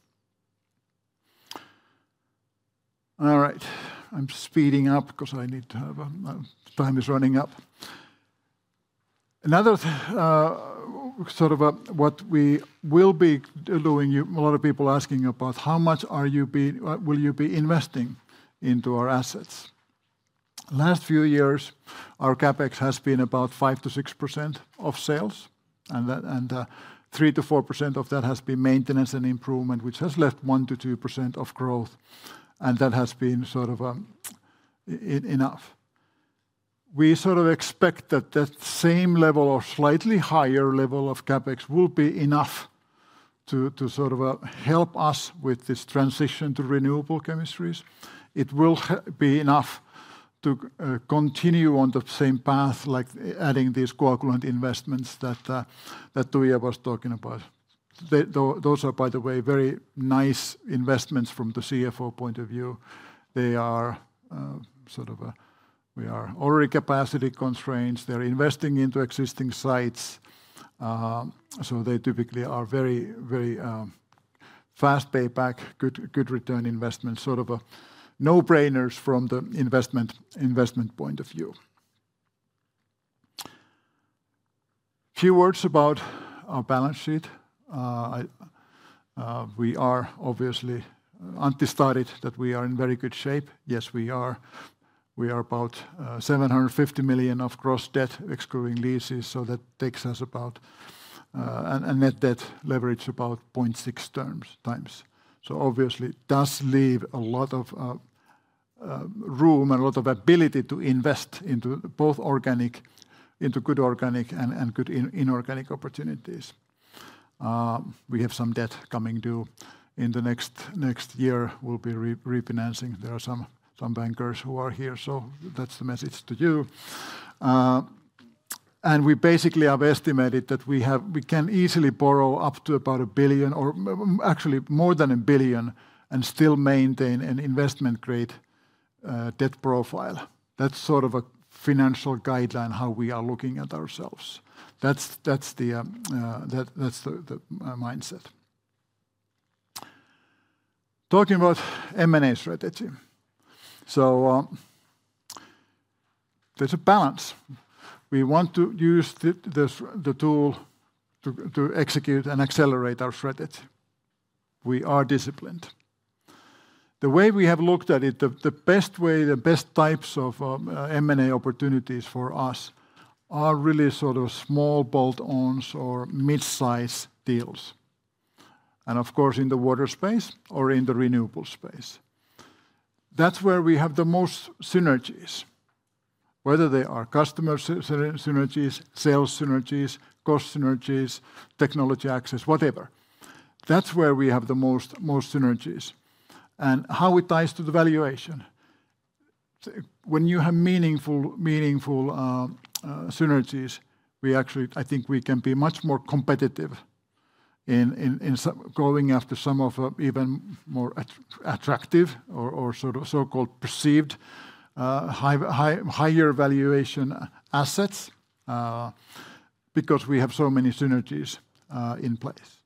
[SPEAKER 12] All right, I'm speeding up, 'cause I need to have a... Time is running up. Another sort of what we will be doing, a lot of people asking about: "How much are you be, will you be investing into our assets?" Last few years, our CapEx has been about 5%-6% of sales, and that, 3%-4% of that has been maintenance and improvement, which has left 1%-2% of growth, and that has been sort of enough. We sort of expect that that same level or slightly higher level of CapEx will be enough to sort of help us with this transition to renewable chemistries. It will be enough to continue on the same path, like adding these coagulant investments that that Tuija was talking about. Those are, by the way, very nice investments from the CFO point of view. They are sort of. We are already capacity constraints. They're investing into existing sites, so they typically are very fast payback, good return investment, sort of no-brainers from the investment point of view. Few words about our balance sheet. We are obviously. Antti stated that we are in very good shape. Yes, we are. We are about 750 million of gross debt, excluding leases, so that takes us about a net debt leverage, about 0.6x. So obviously, it does leave a lot of room and a lot of ability to invest into both organic, into good organic and good inorganic opportunities. We have some debt coming due in the next year. We'll be refinancing. There are some bankers who are here, so that's the message to you. And we basically have estimated that we can easily borrow up to about 1 billion, actually, more than 1 billion, and still maintain an investment-grade debt profile. That's sort of a financial guideline, how we are looking at ourselves. That's the mindset. Talking about M&A strategy. There's a balance. We want to use the tool to execute and accelerate our strategy. We are disciplined. The way we have looked at it, the best types of M&A opportunities for us are really sort of small bolt-ons or mid-size deals, and of course, in the water space or in the renewable space. That's where we have the most synergies, whether they are customer synergies, sales synergies, cost synergies, technology access, whatever. That's where we have the most synergies. And how it ties to the valuation? So when you have meaningful synergies, we actually, I think we can be much more competitive in going after some of even more attractive or sort of so-called perceived higher valuation assets, because we have so many synergies in place.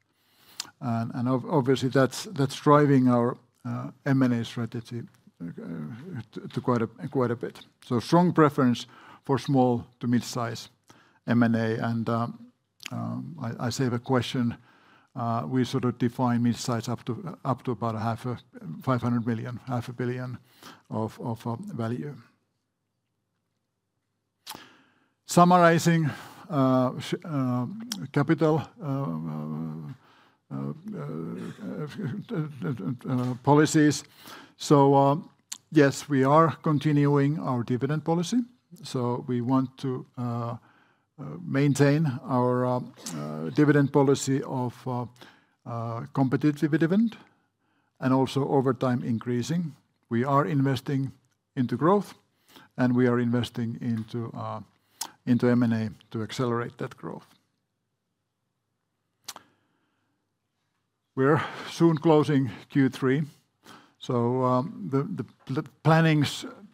[SPEAKER 12] And obviously, that's driving our M&A strategy to quite a bit. Strong preference for small to mid-size M&A, and I have a question. We sort of define mid-size up to about 500 million in value. Summarizing capital policies. Yes, we are continuing our dividend policy, so we want to maintain our dividend policy of competitive dividend, and also over time, increasing. We are investing into growth, and we are investing into M&A to accelerate that growth. We're soon closing Q3, so the planning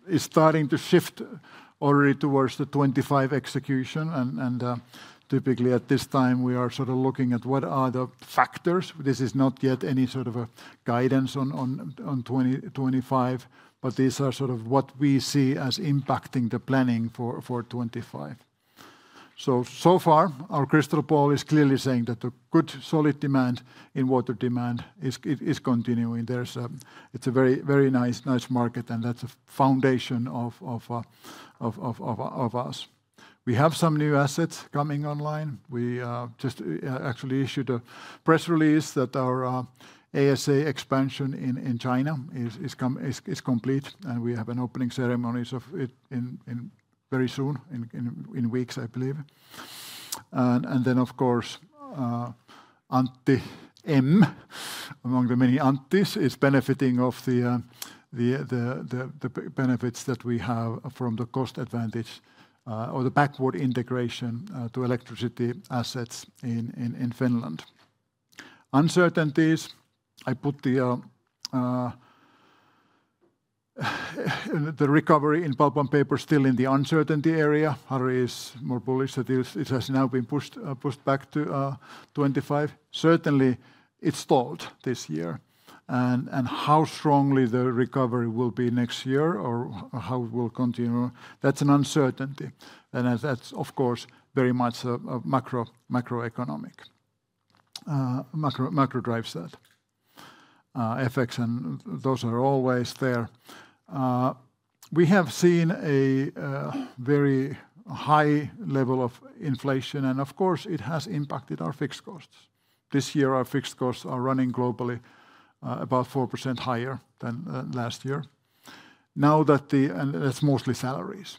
[SPEAKER 12] is starting to shift already towards the 2025 execution, and typically at this time, we are sort of looking at what are the factors. This is not yet any sort of a guidance on 2025, but these are sort of what we see as impacting the planning for 2025. So far, our crystal ball is clearly saying that the good, solid demand in water demand is continuing. There's. It's a very nice market, and that's a foundation of us. We have some new assets coming online. We just actually issued a press release that our ASA expansion in China is complete, and we have an opening ceremonies of it in very soon, in weeks, I believe. Of course, Antti M, among the many Antti's, is benefiting from the benefits that we have from the cost advantage or the backward integration to electricity assets in Finland. Uncertainties, I put the recovery in pulp and paper still in the uncertainty area. Harri is more bullish than this. It has now been pushed back to 2025. Certainly, it stalled this year, and how strongly the recovery will be next year or how it will continue, that's an uncertainty, and that's, of course, very much a macroeconomic. Macro drives that. FX and those are always there. We have seen a very high level of inflation, and of course, it has impacted our fixed costs. This year, our fixed costs are running globally about 4% higher than last year, and that's mostly salaries.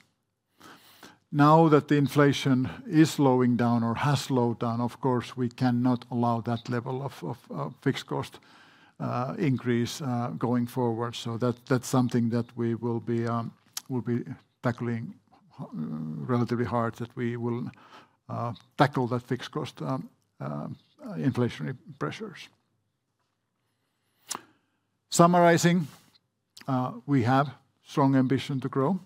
[SPEAKER 12] Now that the inflation is slowing down or has slowed down, of course, we cannot allow that level of fixed cost increase going forward. So that's something that we will be tackling relatively hard, that we will tackle that fixed cost inflationary pressures. Summarizing, we have strong ambition to grow.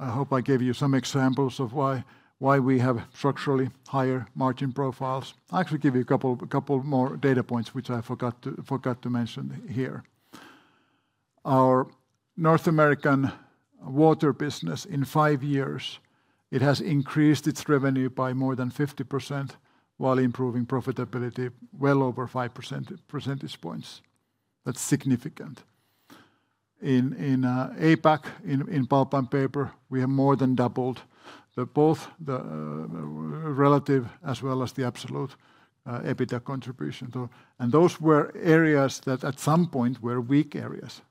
[SPEAKER 12] I hope I gave you some examples of why we have structurally higher margin profiles. I'll actually give you a couple more data points, which I forgot to mention here. Our North American water business, in five years, it has increased its revenue by more than 50% while improving profitability well over 5 percentage points. That's significant in APAC, in pulp and paper, we have more than doubled both the relative as well as the absolute EBITDA contribution to. And those were areas that at some point were weak areas,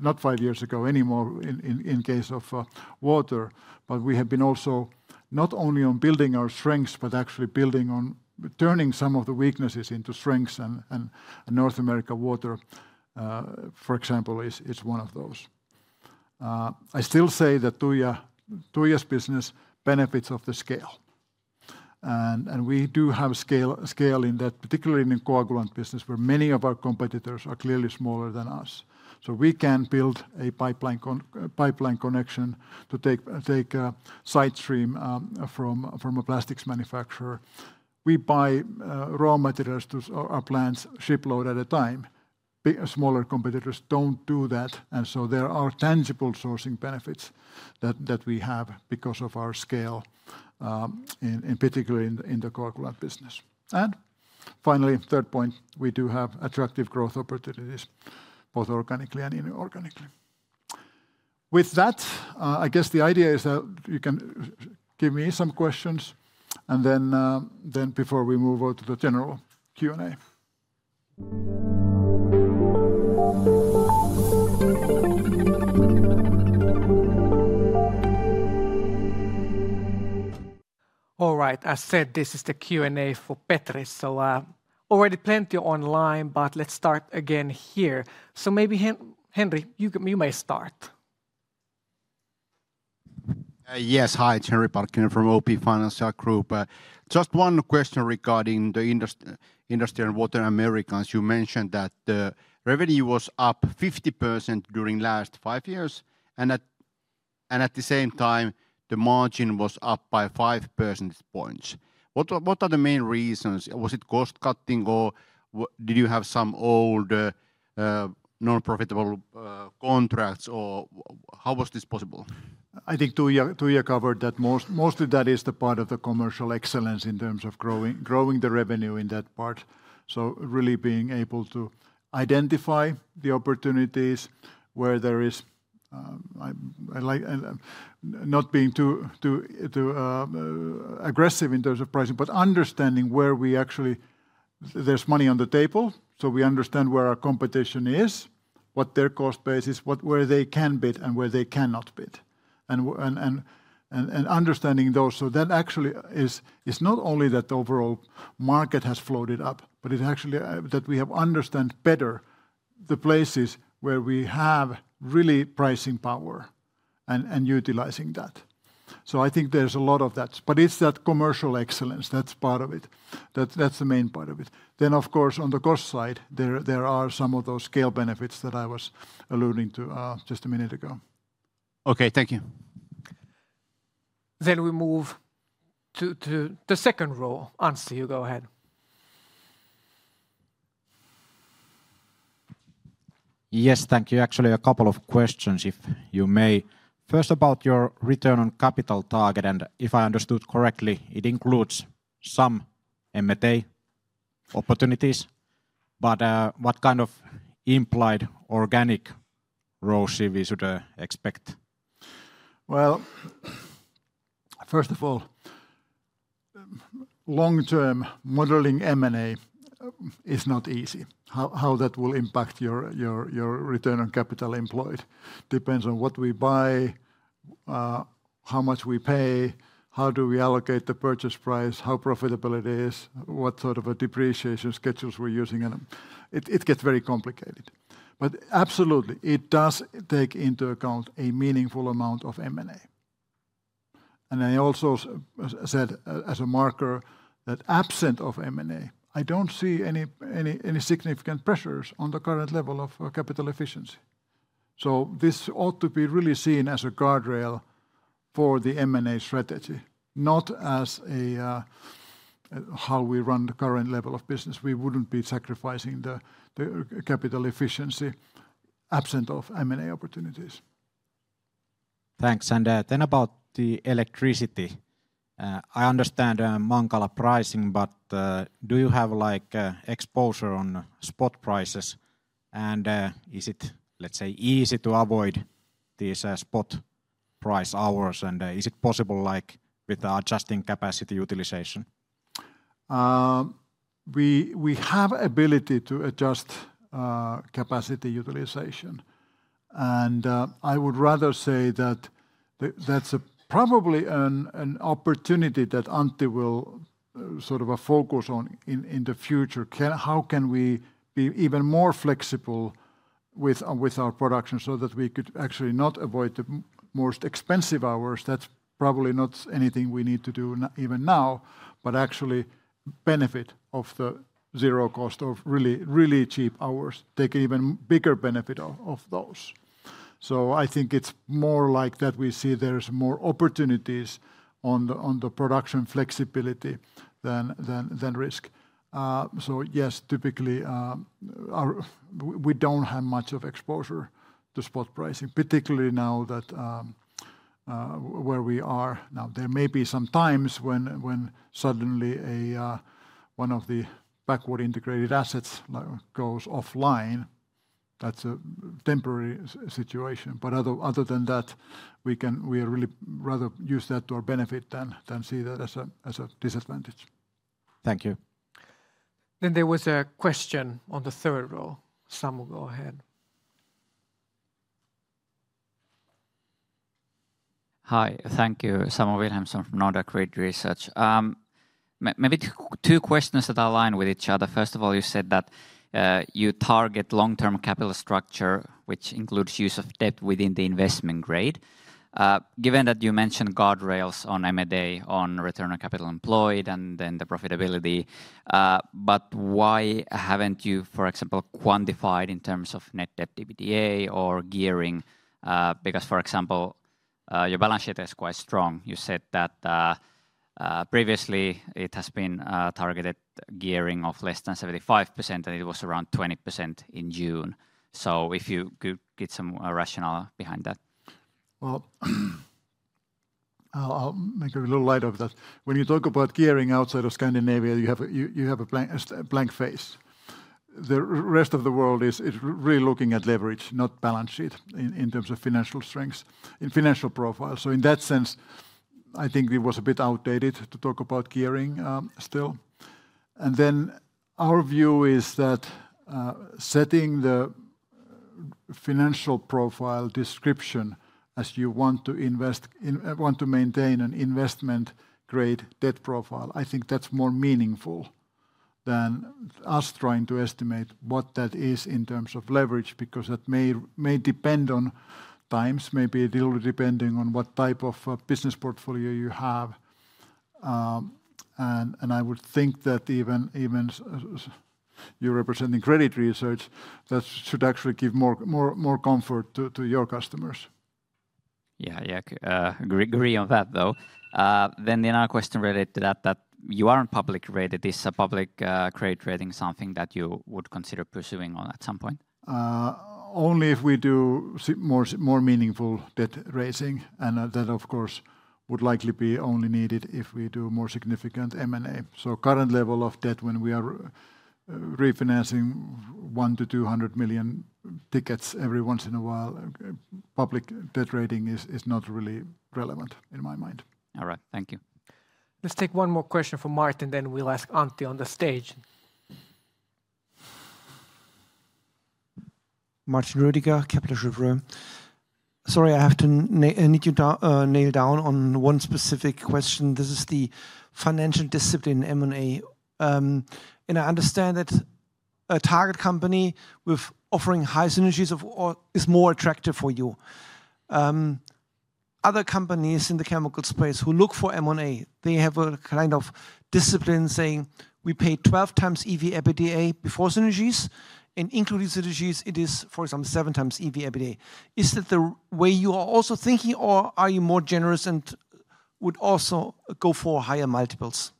[SPEAKER 12] not five years ago anymore in case of water. But we have been also not only on building our strengths, but actually building on turning some of the weaknesses into strengths, and North America Water, for example, is one of those. I still say that Tuija's business benefits of the scale, and we do have scale in that, particularly in the coagulant business, where many of our competitors are clearly smaller than us. So we can build a pipeline connection to take a sidestream from a plastics manufacturer. We buy raw materials to our plants shipload at a time. Bigger, smaller competitors don't do that, and so there are tangible sourcing benefits that we have because of our scale, in particular, in the coagulant business. And finally, third point, we do have attractive growth opportunities, both organically and inorganically. With that, I guess the idea is that you can give me some questions, and then before we move on to the general Q&A.
[SPEAKER 1] All right, as said, this is the Q&A for Petri. So, already plenty online, but let's start again here. So maybe, Henri, you may start.
[SPEAKER 13] Yes. Hi, it's Henri Parkkinen from OP Financial Group. Just one question regarding the Industry and Water in Americas. You mentioned that the revenue was up 50% during last five years, and at the same time, the margin was up by five percentage points. What are the main reasons? Was it cost cutting, or did you have some old, non-profitable contracts, or how was this possible?
[SPEAKER 12] I think Tuija, Tuija covered that most. Mostly that is the part of the commercial excellence in terms of growing, growing the revenue in that part. So really being able to identify the opportunities where there is not being too, too aggressive in terms of pricing, but understanding where we actually-- there's money on the table, so we understand where our competition is, what their cost base is, what, where they can bid, and where they cannot bid, and understanding those. So that actually is not only that the overall market has floated up, but it's actually that we have understand better the places where we have really pricing power and utilizing that. So I think there's a lot of that, but it's that commercial excellence, that's part of it. That, that's the main part of it. Then, of course, on the cost side, there are some of those scale benefits that I was alluding to, just a minute ago.
[SPEAKER 13] Okay, thank you.
[SPEAKER 1] Then we move to the second row. Anssi, you go ahead.
[SPEAKER 7] Yes, thank you. Actually, a couple of questions, if you may. First, about your return on capital target, and if I understood correctly, it includes some M&A opportunities, but what kind of implied organic growth we should expect?
[SPEAKER 12] First of all, long-term modeling M&A is not easy. How that will impact your return on capital employed depends on what we buy, how much we pay, how do we allocate the purchase price, how profitable it is, what sort of a depreciation schedules we're using, and it gets very complicated. But absolutely, it does take into account a meaningful amount of M&A. And I also said as a marker, that absent of M&A, I don't see any significant pressures on the current level of capital efficiency. So this ought to be really seen as a guardrail for the M&A strategy, not as how we run the current level of business. We wouldn't be sacrificing the capital efficiency absent of M&A opportunities.
[SPEAKER 7] Thanks. Then, about the electricity. I understand Mankala pricing, but do you have, like, exposure to spot prices? And, is it, let's say, easy to avoid these spot price hours, and is it possible, like, with adjusting capacity utilization?
[SPEAKER 12] We have ability to adjust capacity utilization, and I would rather say that that's probably an opportunity that Antti will sort of a focus on in the future. How can we be even more flexible with our production so that we could actually not avoid the most expensive hours? That's probably not anything we need to do even now, but actually benefit of the zero cost of really, really cheap hours, take even bigger benefit of those. So I think it's more like that. We see there's more opportunities on the production flexibility than risk. So yes, typically, we don't have much of exposure to spot pricing, particularly now that where we are now. There may be some times when suddenly one of the backward integrated assets, like, goes offline. That's a temporary situation. But other than that, we can really rather use that to our benefit than see that as a disadvantage.
[SPEAKER 7] Thank you.
[SPEAKER 1] Then there was a question on the third row. Samuel, go ahead.
[SPEAKER 14] Hi, thank you. Samuel Vilhelmsson from Nordea Credit Research. Maybe two questions that align with each other. First of all, you said that you target long-term capital structure, which includes use of debt within the investment grade. Given that you mentioned guardrails on M&A, on return on capital employed, and then the profitability, but why haven't you, for example, quantified in terms of net debt EBITDA or gearing? Because, for example, your balance sheet is quite strong. You said that previously it has been targeted gearing of less than 75%, and it was around 20% in June. So if you could get some rationale behind that.
[SPEAKER 12] I'll make a little light of that. When you talk about gearing outside of Scandinavia, you have a blank face. The rest of the world is really looking at leverage, not balance sheet, in terms of financial strengths, in financial profile. In that sense, I think it was a bit outdated to talk about gearing still. And then our view is that setting the financial profile description as you want to invest, in want to maintain an investment-grade debt profile, I think that's more meaningful than us trying to estimate what that is in terms of leverage, because that may depend on times, maybe a little depending on what type of a business portfolio you have. I would think that even so you're representing credit research, that should actually give more comfort to your customers.
[SPEAKER 14] Yeah, yeah. Agree, agree on that, though. Then another question related to that, that you aren't publicly rated. Is a public credit rating something that you would consider pursuing on at some point?
[SPEAKER 12] Only if we do more meaningful debt raising, and that, of course, would likely be only needed if we do more significant M&A. Current level of debt, when we are refinancing 100 million to 200 million euros every once in a while, public debt rating is not really relevant, in my mind.
[SPEAKER 14] All right. Thank you.
[SPEAKER 1] Let's take one more question from Martin, then we'll ask Antti on the stage.
[SPEAKER 10] Martin Rüdiger, Kepler Cheuvreux. I need you to nail down one specific question. This is the financial discipline M&A. And I understand that a target company with offering high synergies of or is more attractive for you. Other companies in the chemical space who look for M&A, they have a kind of discipline saying, "We pay 12x EV/EBITDA before synergies, and including synergies, it is, for example, seven times EV EBITDA." Is that the way you are also thinking, or are you more generous and would also go for higher multiples?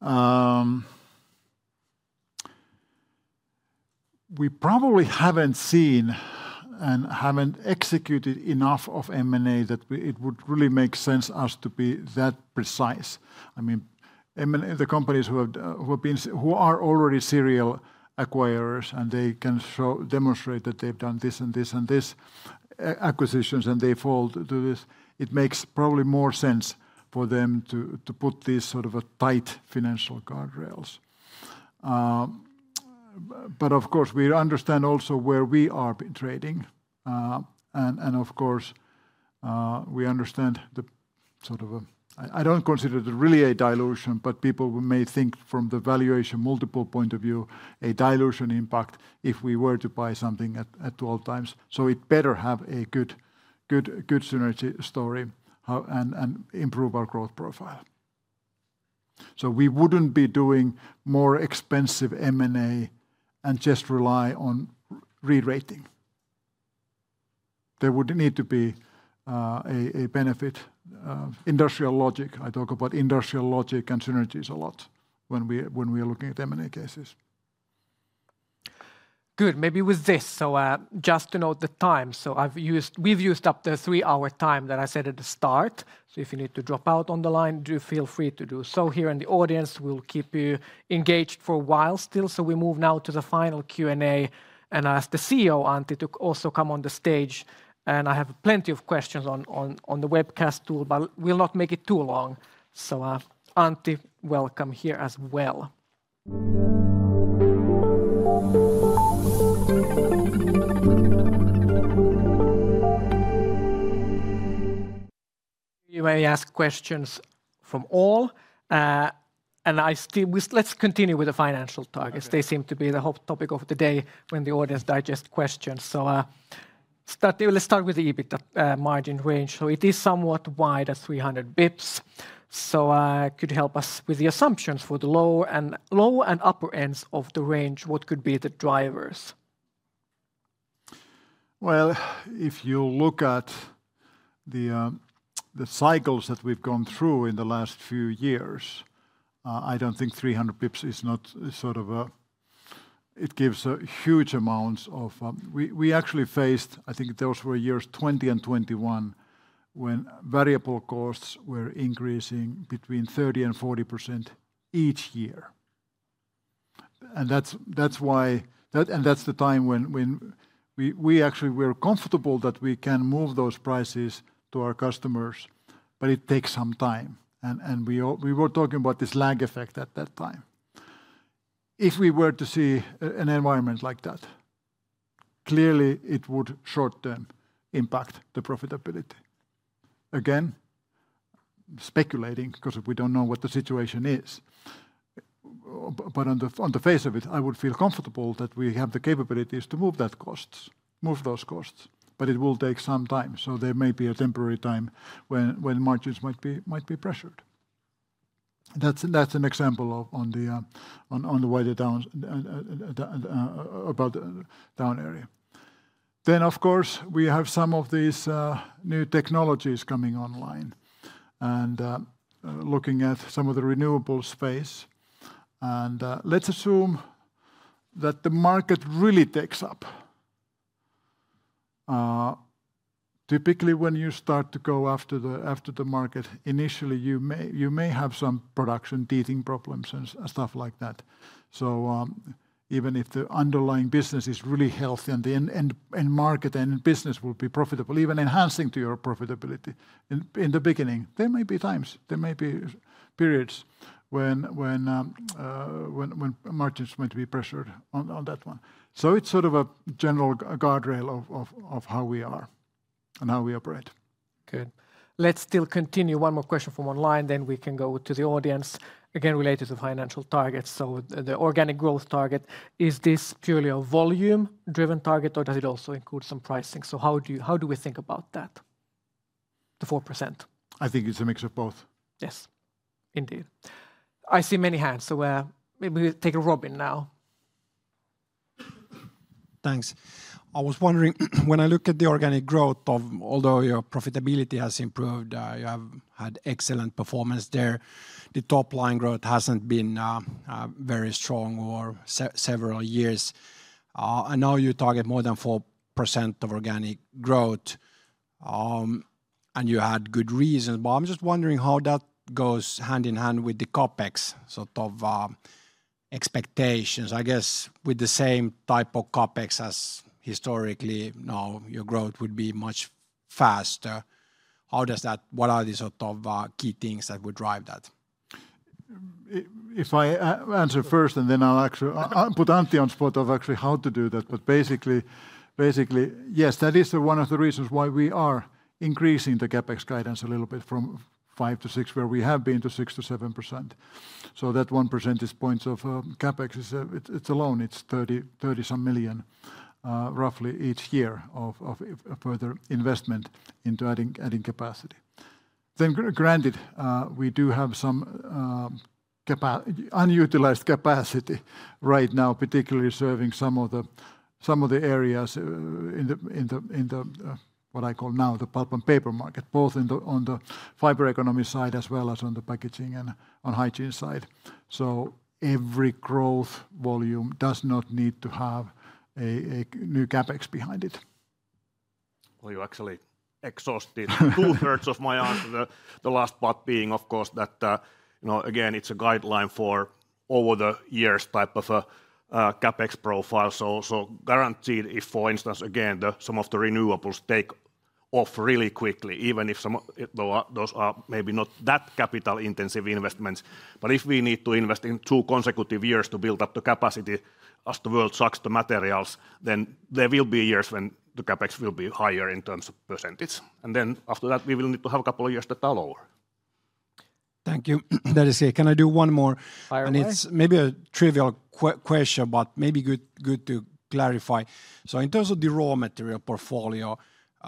[SPEAKER 12] We probably haven't seen and haven't executed enough of M&A that we it would really make sense us to be that precise. I mean, M&A, the companies who are already serial acquirers, and they can show, demonstrate that they've done this and this and this, and acquisitions, and they fall to this, it makes probably more sense for them to put these sort of a tight financial guardrails. But of course, we understand also where we are trading. And of course, we understand the sort of a. I don't consider it really a dilution, but people may think from the valuation multiple point of view, a dilution impact if we were to buy something at all times. So it better have a good, good, good synergy story, and improve our growth profile. So we wouldn't be doing more expensive M&A and just rely on re-rating. There would need to be a benefit, industrial logic. I talk about industrial logic and synergies a lot when we are looking at M&A cases.
[SPEAKER 1] Good. Maybe with this, so just to note the time. So I've used, we've used up the three-hour time that I said at the start. So if you need to drop out on the line, do feel free to do so. Here in the audience, we'll keep you engaged for a while still. So we move now to the final Q&A, and ask the CEO, Antti, to also come on the stage. And I have plenty of questions on the webcast tool, but we'll not make it too long. So, Antti, welcome here as well. You may ask questions from all, and I still... Let's continue with the financial targets.
[SPEAKER 12] Okay.
[SPEAKER 1] They seem to be the whole topic of the day when the audience digests questions. So let's start with the EBITDA margin range. So it is somewhat wide at 300 basis points. So could you help us with the assumptions for the lower and upper ends of the range, what could be the drivers?
[SPEAKER 12] If you look at the cycles that we've gone through in the last few years, I don't think 300 basis points is not sort of a... It gives huge amounts of, we actually faced, I think those were years 2020 and 2021, when variable costs were increasing between 30% and 40% each year. And that's the time when we actually we're comfortable that we can move those prices to our customers, but it takes some time. And we were talking about this lag effect at that time. If we were to see an environment like that, clearly it would short-term impact the profitability. Again, speculating, because we don't know what the situation is. But on the face of it, I would feel comfortable that we have the capabilities to move those costs, but it will take some time, so there may be a temporary time when margins might be pressured. That's an example of on the way down about the down area. Then, of course, we have some of these new technologies coming online, and looking at some of the renewable space. And let's assume that the market really takes up. Typically, when you start to go after the market, initially, you may have some production teething problems and stuff like that. So, even if the underlying business is really healthy and the end market and business will be profitable, even enhancing to your profitability, in the beginning, there may be times, there may be periods when margins might be pressured on that one. So it's sort of a general guardrail of how we are and how we operate.
[SPEAKER 1] Good. Let's still continue one more question from online, then we can go to the audience. Again, related to financial targets, so the organic growth target, is this purely a volume-driven target, or does it also include some pricing? So how do you, how do we think about that, the 4%?
[SPEAKER 12] I think it's a mix of both.
[SPEAKER 1] Yes, indeed. I see many hands, so, maybe we take a Robin now.
[SPEAKER 3] Thanks. I was wondering, when I look at the organic growth of... Although your profitability has improved, you have had excellent performance there, the top line growth hasn't been very strong for several years. I know you target more than 4% of organic growth, and you had good reasons, but I'm just wondering how that goes hand in hand with the CapEx sort of expectations. I guess, with the same type of CapEx as historically, now, your growth would be much faster. How does that... What are the sort of key things that would drive that?
[SPEAKER 12] If I answer first, and then I'll put Antti on the spot of actually how to do that. But basically, yes, that is one of the reasons why we are increasing the CapEx guidance a little bit from 5%-6%, where we have been, to 6%-7%. So that one percentage point of CapEx is, it's alone, it's 30-some million, roughly each year of further investment into adding capacity. Then, granted, we do have some unutilized capacity right now, particularly serving some of the areas in the what I call now the pulp and paper market, both on the fiber economy side, as well as on the packaging and on hygiene side. Every growth volume does not need to have a new CapEx behind it.
[SPEAKER 2] You actually exhausted two-thirds of my answer. The last part being, of course, that, you know, again, it's a guideline for over the years type of CapEx profile. So guaranteed if, for instance, again, some of the renewables take off really quickly, even if some of those are maybe not that capital-intensive investments, but if we need to invest in two consecutive years to build up the capacity as the world sucks the materials, then there will be years when the CapEx will be higher in terms of percentage. And then, after that, we will need to have a couple of years that are lower.
[SPEAKER 3] Thank you. That is it. Can I do one more?
[SPEAKER 1] Fire away.
[SPEAKER 3] And it's maybe a trivial question, but maybe good to clarify. So in terms of the raw material portfolio,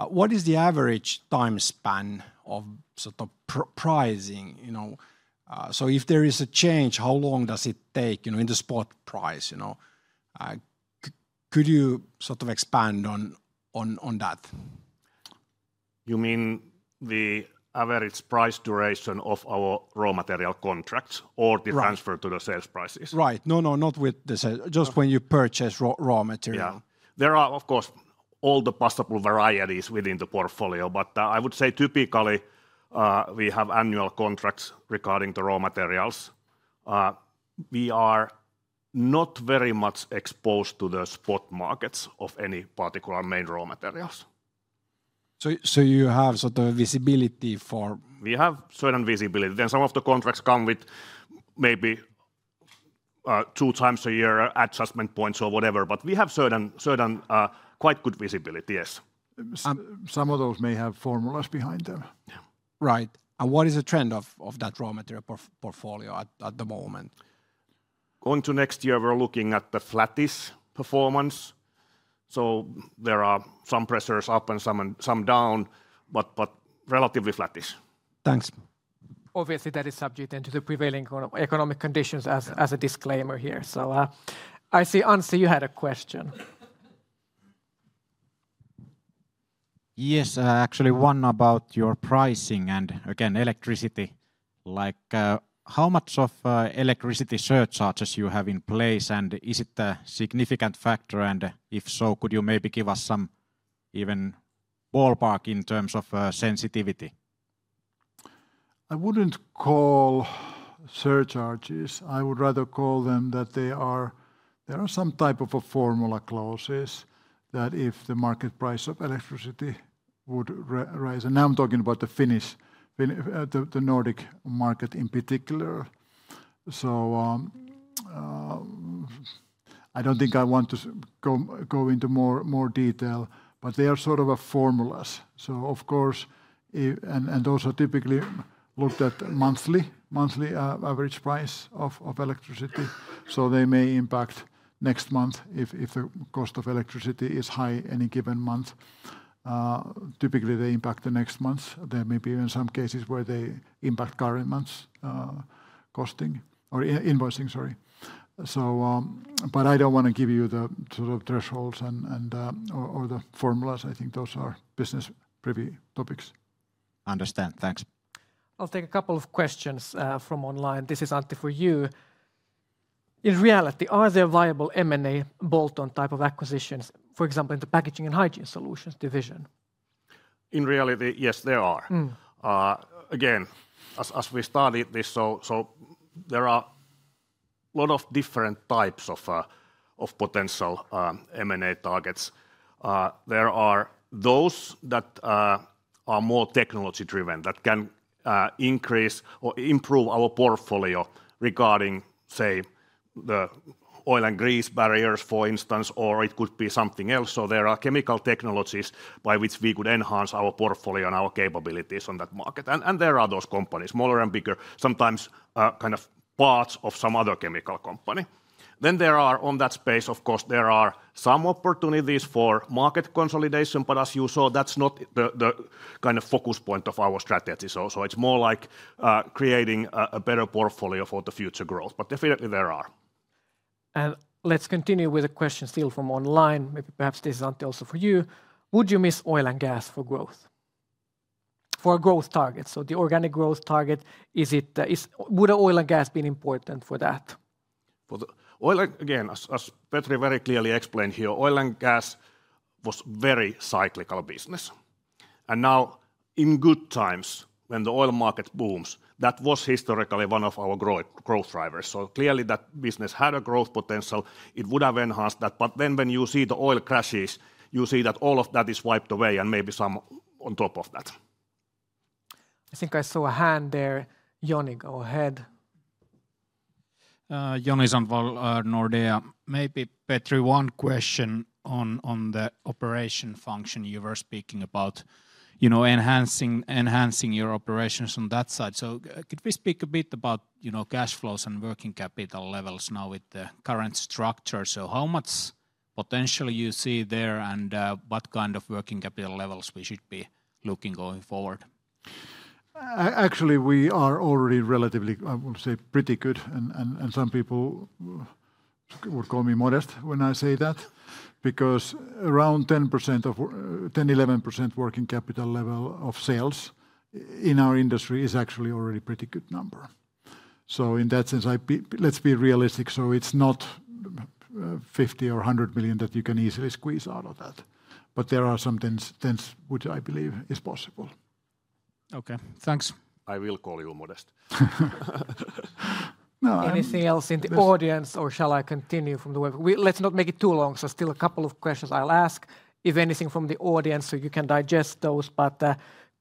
[SPEAKER 3] what is the average time span of sort of pricing, you know? So if there is a change, how long does it take, you know, in the spot price, you know? Could you sort of expand on that?
[SPEAKER 2] You mean the average price duration of our raw material contracts?
[SPEAKER 3] Right...
[SPEAKER 2] or the transfer to the sales prices?
[SPEAKER 3] Right. No, no, not with the, just when you purchase raw material.
[SPEAKER 2] Yeah. There are, of course, all the possible varieties within the portfolio, but, I would say, typically, we have annual contracts regarding the raw materials. We are not very much exposed to the spot markets of any particular main raw materials.
[SPEAKER 3] So you have sort of visibility for-
[SPEAKER 2] We have certain visibility, then some of the contracts come with maybe two times a year adjustment points or whatever, but we have certain quite good visibility, yes.
[SPEAKER 12] Some of those may have formulas behind them.
[SPEAKER 2] Yeah.
[SPEAKER 3] Right. And what is the trend of that raw material portfolio at the moment?
[SPEAKER 2] Going to next year, we're looking at the flattest performance, so there are some pressures up and some down, but relatively flattish.
[SPEAKER 3] Thanks.
[SPEAKER 1] Obviously, that is subject then to the prevailing economic conditions as a disclaimer here. I see, Antti, you had a question. ...
[SPEAKER 4] Yes, actually one about your pricing and, again, electricity. Like, how much of electricity surcharges you have in place, and is it a significant factor? And if so, could you maybe give us some even ballpark in terms of sensitivity?
[SPEAKER 12] I wouldn't call surcharges. I would rather call them that they are there are some type of a formula clauses that if the market price of electricity would rise. And now I'm talking about the Finnish, the Nordic market in particular. So, I don't think I want to go into more detail, but they are sort of a formulas. So of course, and those are typically looked at monthly average price of electricity. So they may impact next month if the cost of electricity is high any given month. Typically, they impact the next months. There may be even some cases where they impact current months costing or invoicing, sorry. So, but I don't want to give you the sort of thresholds and, or the formulas. I think those are business privy topics.
[SPEAKER 4] Understand. Thanks.
[SPEAKER 1] I'll take a couple of questions from online. This is Antti for you. In reality, are there viable M&A bolt-on type of acquisitions, for example, in the Packaging and Hygiene Solutions division?
[SPEAKER 2] In reality, yes, there are.
[SPEAKER 1] Mm.
[SPEAKER 2] Again, as we started this, there are lot of different types of potential M&A targets. There are those that are more technology-driven, that can increase or improve our portfolio regarding, say, the oil and grease barriers, for instance, or it could be something else. There are chemical technologies by which we could enhance our portfolio and our capabilities on that market, and there are those companies, smaller and bigger, sometimes kind of parts of some other chemical company. There are, on that space, of course, some opportunities for market consolidation, but as you saw, that's not the kind of focus point of our strategy. It's more like creating a better portfolio for the future growth, but definitely there are.
[SPEAKER 1] And let's continue with a question still from online. Maybe perhaps this is, Antti, also for you: Would you miss oil and gas for growth? For growth targets, so the organic growth target, is it? Would oil and gas been important for that?
[SPEAKER 2] For the oil, again, as Petri very clearly explained here, oil and gas was very cyclical business, and now, in good times, when the oil market booms, that was historically one of our growth drivers. So clearly, that business had a growth potential. It would have enhanced that, but then when you see the oil crashes, you see that all of that is wiped away and maybe some on top of that.
[SPEAKER 1] I think I saw a hand there. Joni, go ahead.
[SPEAKER 15] Joni Sandvall, Nordea. Maybe, Petri, one question on the operation function you were speaking about, you know, enhancing your Operations on that side. So, could we speak a bit about, you know, cash flows and working capital levels now with the current structure? So how much potential you see there, and, what kind of working capital levels we should be looking going forward?
[SPEAKER 12] Actually, we are already relatively, I want to say, pretty good, and some people would call me modest when I say that, because around 10%-11% working capital level of sales in our industry is actually already pretty good number. In that sense, let's be realistic, so it's not 50 million or 100 million that you can easily squeeze out of that, but there are some things which I believe is possible.
[SPEAKER 15] Okay, thanks.
[SPEAKER 2] I will call you modest.
[SPEAKER 12] No, I-
[SPEAKER 1] Anything else in the audience, or shall I continue from the web? Let's not make it too long, so still a couple of questions I'll ask. If anything from the audience, so you can digest those, but,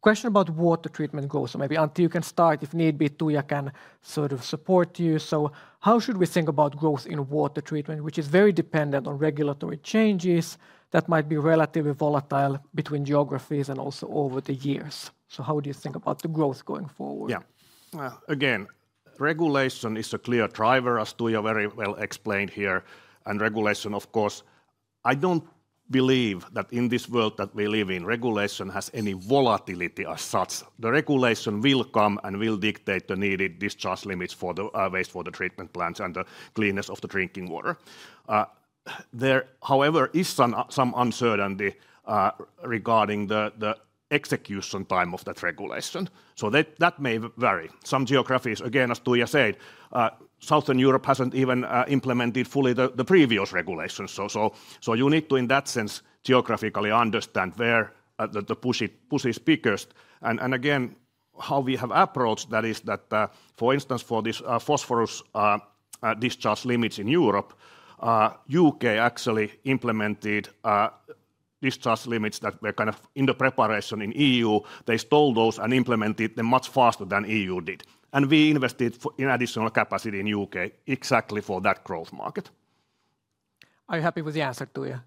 [SPEAKER 1] question about water treatment goals. So maybe, Antti, you can start. If need be, Tuija can sort of support you. So how should we think about growth in water treatment, which is very dependent on regulatory changes that might be relatively volatile between geographies and also over the years? So how do you think about the growth going forward?
[SPEAKER 2] Yeah. Well, again, regulation is a clear driver, as Tuija very well explained here, and regulation, of course. I don't believe that in this world that we live in, regulation has any volatility as such. The regulation will come and will dictate the needed discharge limits for the wastewater treatment plants and the cleanness of the drinking water. However, there is some uncertainty regarding the execution time of that regulation, so that may vary. Some geographies, again, as Tuija said, Southern Europe hasn't even implemented fully the previous regulations. So you need to, in that sense, geographically understand where the push is biggest. How we have approached that is that, for instance, for this phosphorus discharge limits in Europe, U.K. actually implemented discharge limits that were kind of in the preparation in EU. They stole those and implemented them much faster than EU did, and we invested in additional capacity in U.K. exactly for that growth market.
[SPEAKER 1] Are you happy with the answer, Tuija?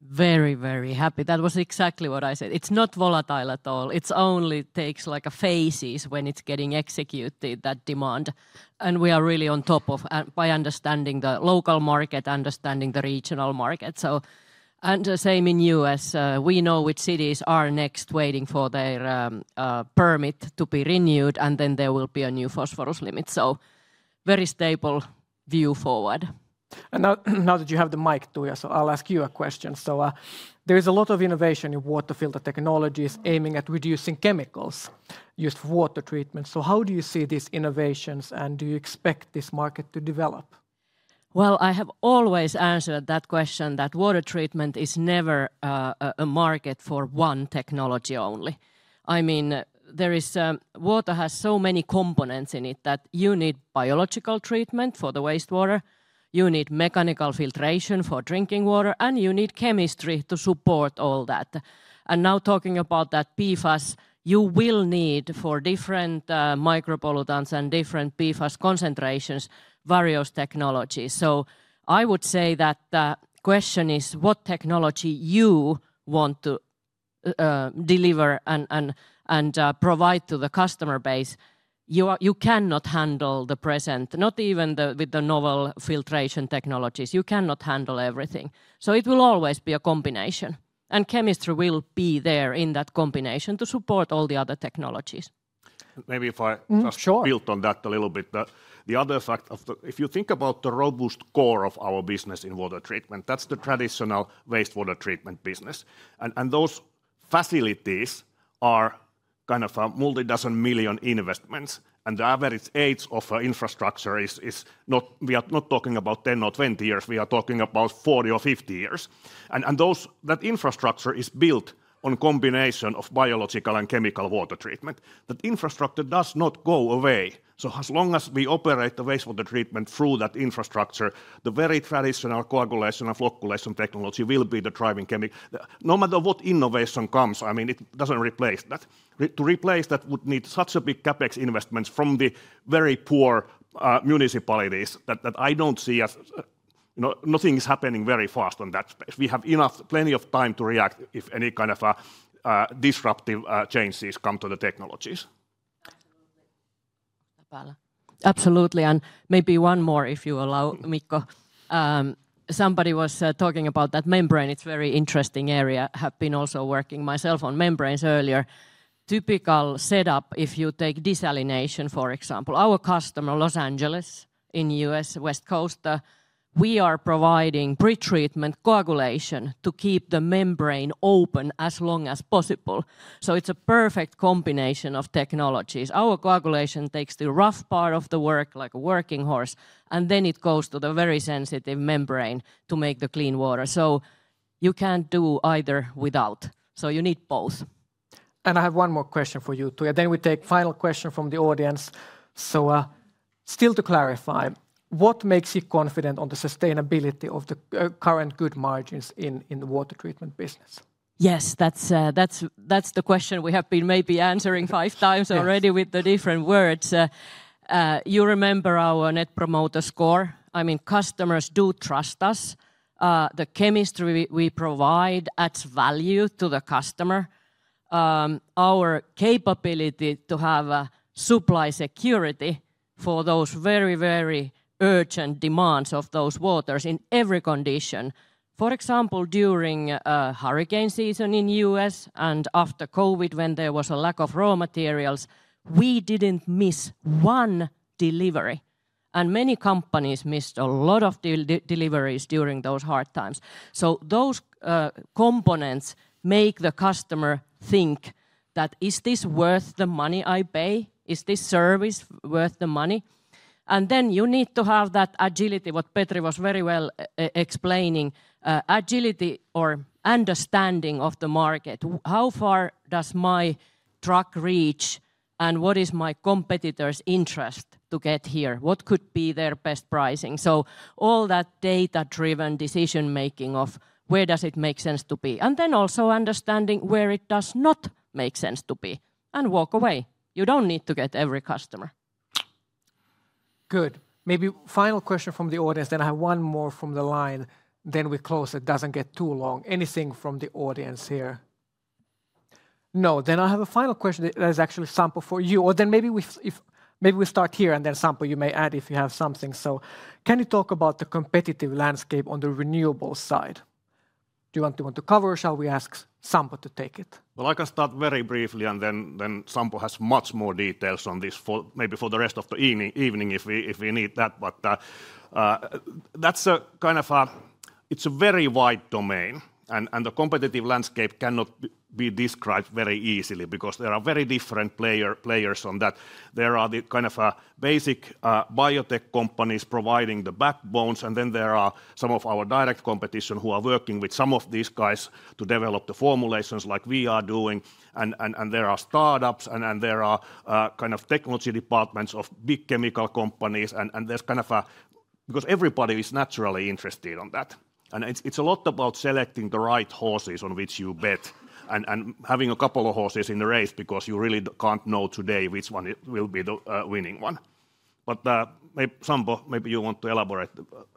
[SPEAKER 8] Very, very happy. That was exactly what I said. It's not volatile at all. It's only takes, like, a phases when it's getting executed, that demand, and we are really on top of, and by understanding the local market, understanding the regional market, so, and the same in the U.S., we know which cities are next waiting for their permit to be renewed, and then there will be a new phosphorus limit, so very stable view forward....
[SPEAKER 1] And now that you have the mic, Tuija, so I'll ask you a question. So, there is a lot of innovation in water filter technologies aiming at reducing chemicals used for water treatment. So how do you see these innovations, and do you expect this market to develop?
[SPEAKER 8] I have always answered that question, that water treatment is never a market for one technology only. I mean, water has so many components in it, that you need biological treatment for the wastewater, you need mechanical filtration for drinking water, and you need chemistry to support all that. Now talking about that PFAS, you will need for different micropollutants and different PFAS concentrations, various technologies. I would say that the question is what technology you want to deliver and provide to the customer base. You cannot handle the present, not even with the novel filtration technologies. You cannot handle everything, so it will always be a combination, and chemistry will be there in that combination to support all the other technologies.
[SPEAKER 2] Maybe if I-
[SPEAKER 9] Mm, sure...
[SPEAKER 2] just built on that a little bit. The other fact of the. If you think about the robust core of our business in water treatment, that's the traditional wastewater treatment business, and those facilities are kind of a multi-dozen million investments, and the average age of our infrastructure is not. We are not talking about 10 or 20 years, we are talking about 40 or 50 years. That infrastructure is built on combination of biological and chemical water treatment. That infrastructure does not go away, so as long as we operate the wastewater treatment through that infrastructure, the very traditional coagulation and flocculation technology will be the driving chemi- No matter what innovation comes, I mean, it doesn't replace that. To replace that would need such a big CapEx investments from the very poor municipalities that I don't see as, you know... Nothing is happening very fast on that space. We have enough, plenty of time to react if any kind of disruptive changes come to the technologies.
[SPEAKER 8] Absolutely. Absolutely, and maybe one more, if you allow, Mikko. Somebody was talking about that membrane. It's very interesting area. Have been also working myself on membranes earlier. Typical setup, if you take desalination, for example, our customer, Los Angeles, in U.S. West Coast, we are providing pre-treatment coagulation to keep the membrane open as long as possible. So it's a perfect combination of technologies. Our coagulation takes the rough part of the work, like a working horse, and then it goes to the very sensitive membrane to make the clean water. So you can't do either without, so you need both.
[SPEAKER 1] And I have one more question for you, Tuija, then we take final question from the audience. So, still to clarify, what makes you confident on the sustainability of the current good margins in the water treatment business?
[SPEAKER 8] Yes, that's the question we have been maybe answering five times-
[SPEAKER 1] Yes...
[SPEAKER 8] already with the different words. You remember our Net Promoter Score? I mean, customers do trust us. The chemistry we provide adds value to the customer. Our capability to have a supply security for those very, very urgent demands of those waters in every condition. For example, during hurricane season in U.S. and after COVID, when there was a lack of raw materials, we didn't miss one delivery, and many companies missed a lot of deliveries during those hard times. So those components make the customer think that, "Is this worth the money I pay? Is this service worth the money?" And then you need to have that agility, what Petri was very well explaining, agility or understanding of the market. "How far does my truck reach, and what is my competitor's interest to get here? What could be their best pricing?" So all that data-driven decision-making of where does it make sense to be, and then also understanding where it does not make sense to be, and walk away. You don't need to get every customer.
[SPEAKER 1] Good. Maybe a final question from the audience, then I have one more from the line, then we close. It doesn't get too long. Anything from the audience here? No, then I have a final question that is actually Sampo for you, or then maybe we if maybe we start here, and then, Sampo, you may add if you have something. So can you talk about the competitive landscape on the renewables side? Do you want to cover, or shall we ask Sampo to take it?
[SPEAKER 2] I can start very briefly, and then Sampo has much more details on this for maybe the rest of the evening if we need that. That's a kind of a... It's a very wide domain, and the competitive landscape cannot be described very easily because there are very different players on that. There are the kind of basic biotech companies providing the backbones, and then there are some of our direct competition, who are working with some of these guys to develop the formulations like we are doing. And there are startups, and then there are kind of technology departments of big chemical companies, and there's kind of a... Because everybody is naturally interested on that. And it's a lot about selecting the right horses on which you bet and having a couple of horses in the race because you really can't know today which one it will be the winning one. But, Sampo, maybe you want to elaborate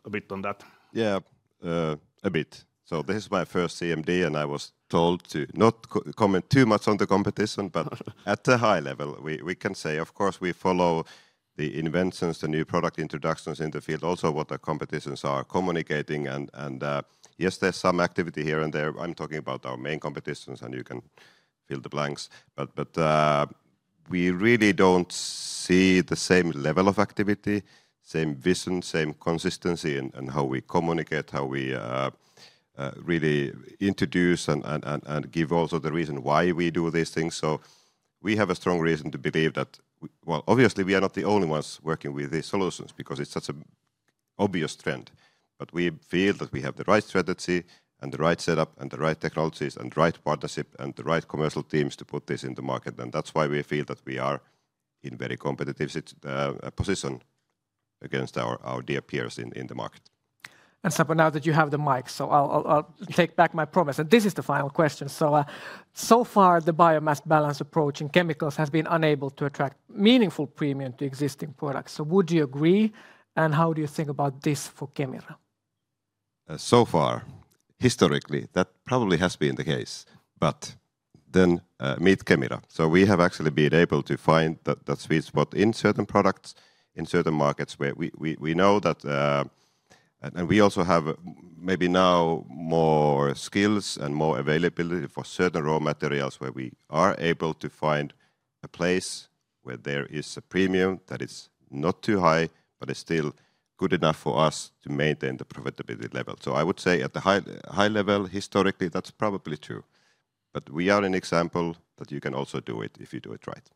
[SPEAKER 2] a bit on that?
[SPEAKER 6] Yeah, a bit. So this is my first CMD, and I was told to not comment too much on the competition, but at a high level, we can say, of course, we follow the inventions, the new product introductions in the field, also what the competitors are communicating. And yes, there's some activity here and there. I'm talking about our main competitors, and you can fill the blanks. But we really don't see the same level of activity, same vision, same consistency in how we communicate, how we really introduce and give also the reason why we do these things. So we have a strong reason to believe that, well, obviously, we are not the only ones working with these solutions, because it's such an obvious trend. But we feel that we have the right strategy, and the right setup, and the right technologies, and right partnership, and the right commercial teams to put this in the market. And that's why we feel that we are in very competitive situation against our dear peers in the market.
[SPEAKER 1] Sampo, now that you have the mic, so I'll take back my promise, and this is the final question. So, so far, the biomass balance approach in chemicals has been unable to attract meaningful premium to existing products. So would you agree, and how do you think about this for Kemira?
[SPEAKER 6] So far, historically, that probably has been the case, but then, meet Kemira. So we have actually been able to find that sweet spot in certain products, in certain markets, where we know that. And we also have maybe now more skills and more availability for certain raw materials, where we are able to find a place where there is a premium that is not too high, but is still good enough for us to maintain the profitability level. So I would say at the high level, historically, that's probably true. But we are an example that you can also do it if you do it right.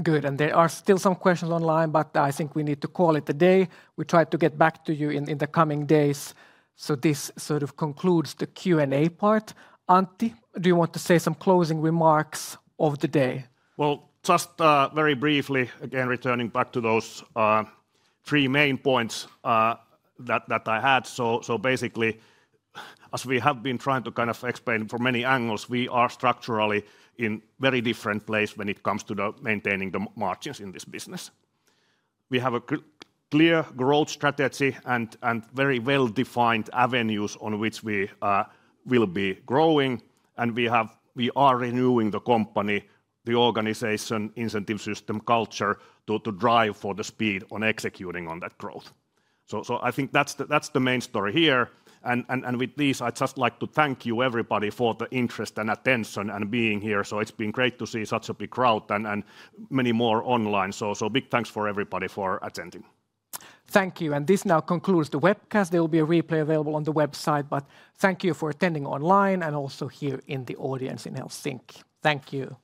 [SPEAKER 1] Good, and there are still some questions online, but I think we need to call it a day. We'll try to get back to you in the coming days. So this sort of concludes the Q&A part. Antti, do you want to say some closing remarks of the day?
[SPEAKER 2] Just very briefly, again, returning back to those three main points that I had. Basically, as we have been trying to kind of explain from many angles, we are structurally in very different place when it comes to the maintaining the margins in this business. We have a clear growth strategy and very well-defined avenues on which we will be growing, and we are renewing the company, the organization, incentive system, culture, to drive for the speed on executing on that growth. I think that's the main story here. And with this, I'd just like to thank you, everybody, for the interest and attention and being here. It's been great to see such a big crowd and many more online. Big thanks for everybody for attending.
[SPEAKER 1] Thank you, and this now concludes the webcast. There will be a replay available on the website, but thank you for attending online and also here in the audience in Helsinki. Thank you!